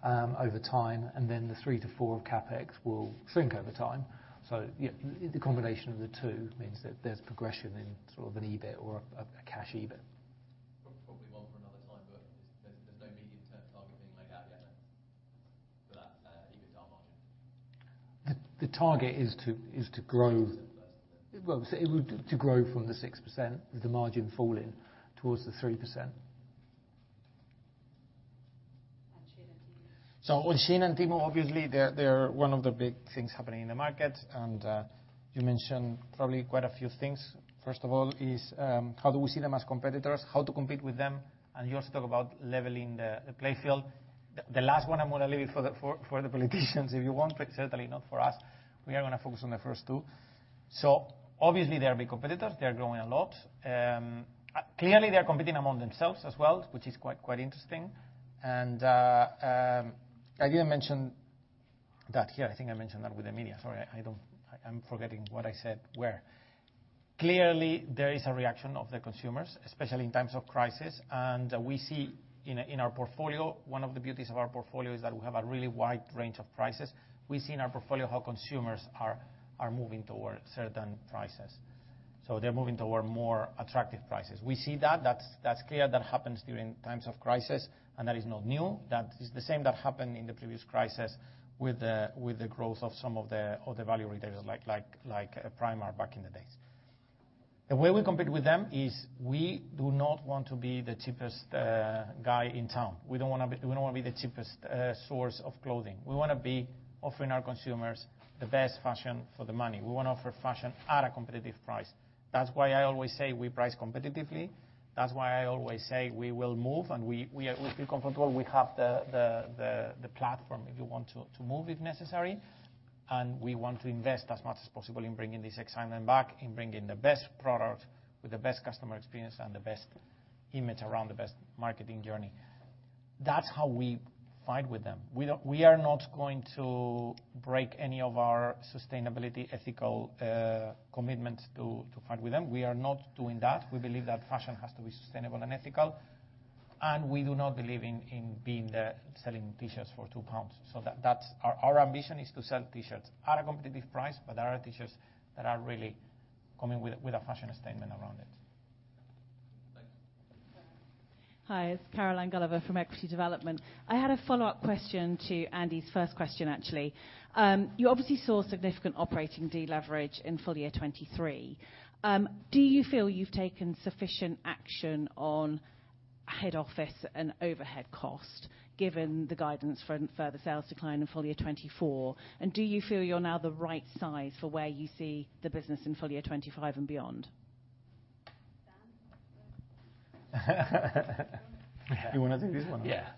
over time, and then the 3-4 of CapEx will shrink over time. So, yeah, the combination of the two means that there's progression in sort of an EBIT or a cash EBIT.... The target is to grow- Invest a bit. Well, so it would, to grow from the 6%, with the margin falling towards the 3%. And Shein and Temu? So on Shein and Temu, obviously, they're, they're one of the big things happening in the market, and you mentioned probably quite a few things. First of all, is how do we see them as competitors? How to compete with them, and you also talk about leveling the playing field. The last one I'm gonna leave it for the politicians, if you want, but certainly not for us. We are gonna focus on the first two. So obviously, they are big competitors. They are growing a lot. Clearly, they are competing among themselves as well, which is quite interesting. And I didn't mention that here. I think I mentioned that with the media. Sorry, I don't... I'm forgetting what I said, where. Clearly, there is a reaction of the consumers, especially in times of crisis, and we see in our portfolio, one of the beauties of our portfolio is that we have a really wide range of prices. We see in our portfolio how consumers are moving towards certain prices, so they're moving toward more attractive prices. We see that. That's clear. That happens during times of crisis, and that is not new. That is the same that happened in the previous crisis with the growth of some of the value retailers, like Primark back in the days. The way we compete with them is we do not want to be the cheapest guy in town. We don't wanna be the cheapest source of clothing. We wanna be offering our consumers the best fashion for the money. We wanna offer fashion at a competitive price. That's why I always say we price competitively. That's why I always say we will move, and we feel comfortable. We have the platform, if you want to move, if necessary. And we want to invest as much as possible in bringing this excitement back, in bringing the best product with the best customer experience and the best image around the best marketing journey. That's how we fight with them. We don't, we are not going to break any of our sustainability, ethical commitments to fight with them. We are not doing that. We believe that fashion has to be sustainable and ethical, and we do not believe in being there, selling T-shirts for 2 pounds. So that, that's... Our ambition is to sell T-shirts at a competitive price, but that are T-shirts that are really coming with a fashion statement around it. Hi, it's Caroline Gulliver from Equity Development. I had a follow-up question to Andy's first question, actually. You obviously saw significant operating deleverage in full year 2023. Do you feel you've taken sufficient action on head office and overhead cost, given the guidance for further sales decline in full year 2024? And do you feel you're now the right size for where you see the business in full year 2025 and beyond? Dan? You wanna do this one? Yeah.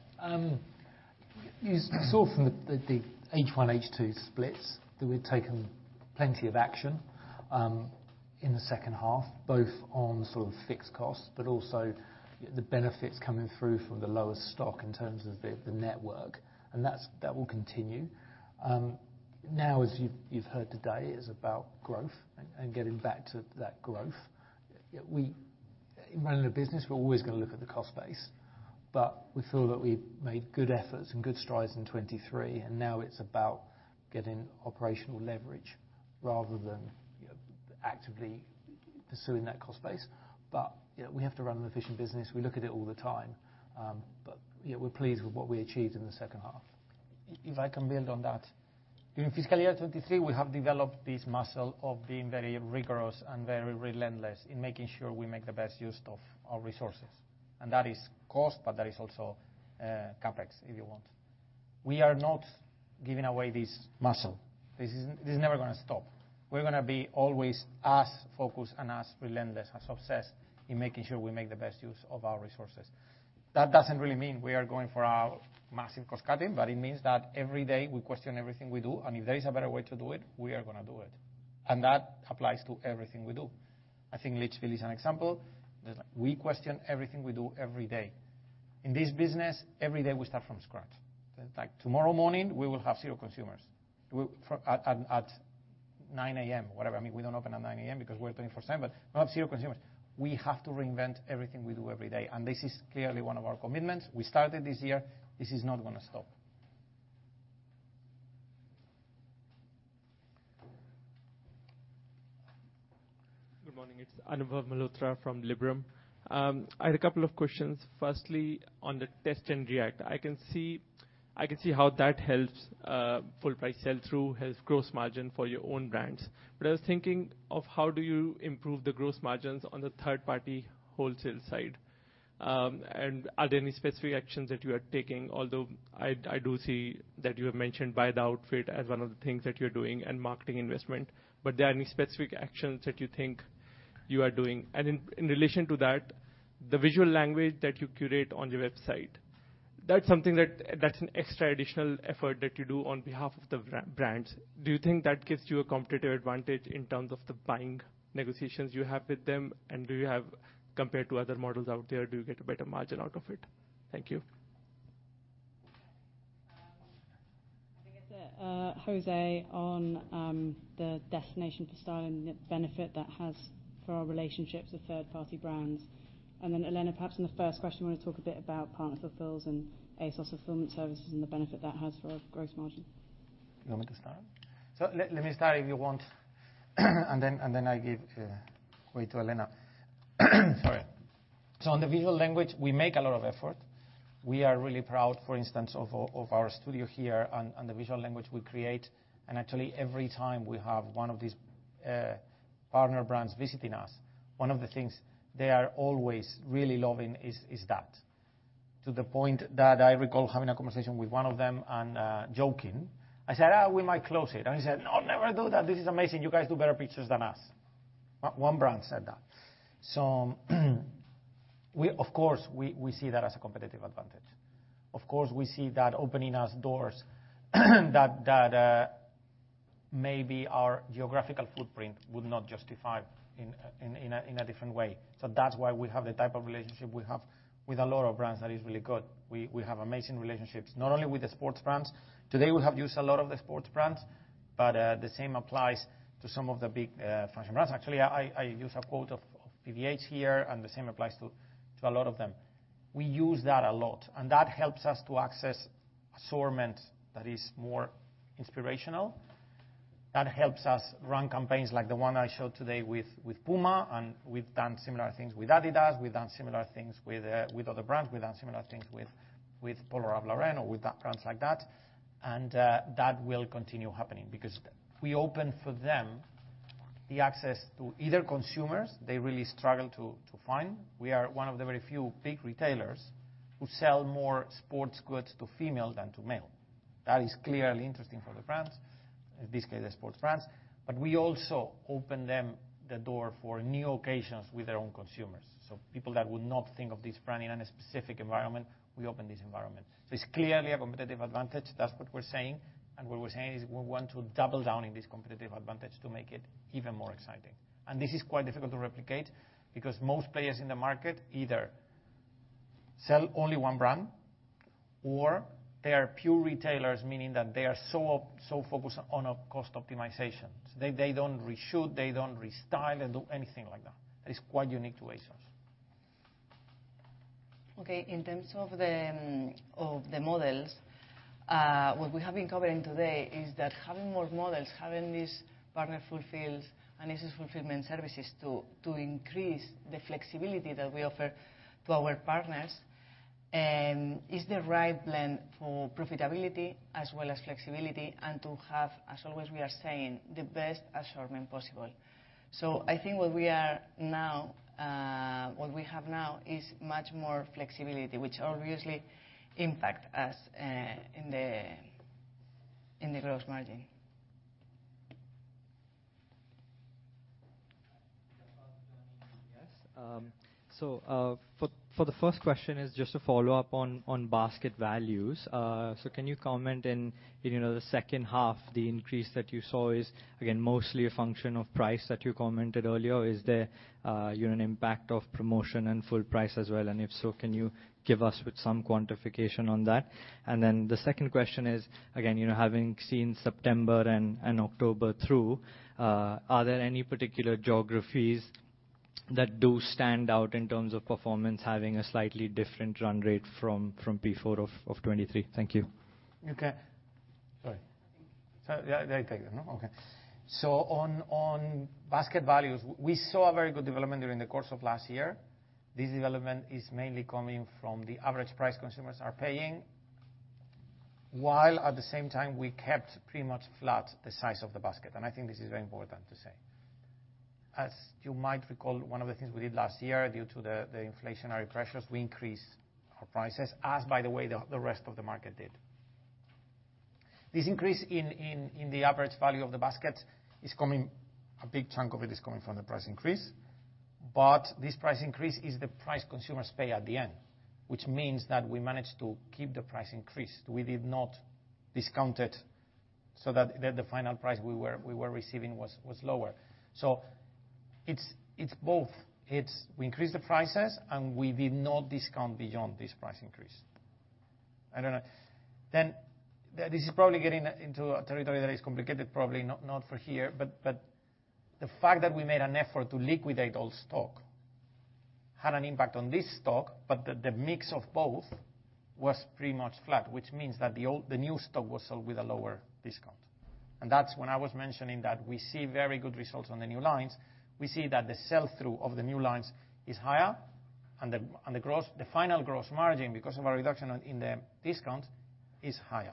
You saw from the H1, H2 splits that we've taken plenty of action in the second half, both on sort of fixed costs, but also the benefits coming through from the lower stock in terms of the network, and that will continue. Now, as you've heard today, is about growth and getting back to that growth. In running a business, we're always gonna look at the cost base, but we feel that we've made good efforts and good strides in 2023, and now it's about getting operational leverage rather than, you know, actively pursuing that cost base. But, you know, we have to run an efficient business. We look at it all the time. But yeah, we're pleased with what we achieved in the second half. If I can build on that, during fiscal year 2023, we have developed this muscle of being very rigorous and very relentless in making sure we make the best use of our resources, and that is cost, but that is also CapEx, if you want. We are not giving away this muscle. This is, this is never gonna stop. We're gonna be always as focused and as relentless, as obsessed in making sure we make the best use of our resources. That doesn't really mean we are going for a massive cost cutting, but it means that every day we question everything we do, and if there is a better way to do it, we are gonna do it. And that applies to everything we do. I think Lichfield is an example. We question everything we do every day. In this business, every day, we start from scratch. Like, tomorrow morning, we will have zero consumers. We at 9:00 A.M., whatever. I mean, we don't open at 9:00 A.M. because we're 24/7, but we'll have zero consumers. We have to reinvent everything we do every day, and this is clearly one of our commitments. We started this year. This is not gonna stop. Good morning. It's Anubhav Malhotra from Liberum. I had a couple of questions. Firstly, on the Test and React, I can see how that helps full-price sell-through, helps gross margin for your own brands. But I was thinking, how do you improve the gross margins on the third-party wholesale side? And are there any specific actions that you are taking, although I do see that you have mentioned Buy the Look as one of the things that you're doing and marketing investment, but are there any specific actions that you think you are doing? And in relation to that, the visual language that you curate on your website, that's something that's an extra additional effort that you do on behalf of the brands. Do you think that gives you a competitive advantage in terms of the buying negotiations you have with them? And do you have, compared to other models out there, do you get a better margin out of it? Thank you. I think it's José, on the destination for style and the benefit that has for our relationships with third-party brands. And then, Elena, perhaps on the first question, you want to talk a bit about partner fulfills and ASOS Fulfillment Services and the benefit that has for our gross margin. You want me to start? So let me start, if you want, and then I give way to Elena. Sorry. So on the visual language, we make a lot of effort. We are really proud, for instance, of our studio here and the visual language we create. And actually, every time we have one of these partner brands visiting us, one of the things they are always really loving is that, to the point that I recall having a conversation with one of them and joking. I said, "Ah, we might close it." And he said, "Oh, never do that! This is amazing. You guys do better pictures than us." One brand said that. So, we of course see that as a competitive advantage. Of course, we see that opening us doors, that maybe our geographical footprint would not justify in a different way. So that's why we have the type of relationship we have with a lot of brands that is really good. We have amazing relationships, not only with the sports brands. Today, we have used a lot of the sports brands, but the same applies to some of the big fashion brands. Actually, I use a quote of PVH here, and the same applies to a lot of them. We use that a lot, and that helps us to access assortment that is more inspirational, that helps us run campaigns like the one I showed today with Puma, and we've done similar things with Adidas, we've done similar things with other brands, we've done similar things with Polo Ralph Lauren or with the brands like that. That will continue happening because we open for them the access to either consumers they really struggle to find. We are one of the very few big retailers who sell more sports goods to female than to male. That is clearly interesting for the brands, in this case, the sports brands. But we also open them the door for new occasions with their own consumers. So people that would not think of this brand in a specific environment, we open this environment. It's clearly a competitive advantage. That's what we're saying. What we're saying is we want to double down in this competitive advantage to make it even more exciting. This is quite difficult to replicate because most players in the market either sell only one brand or they are pure retailers, meaning that they are so, so focused on a cost optimization. They don't reshoot, they don't restyle, they do anything like that. That is quite unique to ASOS. Okay, in terms of the, of the models, what we have been covering today is that having more models, having this Partner Fulfils and ASOS Fulfillment Services to, to increase the flexibility that we offer to our partners, is the right blend for profitability as well as flexibility, and to have, as always, we are saying, the best assortment possible. So I think what we are now, what we have now is much more flexibility, which obviously impact us, in the, in the gross margin. Yes. So, for the first question is just a follow-up on basket values. So can you comment on, you know, the second half, the increase that you saw is, again, mostly a function of price that you commented earlier. Is there, you know, an impact of promotion and full price as well? And if so, can you give us with some quantification on that? And then the second question is, again, you know, having seen September and October through, are there any particular geographies that do stand out in terms of performance, having a slightly different run rate from before of 2023? Thank you. Okay. Sorry. So, yeah, they take it, no? Okay. So on basket values, we saw a very good development during the course of last year. This development is mainly coming from the average price consumers are paying, while at the same time, we kept pretty much flat the size of the basket, and I think this is very important to say. As you might recall, one of the things we did last year, due to the inflationary pressures, we increased our prices, as by the way, the rest of the market did. This increase in the average value of the basket is coming, a big chunk of it is coming from the price increase. But this price increase is the price consumers pay at the end, which means that we managed to keep the price increased. We did not discount it so that the final price we were receiving was lower. So it's both. It's we increased the prices, and we did not discount beyond this price increase. I don't know. Then, this is probably getting into a territory that is complicated, probably not for here, but the fact that we made an effort to liquidate old stock had an impact on this stock, but the mix of both was pretty much flat, which means that the old, the new stock was sold with a lower discount. And that's when I was mentioning that we see very good results on the new lines. We see that the sell-through of the new lines is higher, and the final gross margin, because of a reduction in the discount, is higher.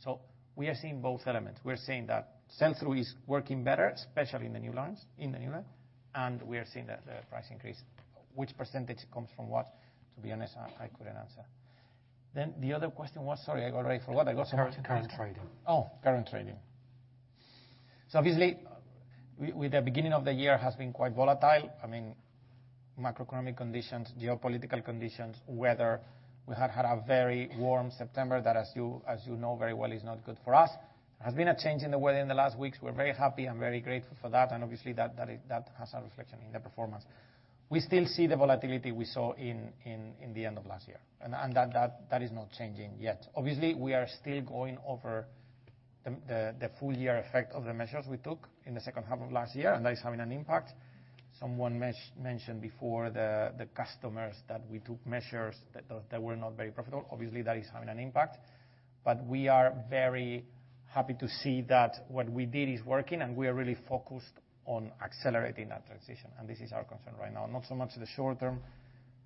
So we are seeing both elements. We are seeing that sell-through is working better, especially in the new lines, in the new line, and we are seeing that the price increase. Which percentage comes from what? To be honest, I, I couldn't answer. Then the other question was... Sorry, I already forgot. I got- Current trading. Oh, current trading. So obviously, we with the beginning of the year has been quite volatile. I mean, macroeconomic conditions, geopolitical conditions, weather. We had had a very warm September that, as you, as you know very well, is not good for us. There has been a change in the weather in the last weeks. We're very happy and very grateful for that, and obviously, that is, that has a reflection in the performance. We still see the volatility we saw in the end of last year, and that is not changing yet. Obviously, we are still going over the full year effect of the measures we took in the second half of last year, and that is having an impact. Someone mentioned before the customers that we took measures that were not very profitable. Obviously, that is having an impact. But we are very happy to see that what we did is working, and we are really focused on accelerating that transition, and this is our concern right now. Not so much the short-term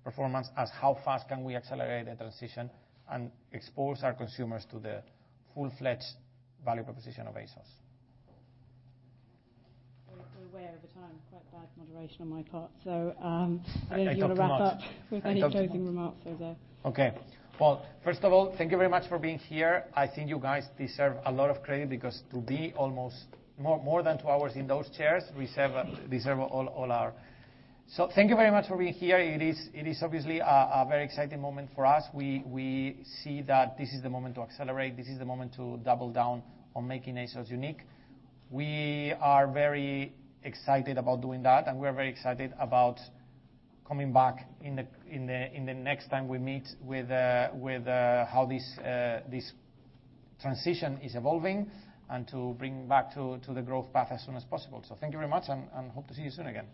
performance as how fast can we accelerate the transition and expose our consumers to the full-fledged value proposition of ASOS. We're way over time. Quite bad moderation on my part. So, I talk too much. If you want to wrap up with any closing remarks over there. Okay. Well, first of all, thank you very much for being here. I think you guys deserve a lot of credit because to be almost more than two hours in those chairs, deserve all our... So thank you very much for being here. It is obviously a very exciting moment for us. We see that this is the moment to accelerate. This is the moment to double down on making ASOS unique. We are very excited about doing that, and we are very excited about coming back in the next time we meet with how this transition is evolving and to bring back to the growth path as soon as possible. So thank you very much, and hope to see you soon again.